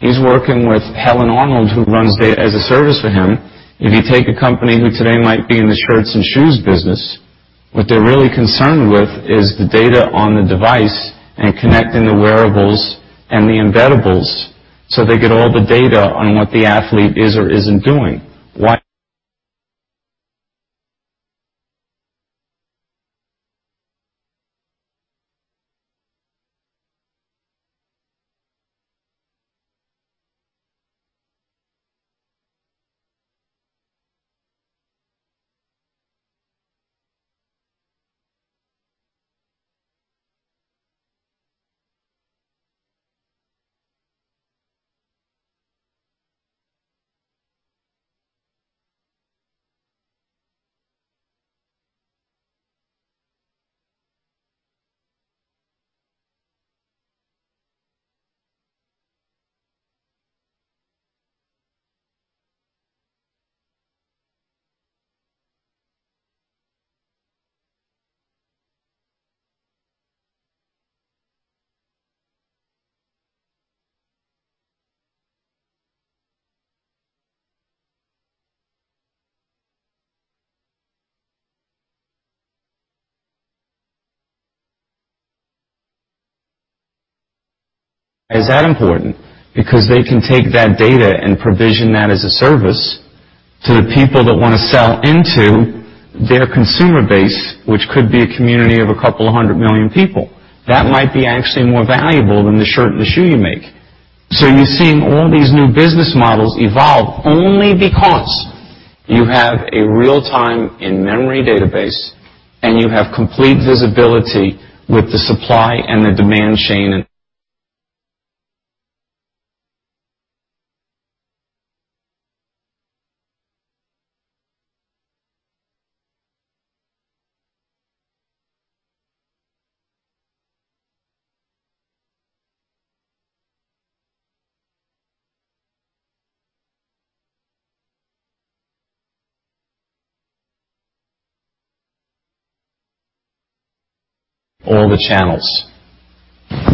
He's working with Helen Arnold, who runs data as a service for him. If you take a company who today might be in the shirts and shoes business, what they're really concerned with is the data on the device and connecting the wearables and the embeddables so they get all the data on what the athlete is or isn't doing. Why is that important? Because they can take that data and provision that as a service to the people that want to sell into their consumer base, which could be a community of a couple of hundred million people. That might be actually more valuable than the shirt and the shoe you make. You're seeing all these new business models evolve only because you have a real-time in-memory database and you have complete visibility with the supply and the demand chain in all the channels.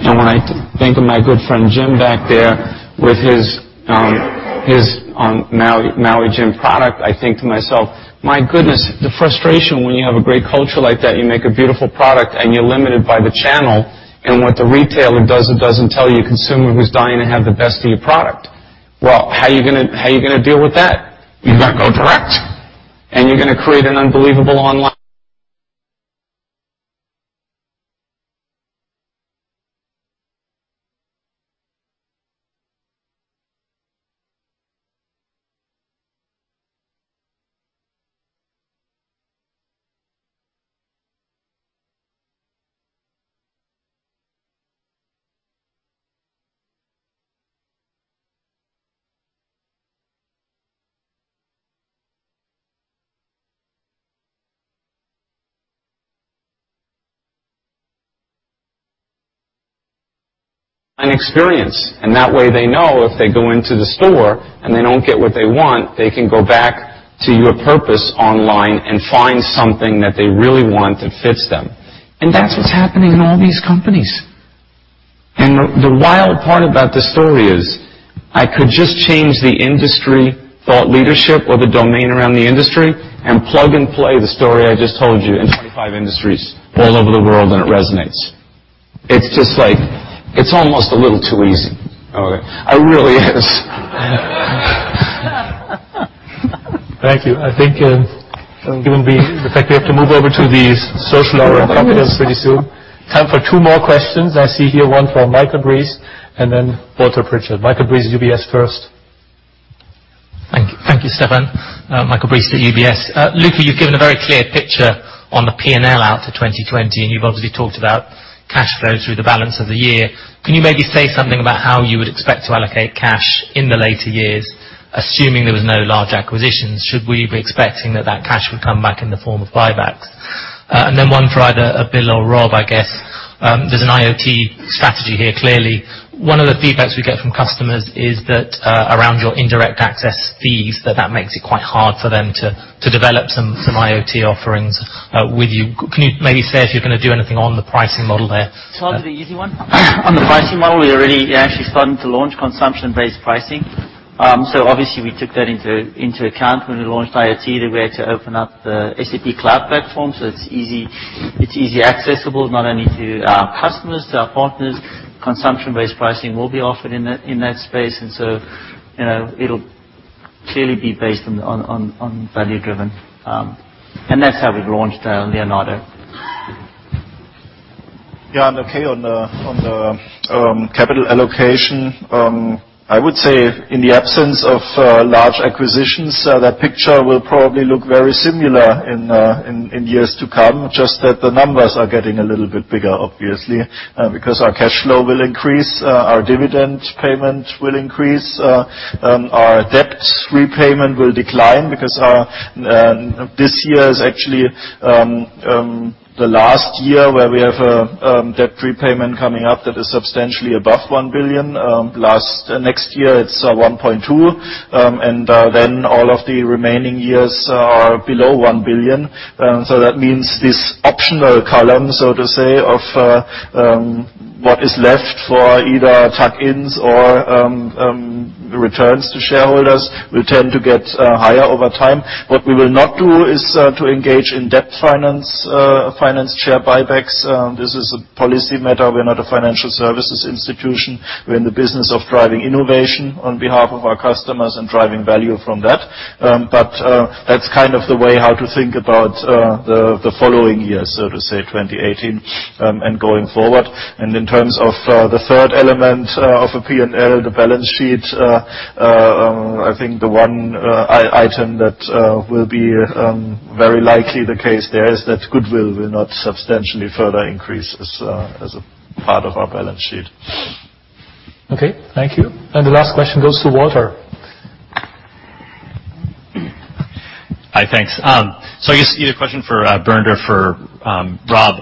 When I think of my good friend Jim back there with his Maui Jim product, I think to myself, my goodness, the frustration when you have a great culture like that, you make a beautiful product, and you're limited by the channel, and what the retailer does or doesn't tell you, consumer who's dying to have the best of your product. Well, how are you going to deal with that? You're going to go direct, and you're going to create an unbelievable online experience. That way they know if they go into the store and they don't get what they want, they can go back to your purpose online and find something that they really want that fits them. That's what's happening in all these companies. The wild part about this story is I could just change the industry thought leadership or the domain around the industry and plug and play the story I just told you in 25 industries all over the world and it resonates. It's almost a little too easy. Okay. It really is. Thank you. I think given the fact we have to move over to the social hour and cocktails pretty soon. Time for two more questions. I see here one from Michael Briest and then Walter Pritchard. Michael Briest, UBS first. Thank you, Stefan. Michael Briest at UBS. Luka, you've given a very clear picture on the P&L out to 2020 and you've obviously talked about cash flow through the balance of the year. Can you maybe say something about how you would expect to allocate cash in the later years, assuming there was no large acquisitions? Should we be expecting that that cash would come back in the form of buybacks? Then one for either Bill or Rob, I guess. There's an IoT strategy here, clearly. One of the feedbacks we get from customers is that around your indirect access fees, that makes it quite hard for them to develop some IoT offerings with you. Can you maybe say if you're going to do anything on the pricing model there? I'll do the easy one. On the pricing model, we already actually starting to launch consumption-based pricing. Obviously, we took that into account when we launched IoT, the way to open up the SAP Cloud Platform. It's easily accessible not only to our customers, to our partners. Consumption-based pricing will be offered in that space. It'll clearly be based on value-driven. That's how we've launched Leonardo. Yeah. Okay, on the capital allocation, I would say in the absence of large acquisitions, that picture will probably look very similar in years to come, just that the numbers are getting a little bit bigger, obviously. Our cash flow will increase, our dividend payment will increase, our debt repayment will decline because this year is actually the last year where we have a debt repayment coming up that is substantially above 1 billion. Next year, it's 1.2 billion. All of the remaining years are below 1 billion. That means this optional column, so to say, of what is left for either tuck-ins or returns to shareholders, will tend to get higher over time. What we will not do is to engage in debt-financed share buybacks. This is a policy matter. We are not a financial services institution. We are in the business of driving innovation on behalf of our customers and driving value from that. That's kind of the way how to think about the following years, so to say, 2018, and going forward. In terms of the third element of a P&L, the balance sheet, I think the one item that will be very likely the case there is that goodwill will not substantially further increase as a part of our balance sheet. Okay. Thank you. The last question goes to Walter. Hi. Thanks. I guess either question for Bernd or for Rob.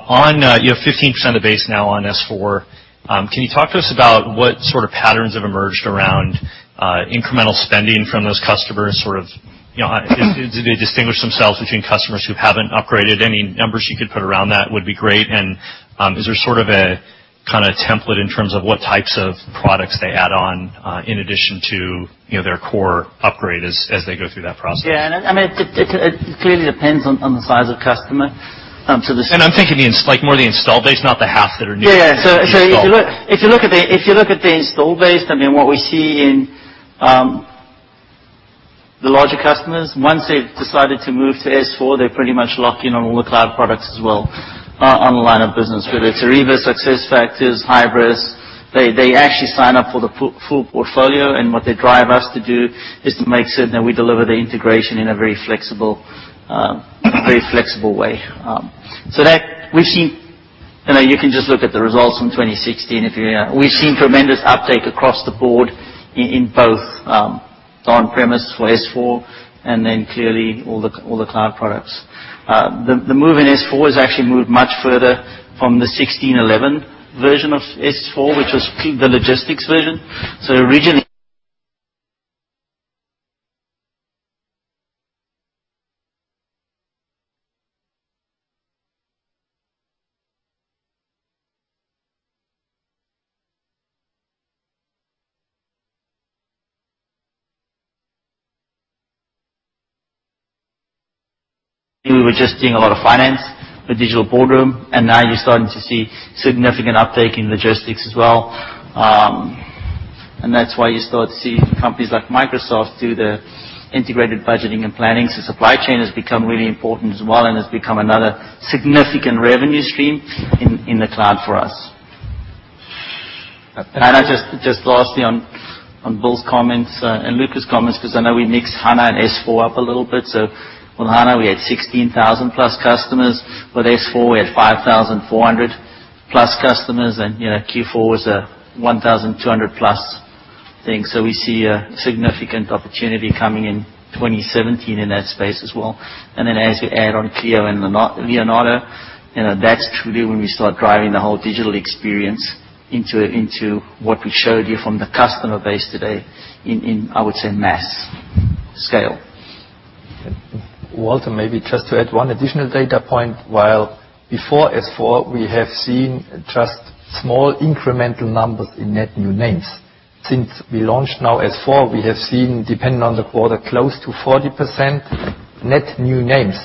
You have 15% of the base now on S/4. Can you talk to us about what sort of patterns have emerged around incremental spending from those customers? Do they distinguish themselves between customers who haven't upgraded? Any numbers you could put around that would be great. Is there sort of a kind of template in terms of what types of products they add on in addition to their core upgrade as they go through that process? Yeah. It clearly depends on the size of customer. I'm thinking more the install base, not the half that are newly installed. Yeah. If you look at the install base, what we see in the larger customers, once they've decided to move to S/4, they're pretty much locked in on all the cloud products as well, on the line of business. Whether it's Ariba, SuccessFactors, Hybris, they actually sign up for the full portfolio. What they drive us to do is to make certain that we deliver the integration in a very flexible way. You can just look at the results from 2016. We've seen tremendous uptake across the board in both on-premise for S/4, and then clearly all the cloud products. The move in S/4 has actually moved much further from the 1611 version of S/4, which was the logistics version. Originally, we were just doing a lot of finance with Digital Boardroom, and now you're starting to see significant uptake in logistics as well. That's why you start to see companies like Microsoft do the integrated budgeting and planning. Supply chain has become really important as well, and has become another significant revenue stream in the cloud for us. Just lastly on Bill's comments and Luka's comments, because I know we mixed HANA and S/4 up a little bit. With HANA, we had 16,000+ customers. With S/4, we had 5,400+ customers. Q4 was a 1,200+. We see a significant opportunity coming in 2017 in that space as well. As we add on Clea and Leonardo, that's truly when we start driving the whole digital experience into what we showed you from the customer base today in, I would say, mass scale. Walter, maybe just to add one additional data point. While before S/4, we have seen just small incremental numbers in net new names. Since we launched now S/4, we have seen, depending on the quarter, close to 40% net new names.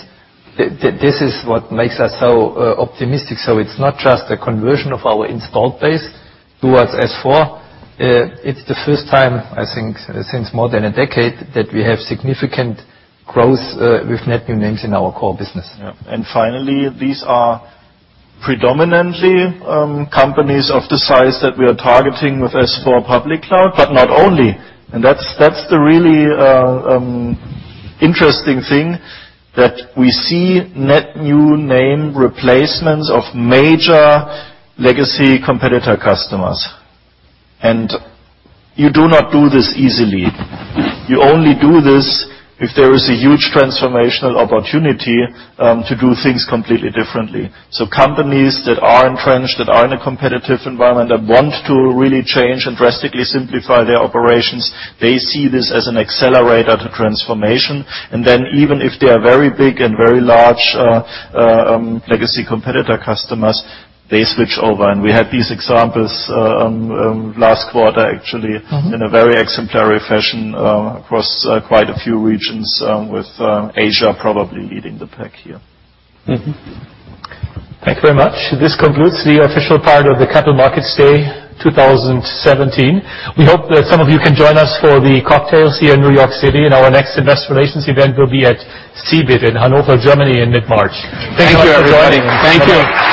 This is what makes us so optimistic. It's not just a conversion of our installed base towards S/4. It's the first time, I think, since more than a decade, that we have significant growth with net new names in our core business. Yeah. Finally, these are predominantly companies of the size that we are targeting with S/4 public cloud, but not only. That's the really interesting thing, that we see net new name replacements of major legacy competitor customers. You do not do this easily. You only do this if there is a huge transformational opportunity to do things completely differently. Companies that are entrenched, that are in a competitive environment and want to really change and drastically simplify their operations, they see this as an accelerator to transformation. Even if they are very big and very large legacy competitor customers, they switch over. We had these examples last quarter actually, in a very exemplary fashion across quite a few regions, with Asia probably leading the pack here. Mm-hmm. Thank you very much. This concludes the official part of the Capital Markets Day 2017. We hope that some of you can join us for the cocktails here in New York City. Our next investor relations event will be at CeBIT in Hanover, Germany in mid-March. Thank you, everybody. Thank you.